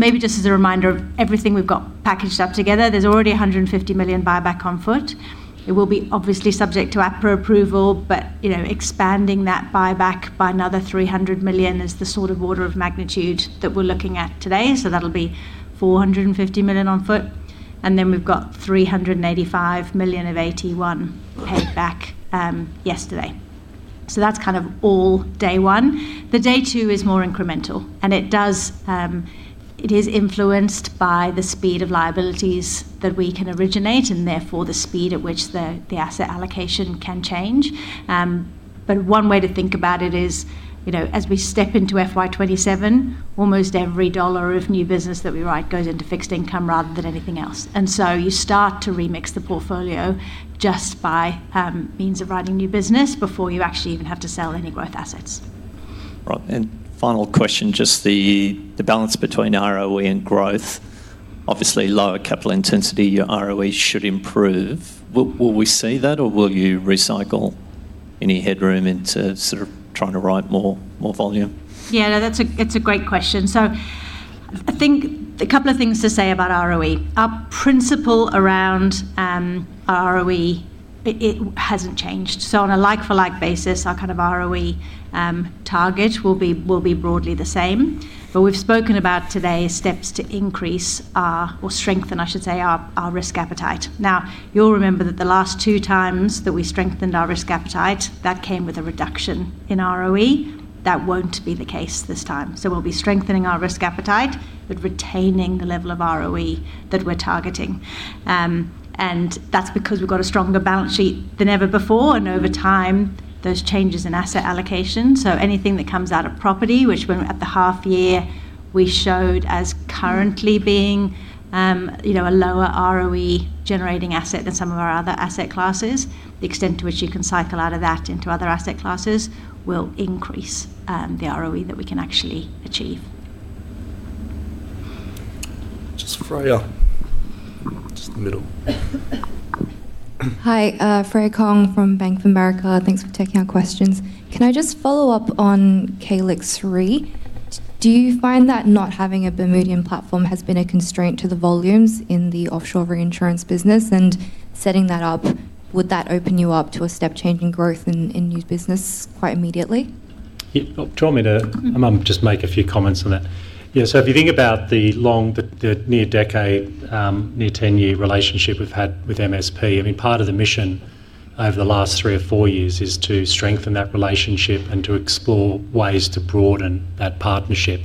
Maybe just as a reminder of everything we've got packaged up together, there's already 150 million buyback on foot. It will be obviously subject to APRA approval, but expanding that buyback by another 300 million is the sort of order of magnitude that we're looking at today. So that'll be 450 million on foot, and then we've got 385 million of AT1 paid back yesterday. So that's kind of all day one. The day two is more incremental, and it is influenced by the speed of liabilities that we can originate and therefore the speed at which the asset allocation can change. But one way to think about it is, as we step into FY 2027, almost every dollar of new business that we write goes into fixed income rather than anything else. You start to remix the portfolio just by means of writing new business before you actually even have to sell any growth assets. Right. Final question, just the balance between ROE and growth. Obviously lower capital intensity, your ROE should improve. Will we see that, or will you recycle any headroom into sort of trying to write more volume? Yeah, no, that's a great question. I think a couple of things to say about ROE. Our principle around our ROE, it hasn't changed. On a like-for-like basis, our kind of ROE target will be broadly the same. What we've spoken about today is steps to increase or strengthen, I should say, our risk appetite. You'll remember that the last two times that we strengthened our risk appetite, that came with a reduction in ROE. That won't be the case this time. We'll be strengthening our risk appetite, but retaining the level of ROE that we're targeting. That's because we've got a stronger balance sheet than ever before, and over time, those changes in asset allocation. Anything that comes out of property, which at the half year we showed as currently being a lower ROE-generating asset than some of our other asset classes, the extent to which you can cycle out of that into other asset classes will increase the ROE that we can actually achieve. Just Freya. Just the middle. Hi, Freya Kong from Bank of America. Thanks for taking our questions. Can I just follow up on Calix Re? Do you find that not having a Bermudian platform has been a constraint to the volumes in the offshore reinsurance business? Setting that up, would that open you up to a step change in growth in new business quite immediately? Do you want me to just make a few comments on that? Yeah, if you think about the near decade, near 10-year relationship we've had with MSP, part of the mission over the last three or four years is to strengthen that relationship and to explore ways to broaden that partnership.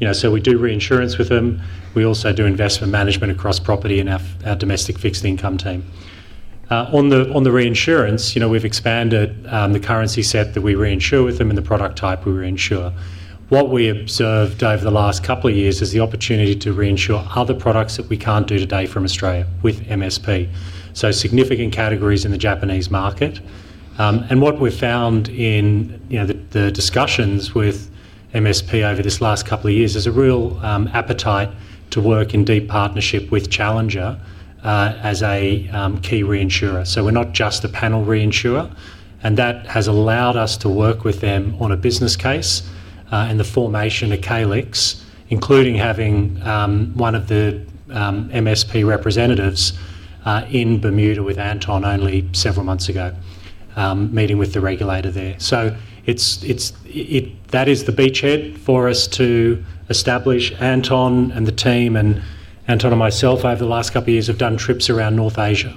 We do reinsurance with them. We also do investment management across property and our domestic fixed income team. On the reinsurance, we've expanded the currency set that we reinsure with them and the product type we reinsure. What we observed over the last couple of years is the opportunity to reinsure other products that we can't do today from Australia with MSP, so significant categories in the Japanese market. What we've found in the discussions with MSP over this last couple of years is a real appetite to work in deep partnership with Challenger as a key reinsurer. We're not just a panel reinsurer, and that has allowed us to work with them on a business case in the formation of Calix, including having one of the MSP representatives in Bermuda with Anton only several months ago, meeting with the regulator there. That is the beachhead for us to establish. Anton and the team, and Anton and myself over the last couple of years have done trips around North Asia.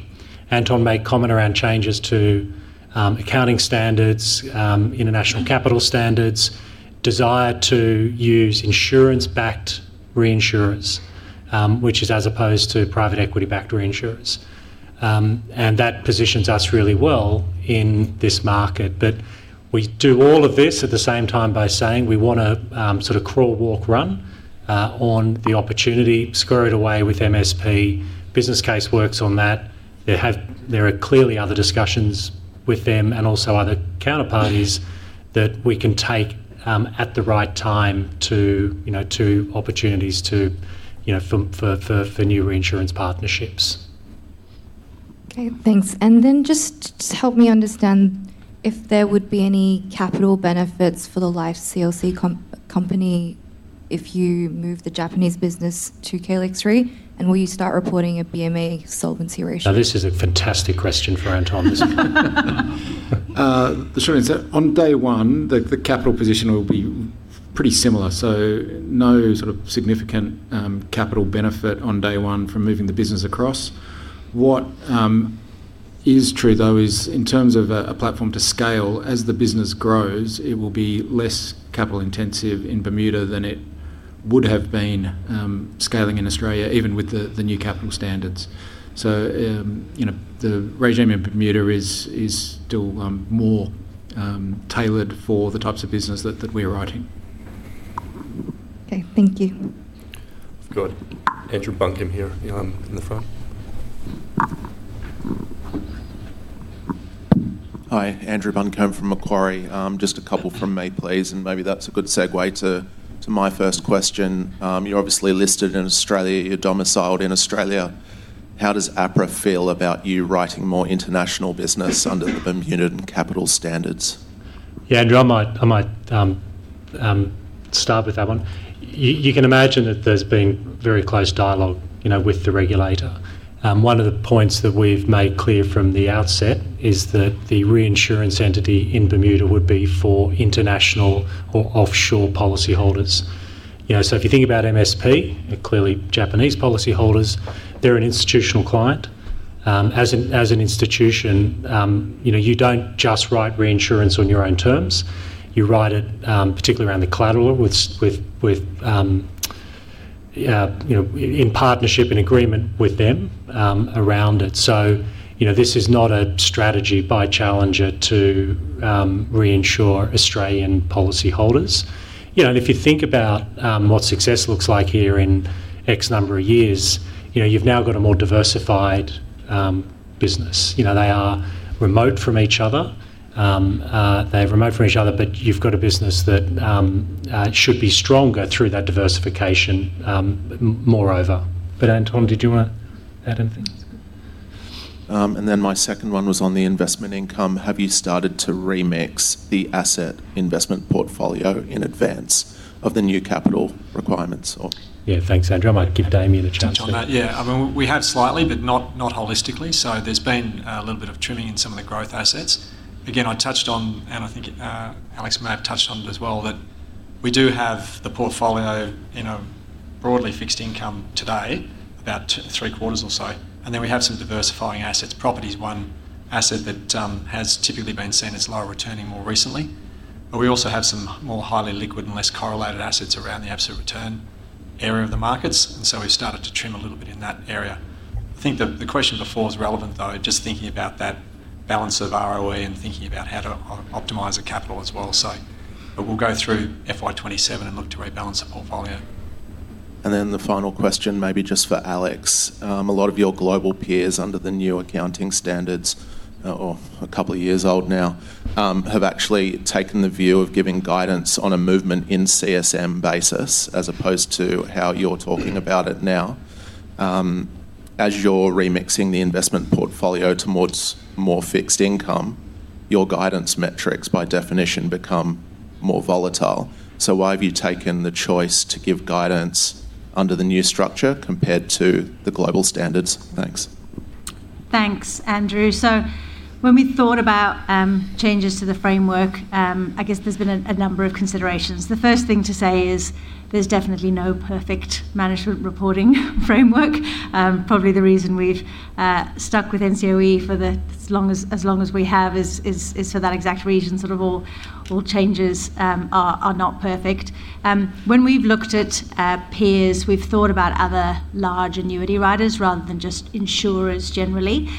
Anton made comment around changes to accounting standards, international capital standards, desire to use insurance-backed reinsurance, which is as opposed to private equity-backed reinsurance. That positions us really well in this market. We do all of this at the same time by saying we want to sort of crawl, walk, run on the opportunity, squirrel it away with MSP. Business case works on that. There are clearly other discussions with them and also other counterparties that we can take at the right time to opportunities for new reinsurance partnerships. Okay, thanks. Just to help me understand if there would be any capital benefits for the Life CLC company if you move the Japanese business to Calix Re, will you start reporting a BMA solvency ratio? This is a fantastic question for Anton. Sure. On day one, the capital position will be pretty similar, so no sort of significant capital benefit on day one from moving the business across. What is true, though, is in terms of a platform to scale, as the business grows, it will be less capital intensive in Bermuda than it would have been scaling in Australia, even with the new capital standards. The regime in Bermuda is still more tailored for the types of business that we're writing. Okay, thank you. Good. Andrew Buncombe here in the front. Hi. Andrew Buncombe from Macquarie. Just a couple from me, please, and maybe that's a good segue to my first question. You're obviously listed in Australia, you're domiciled in Australia. How does APRA feel about you writing more international business under the Bermudan capital standards? Yeah, Andrew, I might start with that one. You can imagine that there's been very close dialogue with the regulator. One of the points that we've made clear from the outset is that the reinsurance entity in Bermuda would be for international or offshore policyholders. If you think about MS Primary, they're clearly Japanese policyholders. They're an institutional client. As an institution, you don't just write reinsurance on your own terms. You write it particularly around the collateral in partnership and agreement with them around it. This is not a strategy by Challenger to reinsure Australian policyholders. If you think about what success looks like here in X number of years, you've now got a more diversified business. They are remote from each other, you've got a business that should be stronger through that diversification, moreover. Anton, did you want to add anything? My second one was on the investment income. Have you started to remix the asset investment portfolio in advance of the new capital requirements? Yeah, thanks, Andrew. I might give Damian a chance on that. Yeah, we have slightly, but not holistically. There's been a little bit of trimming in some of the growth assets. Again, I touched on, and I think Alex might have touched on it as well, that we do have the portfolio in a broadly fixed income today, about three quarters or so, and then we have some diversifying assets. Property is one asset that has typically been seen as lower returning more recently. We also have some more highly liquid and less correlated assets around the absolute return area of the markets, and so we've started to trim a little bit in that area. I think that the question before is relevant, though, just thinking about that balance of ROE and thinking about how to optimize the capital as well. We'll go through FY 2027 and look to rebalance the portfolio. The final question maybe just for Alex. A lot of your global peers under the new accounting standards, a couple of years old now, have actually taken the view of giving guidance on a movement in CSM basis as opposed to how you're talking about it now. As you're remixing the investment portfolio towards more fixed income, your guidance metrics by definition become more volatile. Why have you taken the choice to give guidance under the new structure compared to the global standards? Thanks. Thanks, Andrew. When we thought about changes to the framework, I guess there's been a number of considerations. The first thing to say is there's definitely no perfect management reporting framework. Probably the reason we've stuck with NCOE for as long as we have is for that exact reason. Sort of all changes are not perfect. When we've looked at peers, we've thought about other large annuity writers rather than just insurers generally.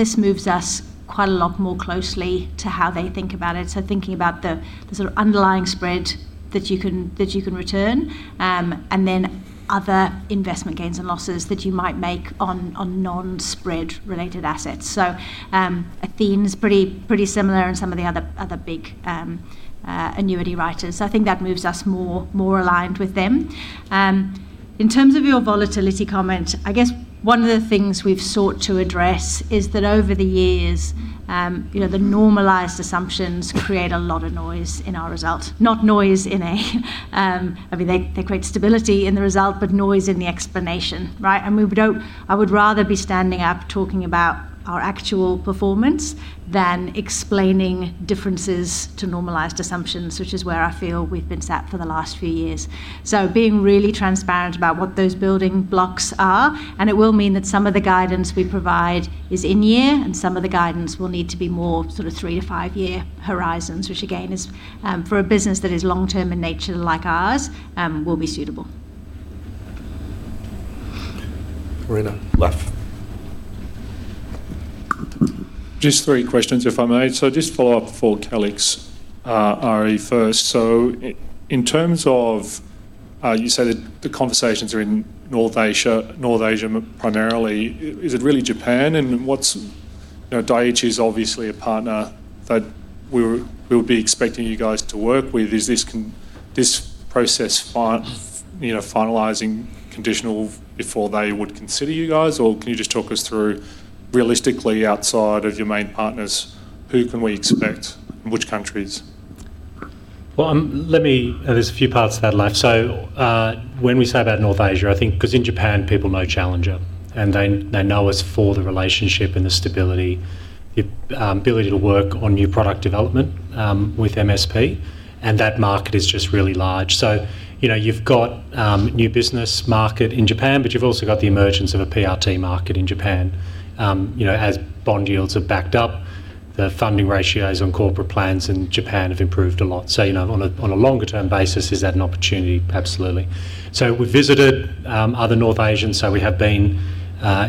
This moves us quite a lot more closely to how they think about it. Thinking about the sort of underlying spread that you can return, and then other investment gains and losses that you might make on non-spread related assets. A theme is pretty similar in some of the other big annuity writers. I think that moves us more aligned with them. In terms of your volatility comment, I guess one of the things we've sought to address is that over the years the normalized assumptions create a lot of noise in our results. Not noise in I mean, they create stability in the result, but noise in the explanation, right? I would rather be standing up talking about our actual performance than explaining differences to normalized assumptions, which is where I feel we've been sat for the last few years. Being really transparent about what those building blocks are, and it will mean that some of the guidance we provide is in year, and some of the guidance will need to be more sort of three or five-year horizons, which again, for a business that is long-term in nature like ours will be suitable. Corinna, Laf. Just three questions, if I may. Just follow up for Calix Re, first. In terms of, you say the conversations are in North Asia primarily. Is it really Japan? Dai-ichi is obviously a partner that we'll be expecting you guys to work with. Is this process finalizing conditional before they would consider you guys? Can you just talk us through realistically outside of your main partners, who can we expect and which countries? Well, there's a few parts to that, Laf. When we say about North Asia, I think because in Japan people know Challenger, and they know us for the relationship and the stability. The ability to work on new product development, with MS Primary, and that market is just really large. You've got new business market in Japan, but you've also got the emergence of a PRT market in Japan. As bond yields have backed up, the funding ratios on corporate plans in Japan have improved a lot. On a longer term basis, is that an opportunity? Absolutely. We've visited other North Asians. We have been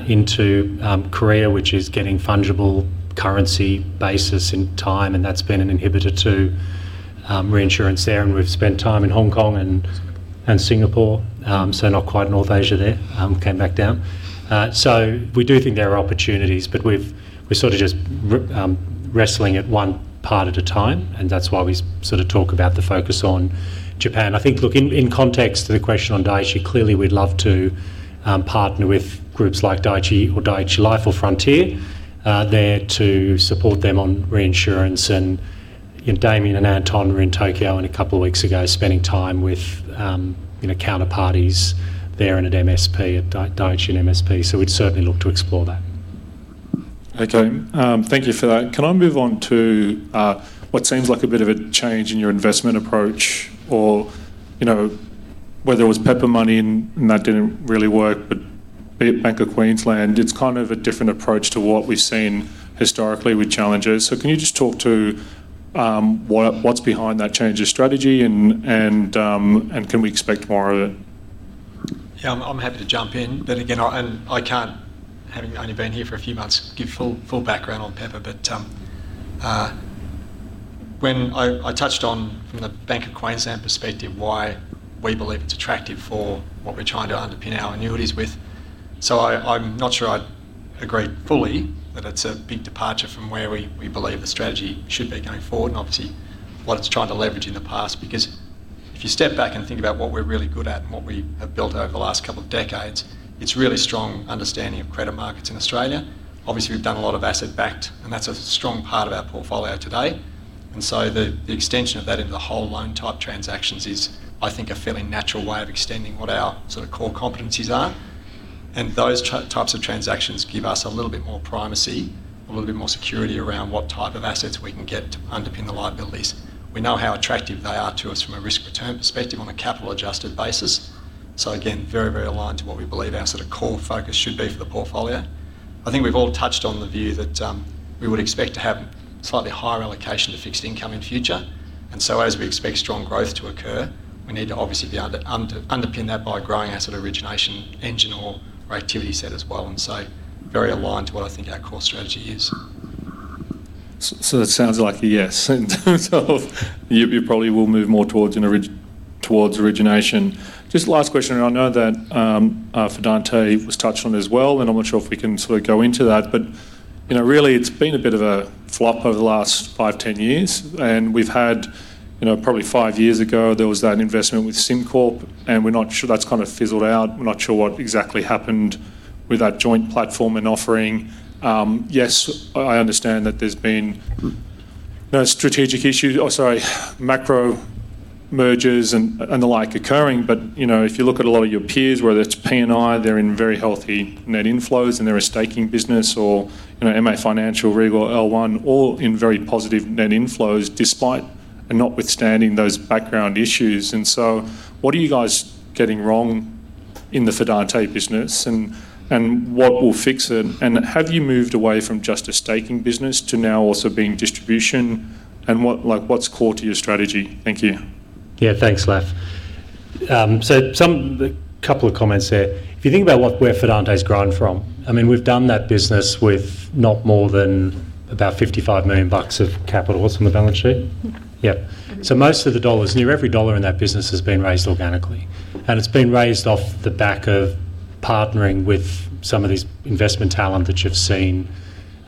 into Korea, which is getting fungible currency basis in time, and that's been an inhibitor to reinsurance there. We've spent time in Hong Kong and Singapore, so not quite North Asia there. Came back down. We do think there are opportunities, but we're sort of just wrestling it one part at a time, and that's why we sort of talk about the focus on Japan. I think, look, in context to the question on Dai-ichi, clearly we'd love to partner with groups like Dai-ichi or Dai-ichi Life, or Frontier there to support them on reinsurance. Damian and Anton were in Tokyo only a couple of weeks ago spending time with counterparties there and at MSP, at Dai-ichi and MSP. We'd certainly look to explore that. Okay. Thank you for that. Can I move on to what seems like a bit of a change in your investment approach or whether it was Pepper Money and that didn't really work, but be it Bank of Queensland, it's kind of a different approach to what we've seen historically with Challenger. Can you just talk to what's behind that change of strategy and can we expect more of it? Yeah, I'm happy to jump in, but again, I can't, having only been here for a few months, give full background on Pepper. When I touched on from the Bank of Queensland perspective why we believe it's attractive for what we're trying to underpin our annuities with. I'm not sure I'd agree fully that it's a big departure from where we believe the strategy should be going forward and obviously what it's tried to leverage in the past. If you step back and think about what we're really good at and what we have built over the last couple of decades, it's really strong understanding of credit markets in Australia. Obviously, we've done a lot of asset backed, and that's a strong part of our portfolio today. The extension of that into whole loan type transactions is, I think, a fairly natural way of extending what our sort of core competencies are. Those types of transactions give us a little bit more privacy, a little bit more security around what type of assets we can get to underpin the liabilities. We know how attractive they are to us from a risk return perspective on a capital adjusted basis. Again, very aligned to what we believe our sort of core focus should be for the portfolio. I think we've all touched on the view that we would expect to have slightly higher allocation to fixed income in future. As we expect strong growth to occur, we need to obviously be able to underpin that by growing our sort of origination engine or activity set as well, very aligned to what I think our core strategy is. It sounds like a yes, in terms of you probably will move more towards origination. Just last question. I know that for Fidante it was touched on as well, and I'm not sure if we can sort of go into that. Really, it's been a bit of a flop over the last five, 10 years. We've had probably five years ago there was that investment with SimCorp, and that's kind of fizzled out. We're not sure what exactly happened with that joint platform and offering. I understand that there's been no strategic issues, sorry, macro mergers and the like occurring. If you look at a lot of your peers, whether it's PNI, they're in very healthy net inflows and they're a staking business, or MA Financial, Regal L1, all in very positive net inflows despite and notwithstanding those background issues. What are you guys getting wrong in the Fidante business and what will fix it? Have you moved away from just a staking business to now also being distribution? What's core to your strategy? Thank you. Yeah, thanks, Laf. A couple of comments there. If you think about where Fidante's grown from, we've done that business with not more than about 55 million bucks of capital on some balance sheet. Most of the dollars, near every dollar in that business has been raised organically, and it's been raised off the back of partnering with some of this investment talent that you've seen,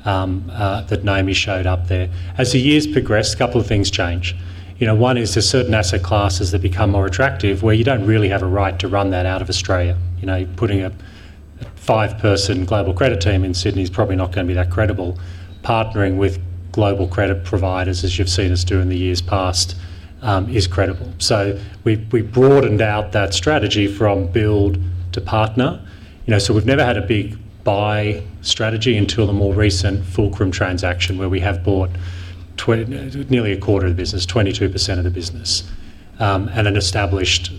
that Naomi showed up there. As the years progress, a couple of things change. One is there's certain asset classes that become more attractive, where you don't really have a right to run that out of Australia. You putting a five-person global credit team in Sydney is probably not going to be that credible. Partnering with global credit providers, as you've seen us do in the years past, is credible. We broadened out that strategy from build to partner. We've never had a big buy strategy until the more recent Fulcrum transaction where we have bought nearly a quarter of the business, 22% of the business, and an established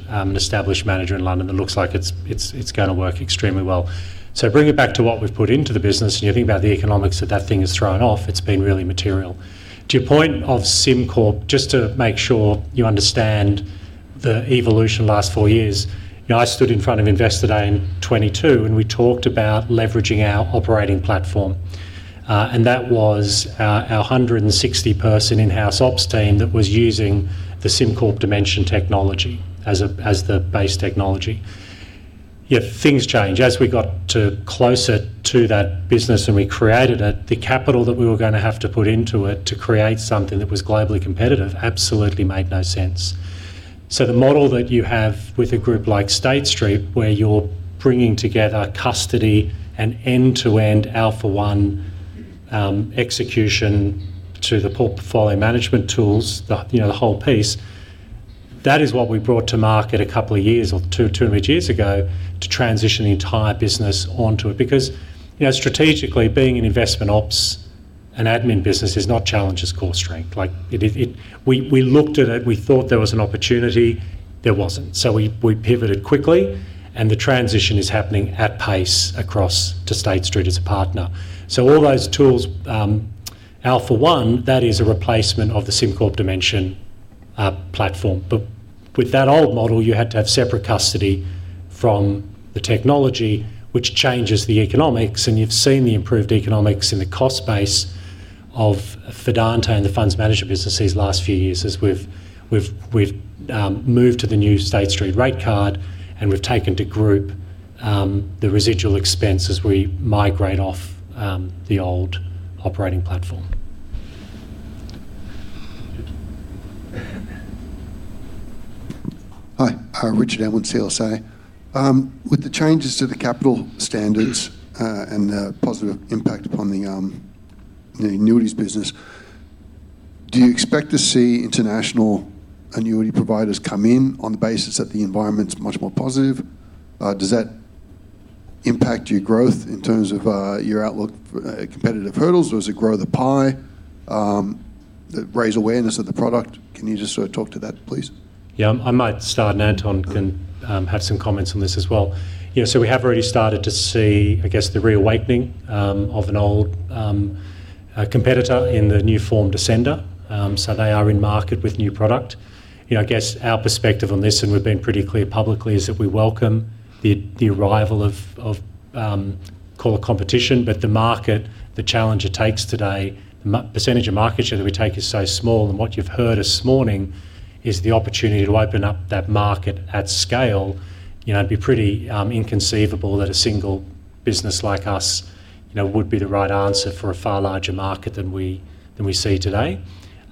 manager in London that looks like it's going to work extremely well. Bring it back to what we've put into the business, and you think about the economics that thing has thrown off, it's been really material. To your point of SimCorp, just to make sure you understand the evolution of the last four years, I stood in front of Investor Day in 2022, and we talked about leveraging our operating platform. That was our 160-person in-house ops team that was using the SimCorp Dimension technology as the base technology. Yet things change. As we got closer to that business and we created it, the capital that we were going to have to put into it to create something that was globally competitive absolutely made no sense. The model that you have with a group like State Street, where you're bringing together custody and end-to-end Alpha One execution to the portfolio management tools, the whole piece, that is what we brought to market a couple of years, or two and a bit years ago, to transition the entire business onto it. Strategically, being an investment ops and admin business is not Challenger's core strength. We looked at it, we thought there was an opportunity, there wasn't. We pivoted quickly, and the transition is happening at pace across to State Street as a partner. All those tools, Alpha One, that is a replacement of the SimCorp Dimension platform. With that old model, you had to have separate custody from the technology, which changes the economics, and you've seen the improved economics in the cost base of Fidante and the funds management business these last few years as we've moved to the new State Street rate card and we've taken to group the residual expense as we migrate off the old operating platform. Hi, Richard Amland with CLSA. With the changes to the capital standards, and the positive impact upon the annuities business, do you expect to see international annuity providers come in on the basis that the environment's much more positive? Does that impact your growth in terms of your outlook for competitive hurdles? Does it grow the pie, raise awareness of the product? Can you just sort of talk to that, please? I might start, and Anton can have some comments on this as well. We have already started to see, I guess, the reawakening of an old competitor in the new form Ascender. They are in market with new product. I guess our perspective on this, and we've been pretty clear publicly, is that we welcome the arrival of core competition, but the market, Challenger takes today, the percentage of market share that we take is so small, and what you've heard this morning is the opportunity to open up that market at scale. It'd be pretty inconceivable that a single business like us would be the right answer for a far larger market than we see today.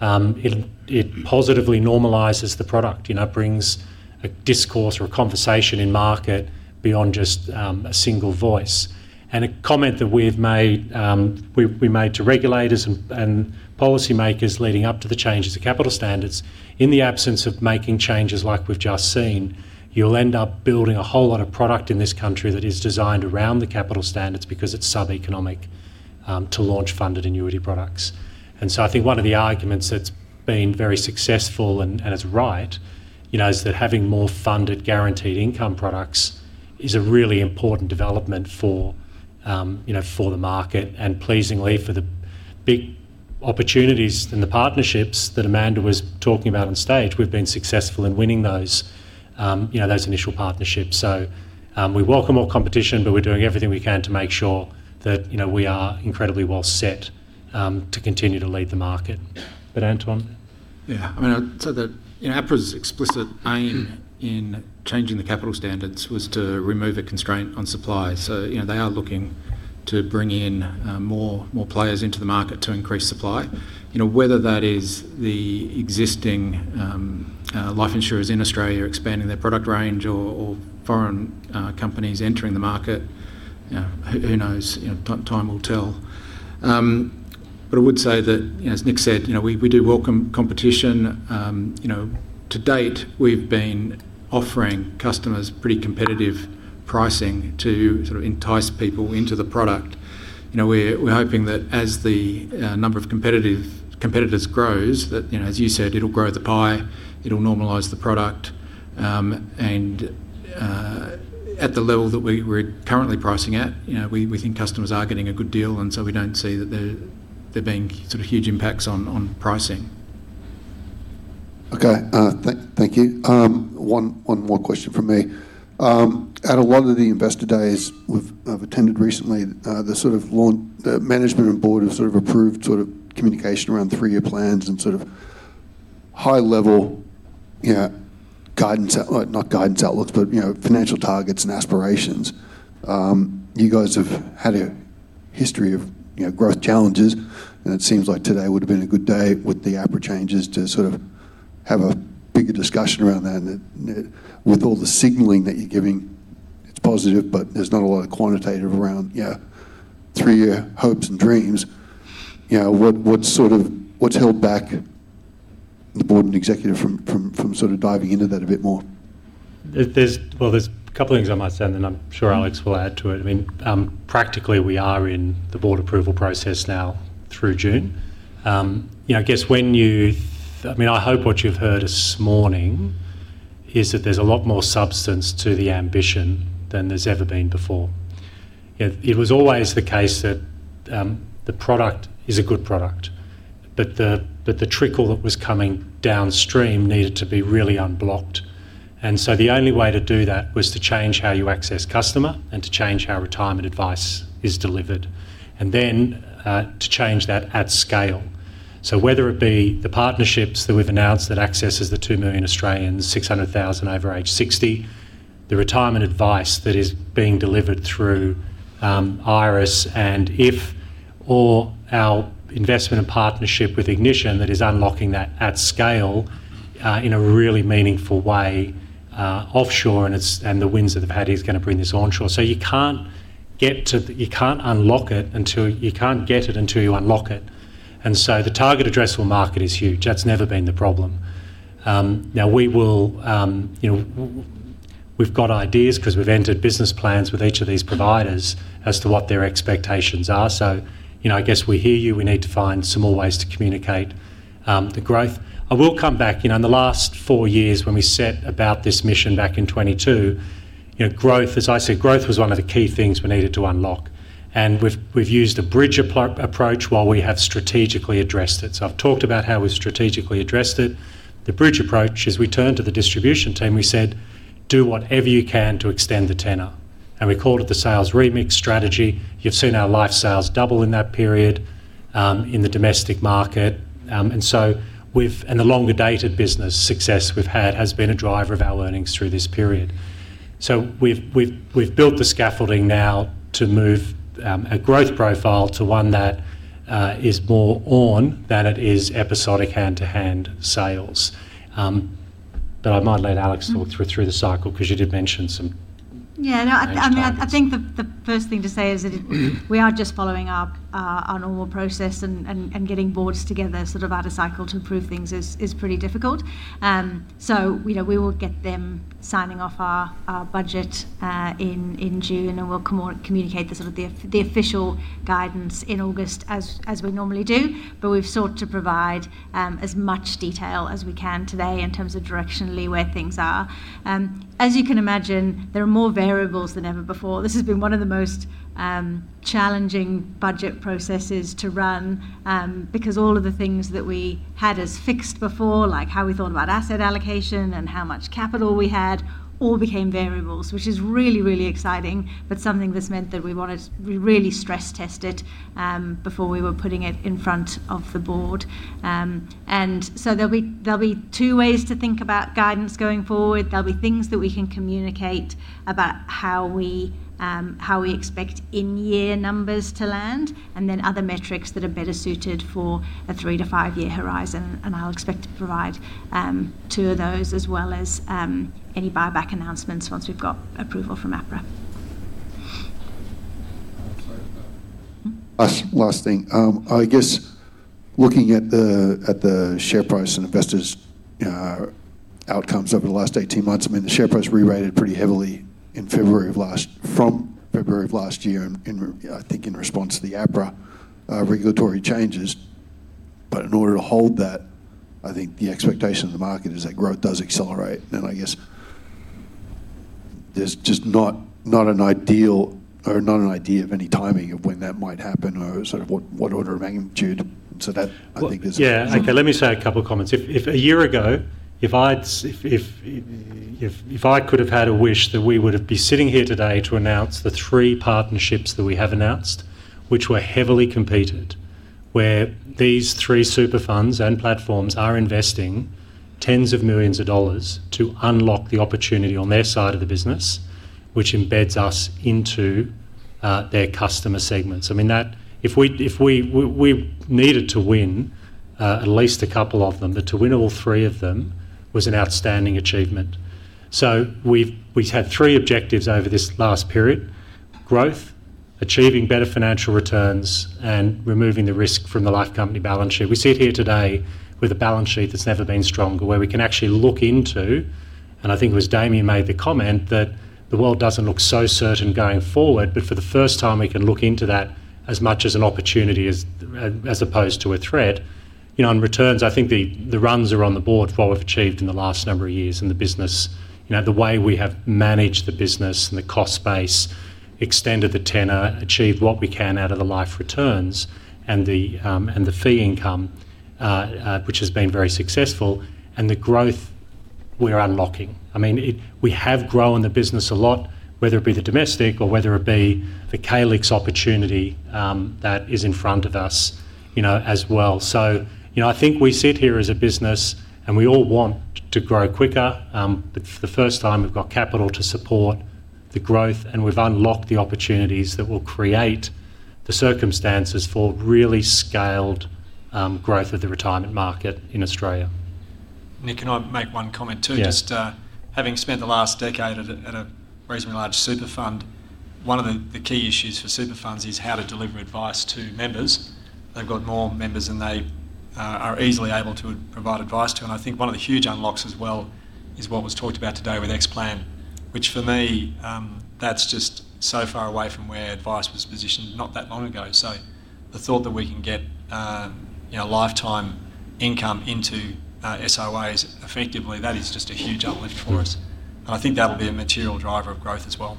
It positively normalizes the product, brings a discourse or a conversation in market beyond just a single voice. A comment that we've made to regulators and policymakers leading up to the changes to capital standards, in the absence of making changes like we've just seen, you'll end up building a whole lot of product in this country that is designed around the capital standards because it's sub-economic to launch funded annuity products. I think one of the arguments that's been very successful and as right, is that having more funded guaranteed income products is a really important development for the market and pleasingly for the big opportunities and the partnerships that Amanda was talking about on stage. We've been successful in winning those initial partnerships. We welcome more competition, but we're doing everything we can to make sure that we are incredibly well set to continue to lead the market. Anton? APRA's explicit aim in changing the capital standards was to remove the constraint on supply. They are looking to bring in more players into the market to increase supply. Whether that is the existing life insurers in Australia expanding their product range or foreign companies entering the market, who knows? Time will tell, I would say that, as Nick said, we do welcome competition. To date, we've been offering customers pretty competitive pricing to entice people into the product. We're hoping that as the number of competitors grows, that, as you said, it'll grow the pie, it'll normalize the product. At the level that we're currently pricing at, we think customers are getting a good deal, and so we don't see there being huge impacts on pricing. Okay. Thank you. One more question from me. Out of all of the investor days we've attended recently, the management board have approved communication around three-year plans and high level, not guidance outlets, but financial targets and aspirations. You guys have had a history of growth challenges, and it seems like today would've been a good day with the APRA changes to have a bigger discussion around that. With all the signaling that you're giving, it's positive, but there's not a lot of quantitative around your three-year hopes and dreams. What's held back the board and executive from diving into that a bit more? There's a couple things I might say, and then I'm sure Alex will add to it. Practically, we are in the board approval process now through June. I hope what you've heard this morning is that there's a lot more substance to the ambition than there's ever been before. It was always the case that the product is a good product, but the trickle that was coming downstream needed to be really unblocked. The only way to do that was to change how you access customer and to change how retirement advice is delivered, and then, to change that at scale. Whether it be the partnerships that we've announced that accesses the 2 million Australians, 600,000 over age 60, the retirement advice that is being delivered through Iress and if, our investment partnership with Ignition that is unlocking that at scale in a really meaningful way offshore, and the winds of the paddy's going to bring this onshore. You can't get it until you unlock it. The target addressable market is huge. That's never been the problem. We've got ideas because we've entered business plans with each of these providers as to what their expectations are. I guess we hear you. We need to find some more ways to communicate the growth. I will come back. In the last four years, when we set about this mission back in 2022, as I said, growth was one of the key things we needed to unlock. We've used a bridge approach while we have strategically addressed it. I've talked about how we strategically addressed it. The bridge approach is we turned to the distribution team, we said, "Do whatever you can to extend the tenor." We called it the sales remix strategy. You've seen our life sales double in that period, in the domestic market. The longer dated business success we've had, has been a driver of our earnings through this period. We've built the scaffolding now to move a growth profile to one that is more on than it is episodic hand-to-hand sales. I might let Alex talk through the cycle because you did mention some. I think the first thing to say is that we are just following our normal process, and getting boards together out of cycle to approve things is pretty difficult. We will get them signing off our budget, in June, and we'll communicate the official guidance in August as we normally do. We've sought to provide as much detail as we can today in terms of directionally where things are. As you can imagine, there are more variables than ever before. This has been one of the most challenging budget processes to run, because all of the things that we had as fixed before, like how we thought about asset allocation and how much capital we had, all became variables, which is really, really exciting. Something that we really stress-tested, before we were putting it in front of the board. There'll be two ways to think about guidance going forward. There'll be things that we can communicate about how we expect in-year numbers to land, and then other metrics that are better suited for a three to five-year horizon. I'll expect to provide two of those as well as, any buyback announcements once we've got approval from APRA. Last thing. I guess looking at the share price and investors' outcomes over the last 18 months, the share price rerated pretty heavily from February of last year, I think in response to the APRA regulatory changes. In order to hold that, I think the expectation of the market is that growth does accelerate. I guess there's just not an idea of any timing of when that might happen or what order of magnitude to that. Yeah. Okay. Let me say a couple of comments. If a year ago, if I could have had a wish that we would be sitting here today to announce the three partnerships that we have announced, which were heavily competed, where these three super funds and platforms are investing tens of millions of dollars to unlock the opportunity on their side of the business, which embeds us into their customer segments. We needed to win at least a couple of them. To win all three of them was an outstanding achievement. We've had three objectives over this last period, growth, achieving better financial returns and removing the risk from the life company balance sheet. We sit here today with a balance sheet that's never been stronger, where we can actually look into, and I think it was Damian who made the comment, that the world doesn't look so certain going forward, but for the first time, we can look into that as much as an opportunity as opposed to a threat. On returns, I think the runs are on the board for what we've achieved in the last number of years in the business. The way we have managed the business and the cost base, extended the tenor, achieved what we can out of the life returns, and the fee income, which has been very successful, and the growth we're unlocking. We have grown the business a lot, whether it be the domestic or whether it be the Calix opportunity that is in front of us as well. I think we sit here as a business, and we all want to grow quicker. For the first time, we've got capital to support the growth, and we've unlocked the opportunities that will create the circumstances for really scaled growth of the retirement market in Australia. Nick, can I make one comment, too? Yes. Just having spent the last decade at a reasonably large super fund, one of the key issues for super funds is how to deliver advice to members. They've got more members than they are easily able to provide advice to. I think one of the huge unlocks as well is what was talked about today with Xplan, which for me, that's just so far away from where advice was positioned not that long ago. The thought that we can get lifetime income into SOAs effectively, that is just a huge uplift for us. I think that'll be a material driver of growth as well.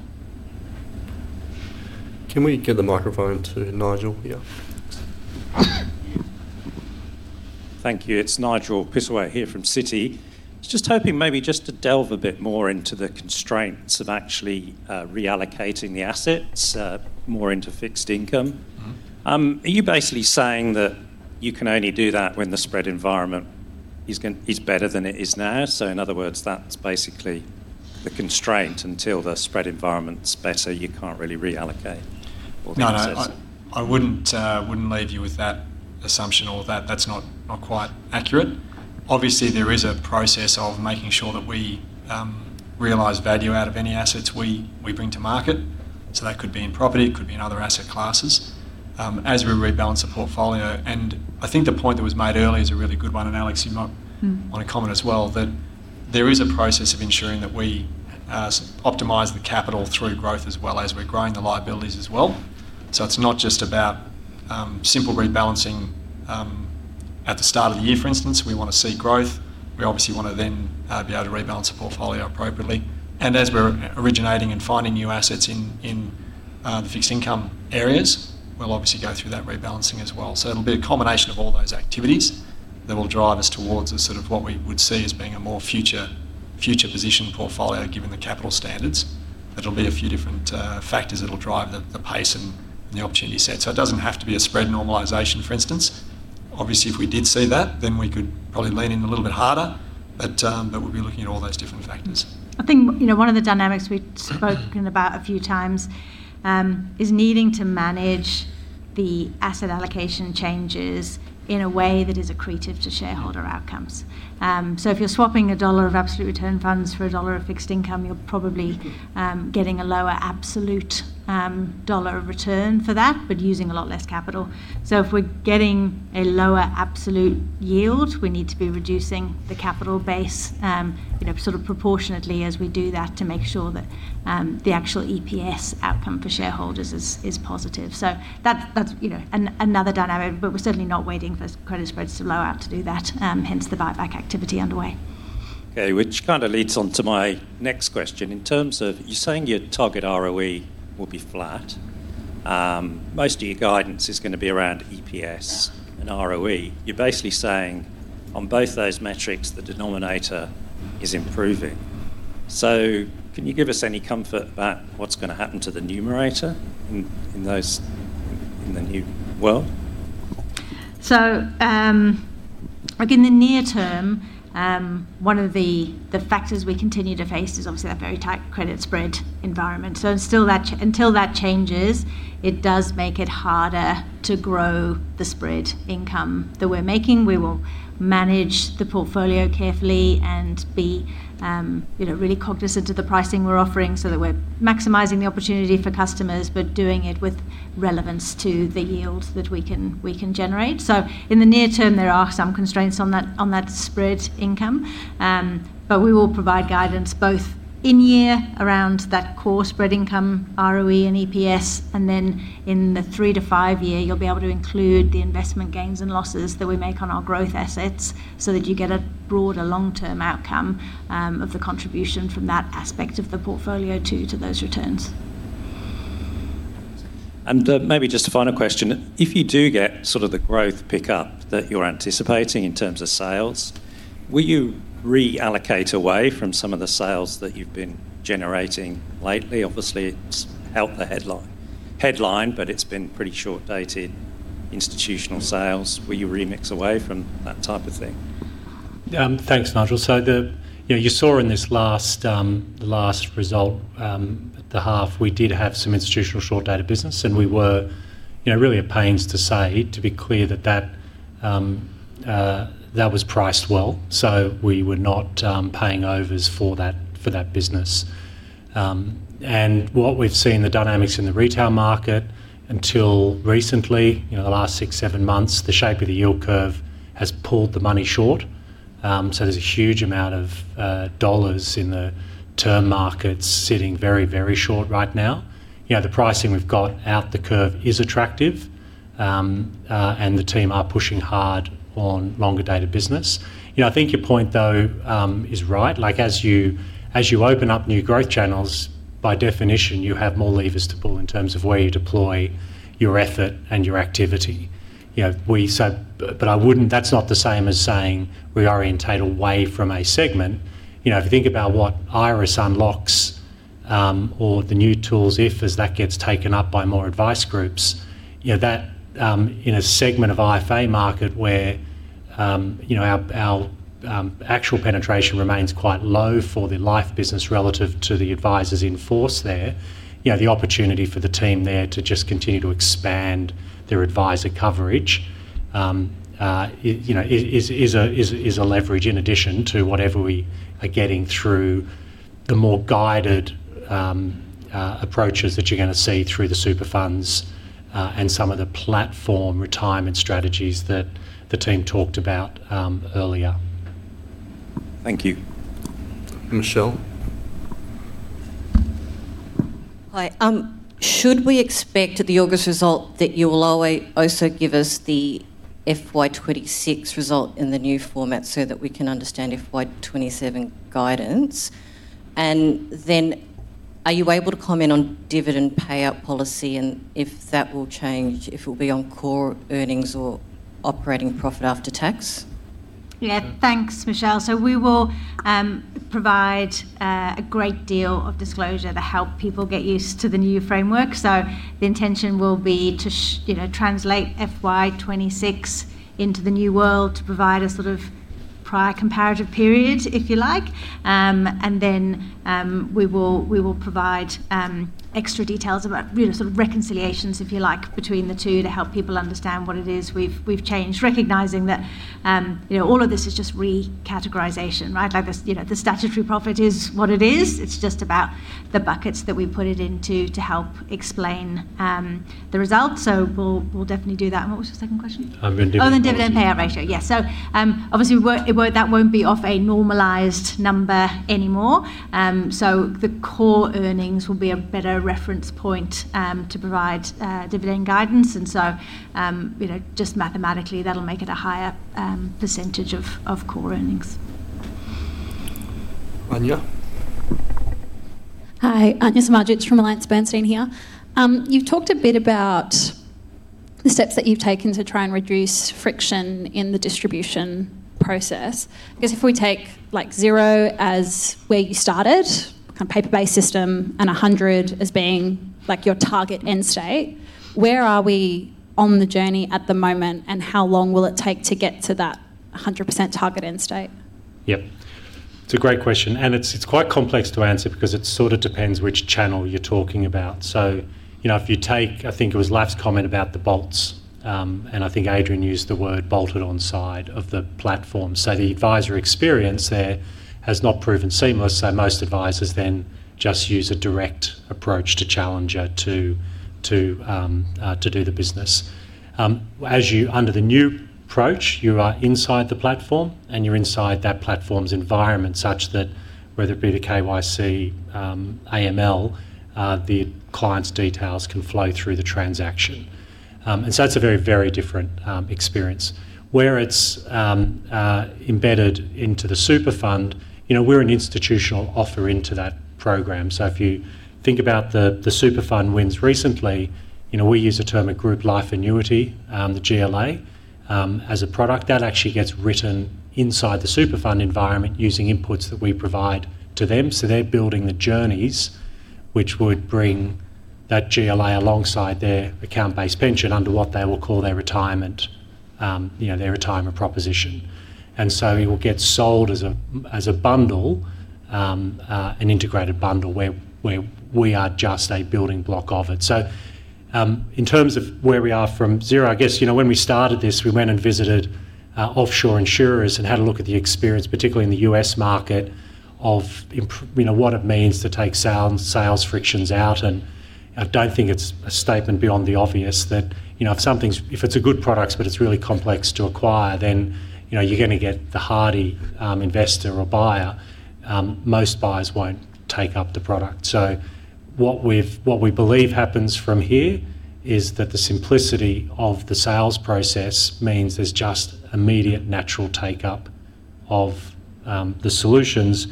Can we give the microphone to Nigel? Yeah. Thank you. It is Nigel Pittaway here from Citi. Just hoping maybe to delve a bit more into the constraints of actually reallocating the assets more into fixed income. Are you basically saying that you can only do that when the spread environment is better than it is now? In other words, that is basically the constraint until the spread environment is better, you cannot really reallocate the assets. No. I wouldn't leave you with that assumption or that. That's not quite accurate. Obviously, there is a process of making sure that we realize value out of any assets we bring to market. That could be in property, it could be in other asset classes, as we rebalance the portfolio. I think the point that was made earlier is a really good one, and Alex, you might want to comment as well, that there is a process of ensuring that we optimize the capital through growth as well as we're growing the liabilities as well. It's not just about simple rebalancing at the start of the year, for instance. We want to see growth. We obviously want to then be able to rebalance the portfolio appropriately. As we're originating and finding new assets in fixed income areas, we'll obviously go through that rebalancing as well. It'll be a combination of all those activities that will drive us towards what we would see as being a more future positioned portfolio, given the capital standards. There'll be a few different factors that'll drive the pace and the opportunity set. It doesn't have to be a spread normalization, for instance. Obviously, if we did see that, then we could probably lean in a little bit harder, but we'll be looking at all those different factors. I think one of the dynamics we've spoken about a few times is needing to manage the asset allocation changes in a way that is accretive to shareholder outcomes. If you're swapping AUD 1 of absolute return funds for AUD 1 of fixed income, you're probably getting a lower absolute dollar of return for that, but using a lot less capital. If we're getting a lower absolute yield, we need to be reducing the capital base proportionately as we do that to make sure that the actual EPS outcome for shareholders is positive. That's another dynamic, but we're certainly not waiting for spreads to blow out to do that, hence the buyback activity underway. Okay, which kind of leads on to my next question. In terms of you saying your target ROE will be flat. Most of your guidance is going to be around EPS and ROE. You're basically saying on both those metrics, the denominator is improving. Can you give us any comfort about what's going to happen to the numerator in the new world? Look, in the near term, one of the factors we continue to face is obviously that very tight credit spread environment. Until that changes, it does make it harder to grow the spread income that we're making. We will manage the portfolio carefully and be really cognizant of the pricing we're offering so that we're maximizing the opportunity for customers, but doing it with relevance to the yields that we can generate. In the near term, there are some constraints on that spread income. We will provide guidance both in year around that core spread income, ROE, and EPS, and then in the three to five year, you'll be able to include the investment gains and losses that we make on our growth assets so that you get a broader long-term outcome of the contribution from that aspect of the portfolio too to those returns. Maybe just a final question. If you do get sort of the growth pickup that you're anticipating in terms of sales, will you reallocate away from some of the sales that you've been generating lately? Obviously, it's helped the headline, but it's been pretty short-dated institutional sales. Will you remix away from that type of thing? Thanks, Nigel. You saw in this last result, the half, we did have some institutional short-dated business, and we were. Really at pains to say, to be clear that was priced well. We were not paying overs for that business. What we've seen, the dynamics in the retail market until recently, the last six, seven months, the shape of the yield curve has pulled the money short. There's a huge amount of dollars in the term markets sitting very short right now. The pricing we've got out the curve is attractive, and the team are pushing hard on longer dated business. I think your point, though, is right. As you open up new growth channels, by definition, you have more levers to pull in terms of where you deploy your effort and your activity. That's not the same as saying we orientate away from a segment. If you think about what Iress unlocks, or the new tools, if as that gets taken up by more advice groups, in a segment of IFA market where our actual penetration remains quite low for the life business relative to the advisers in force there, the opportunity for the team there to just continue to expand their adviser coverage, is a leverage in addition to whatever we are getting through the more guided approaches that you're going to see through the super funds and some of the platform retirement strategies that the team talked about earlier. Thank you. Michelle? Hi. Should we expect at the August result that you will also give us the FY 2026 result in the new format so that we can understand FY 2027 guidance? Are you able to comment on dividend payout policy and if that will change, if it'll be on core earnings or operating profit after tax? Yeah. Thanks, Michelle. We will provide a great deal of disclosure to help people get used to the new framework. The intention will be to translate FY 2026 into the new world to provide a sort of prior comparative period, if you like. Then, we will provide extra details about real sort of reconciliations, if you like, between the two to help people understand what it is we've changed, recognizing that all of this is just recategorization, right? The statutory profit is what it is. It's just about the buckets that we put it into to help explain the results. We'll definitely do that. What was the second question? The dividend. The dividend payout ratio. Obviously that won't be off a normalized number anymore. The core earnings will be a better reference point to provide dividend guidance. Just mathematically, that'll make it a higher percentage of core earnings. Anja? Hi, this is Samardzic from AllianceBernstein here. You've talked a bit about the steps that you've taken to try and reduce friction in the distribution process. If we take zero as where you started, a paper-based system, and 100% as being your target end state, where are we on the journey at the moment, and how long will it take to get to that 100% target end state? Yeah. It's a great question, and it's quite complex to answer because it sort of depends which channel you're talking about. If you take, I think it was Laf's comment about the bolts, and I think Adrian used the word bolted on side of the platform. The adviser experience there has not proven seamless, so most advisers then just use a direct approach to Challenger to do the business. Under the new approach, you are inside the platform, and you're inside that platform's environment such that whether it be the KYC, AML, the client's details can flow through the transaction. That's a very different experience. Where it's embedded into the super fund, we're an institutional offer into that program. If you think about the super fund wins recently, we use a term, a group life annuity, the GLA, as a product. That actually gets written inside the super fund environment using inputs that we provide to them. They're building the journeys which would bring that GLA alongside their account-based pension under what they will call their retirement proposition. It will get sold as an integrated bundle where we are just a building block of it. In terms of where we are from zero, I guess when we started this, we went and visited offshore insurers and had a look at the experience, particularly in the U.S. market of what it means to take sales frictions out, and I don't think it's a statement beyond the obvious that if it's a good product, but it's really complex to acquire, then you're going to get the hardy investor or buyer. Most buyers won't take up the product. What we believe happens from here is that the simplicity of the sales process means there's just immediate natural take-up of the solutions.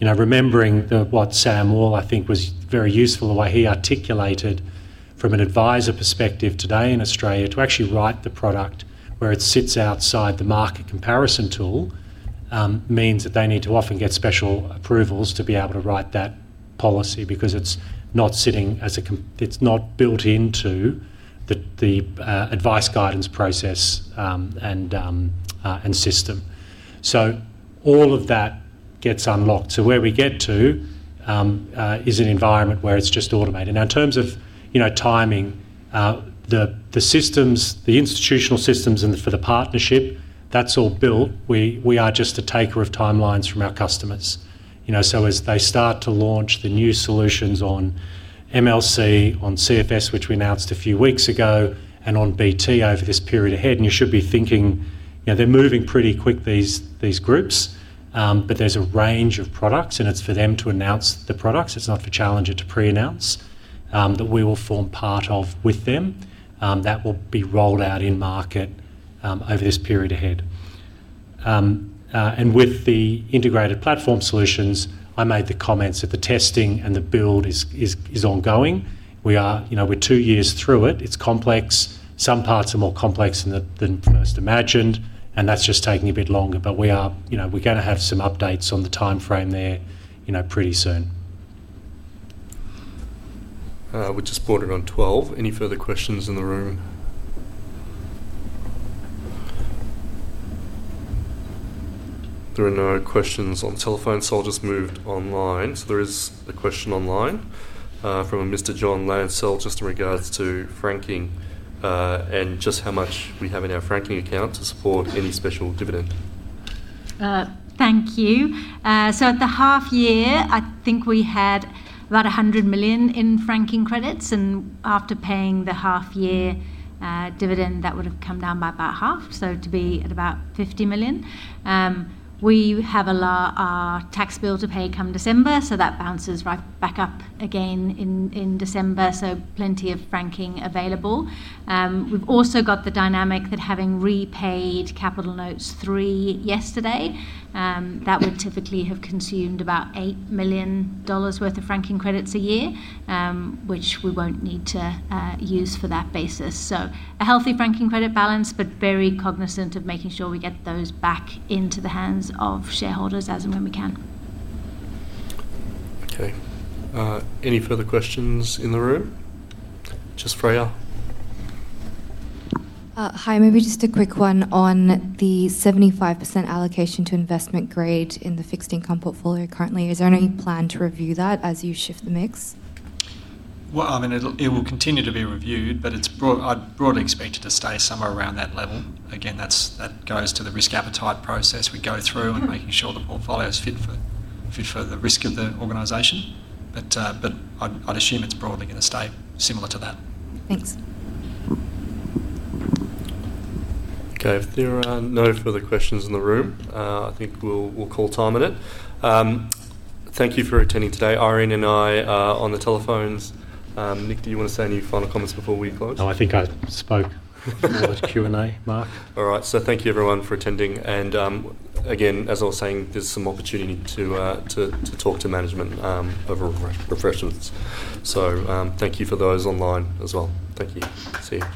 Remembering what Sam or I think was very useful, the way he articulated from an adviser perspective today in Australia to actually write the product where it sits outside the market comparison tool, means that they need to often get special approvals to be able to write that policy because it's not built into the advice guidance process and system. All of that gets unlocked. Where we get to is an environment where it's just automated. In terms of timing, the institutional systems and for the partnership, that's all built. We are just a taker of timelines from our customers. As they start to launch the new solutions on MLC, on CFS, which we announced a few weeks ago, and on BT over this period ahead, and you should be thinking they're moving pretty quick, these groups. There's a range of products, and it's for them to announce the products. It's not for Challenger to pre-announce, that we will form part of with them, that will be rolled out in market over this period ahead. With the integrated platform solutions, I made the comments that the testing and the build is ongoing. We're two years through it. It's complex. Some parts are more complex than first imagined, and that's just taking a bit longer. We're going to have some updates on the timeframe there pretty soon. We're just spotted on 12. Any further questions in the room? There are no questions on telephone, so I'll just move online. There is a question online from a Mr. John Lansel just in regards to franking and just how much we have in our franking account to support any special dividend. Thank you. At the half year, I think we had about 100 million in franking credits, and after paying the half year dividend, that would have come down by about half, to be at about 50 million. We have a tax bill to pay come December. That balances right back up again in December. Plenty of franking available. We've also got the dynamic of having repaid Capital Notes 3 yesterday. That would typically have consumed about 8 million dollars worth of franking credits a year, which we won't need to use for that basis. A healthy franking credit balance, but very cognizant of making sure we get those back into the hands of shareholders as and when we can. Okay. Any further questions in the room? Ms Freya. Hi, maybe just a quick one on the 75% allocation to investment grade in the fixed income portfolio currently. Is there any plan to review that as you shift the mix? Well, it will continue to be reviewed, I'd broadly expect it to stay somewhere around that level. Again, that goes to the risk appetite process we go through and making sure the portfolio's fit for the risk of the organization. I'd assume it's broadly going to stay similar to that. Thanks. Okay. If there are no further questions in the room, I think we'll call time on it. Thank you for attending today. Irene and I on the telephones. Nick, do you want to say any final comments before we close? No, I think I spoke throughout the Q&A, Mark. All right. Thank you everyone for attending. Again, as I was saying, there's some opportunity to talk to management over refreshments. Thank you for those online as well. Thank you. See you.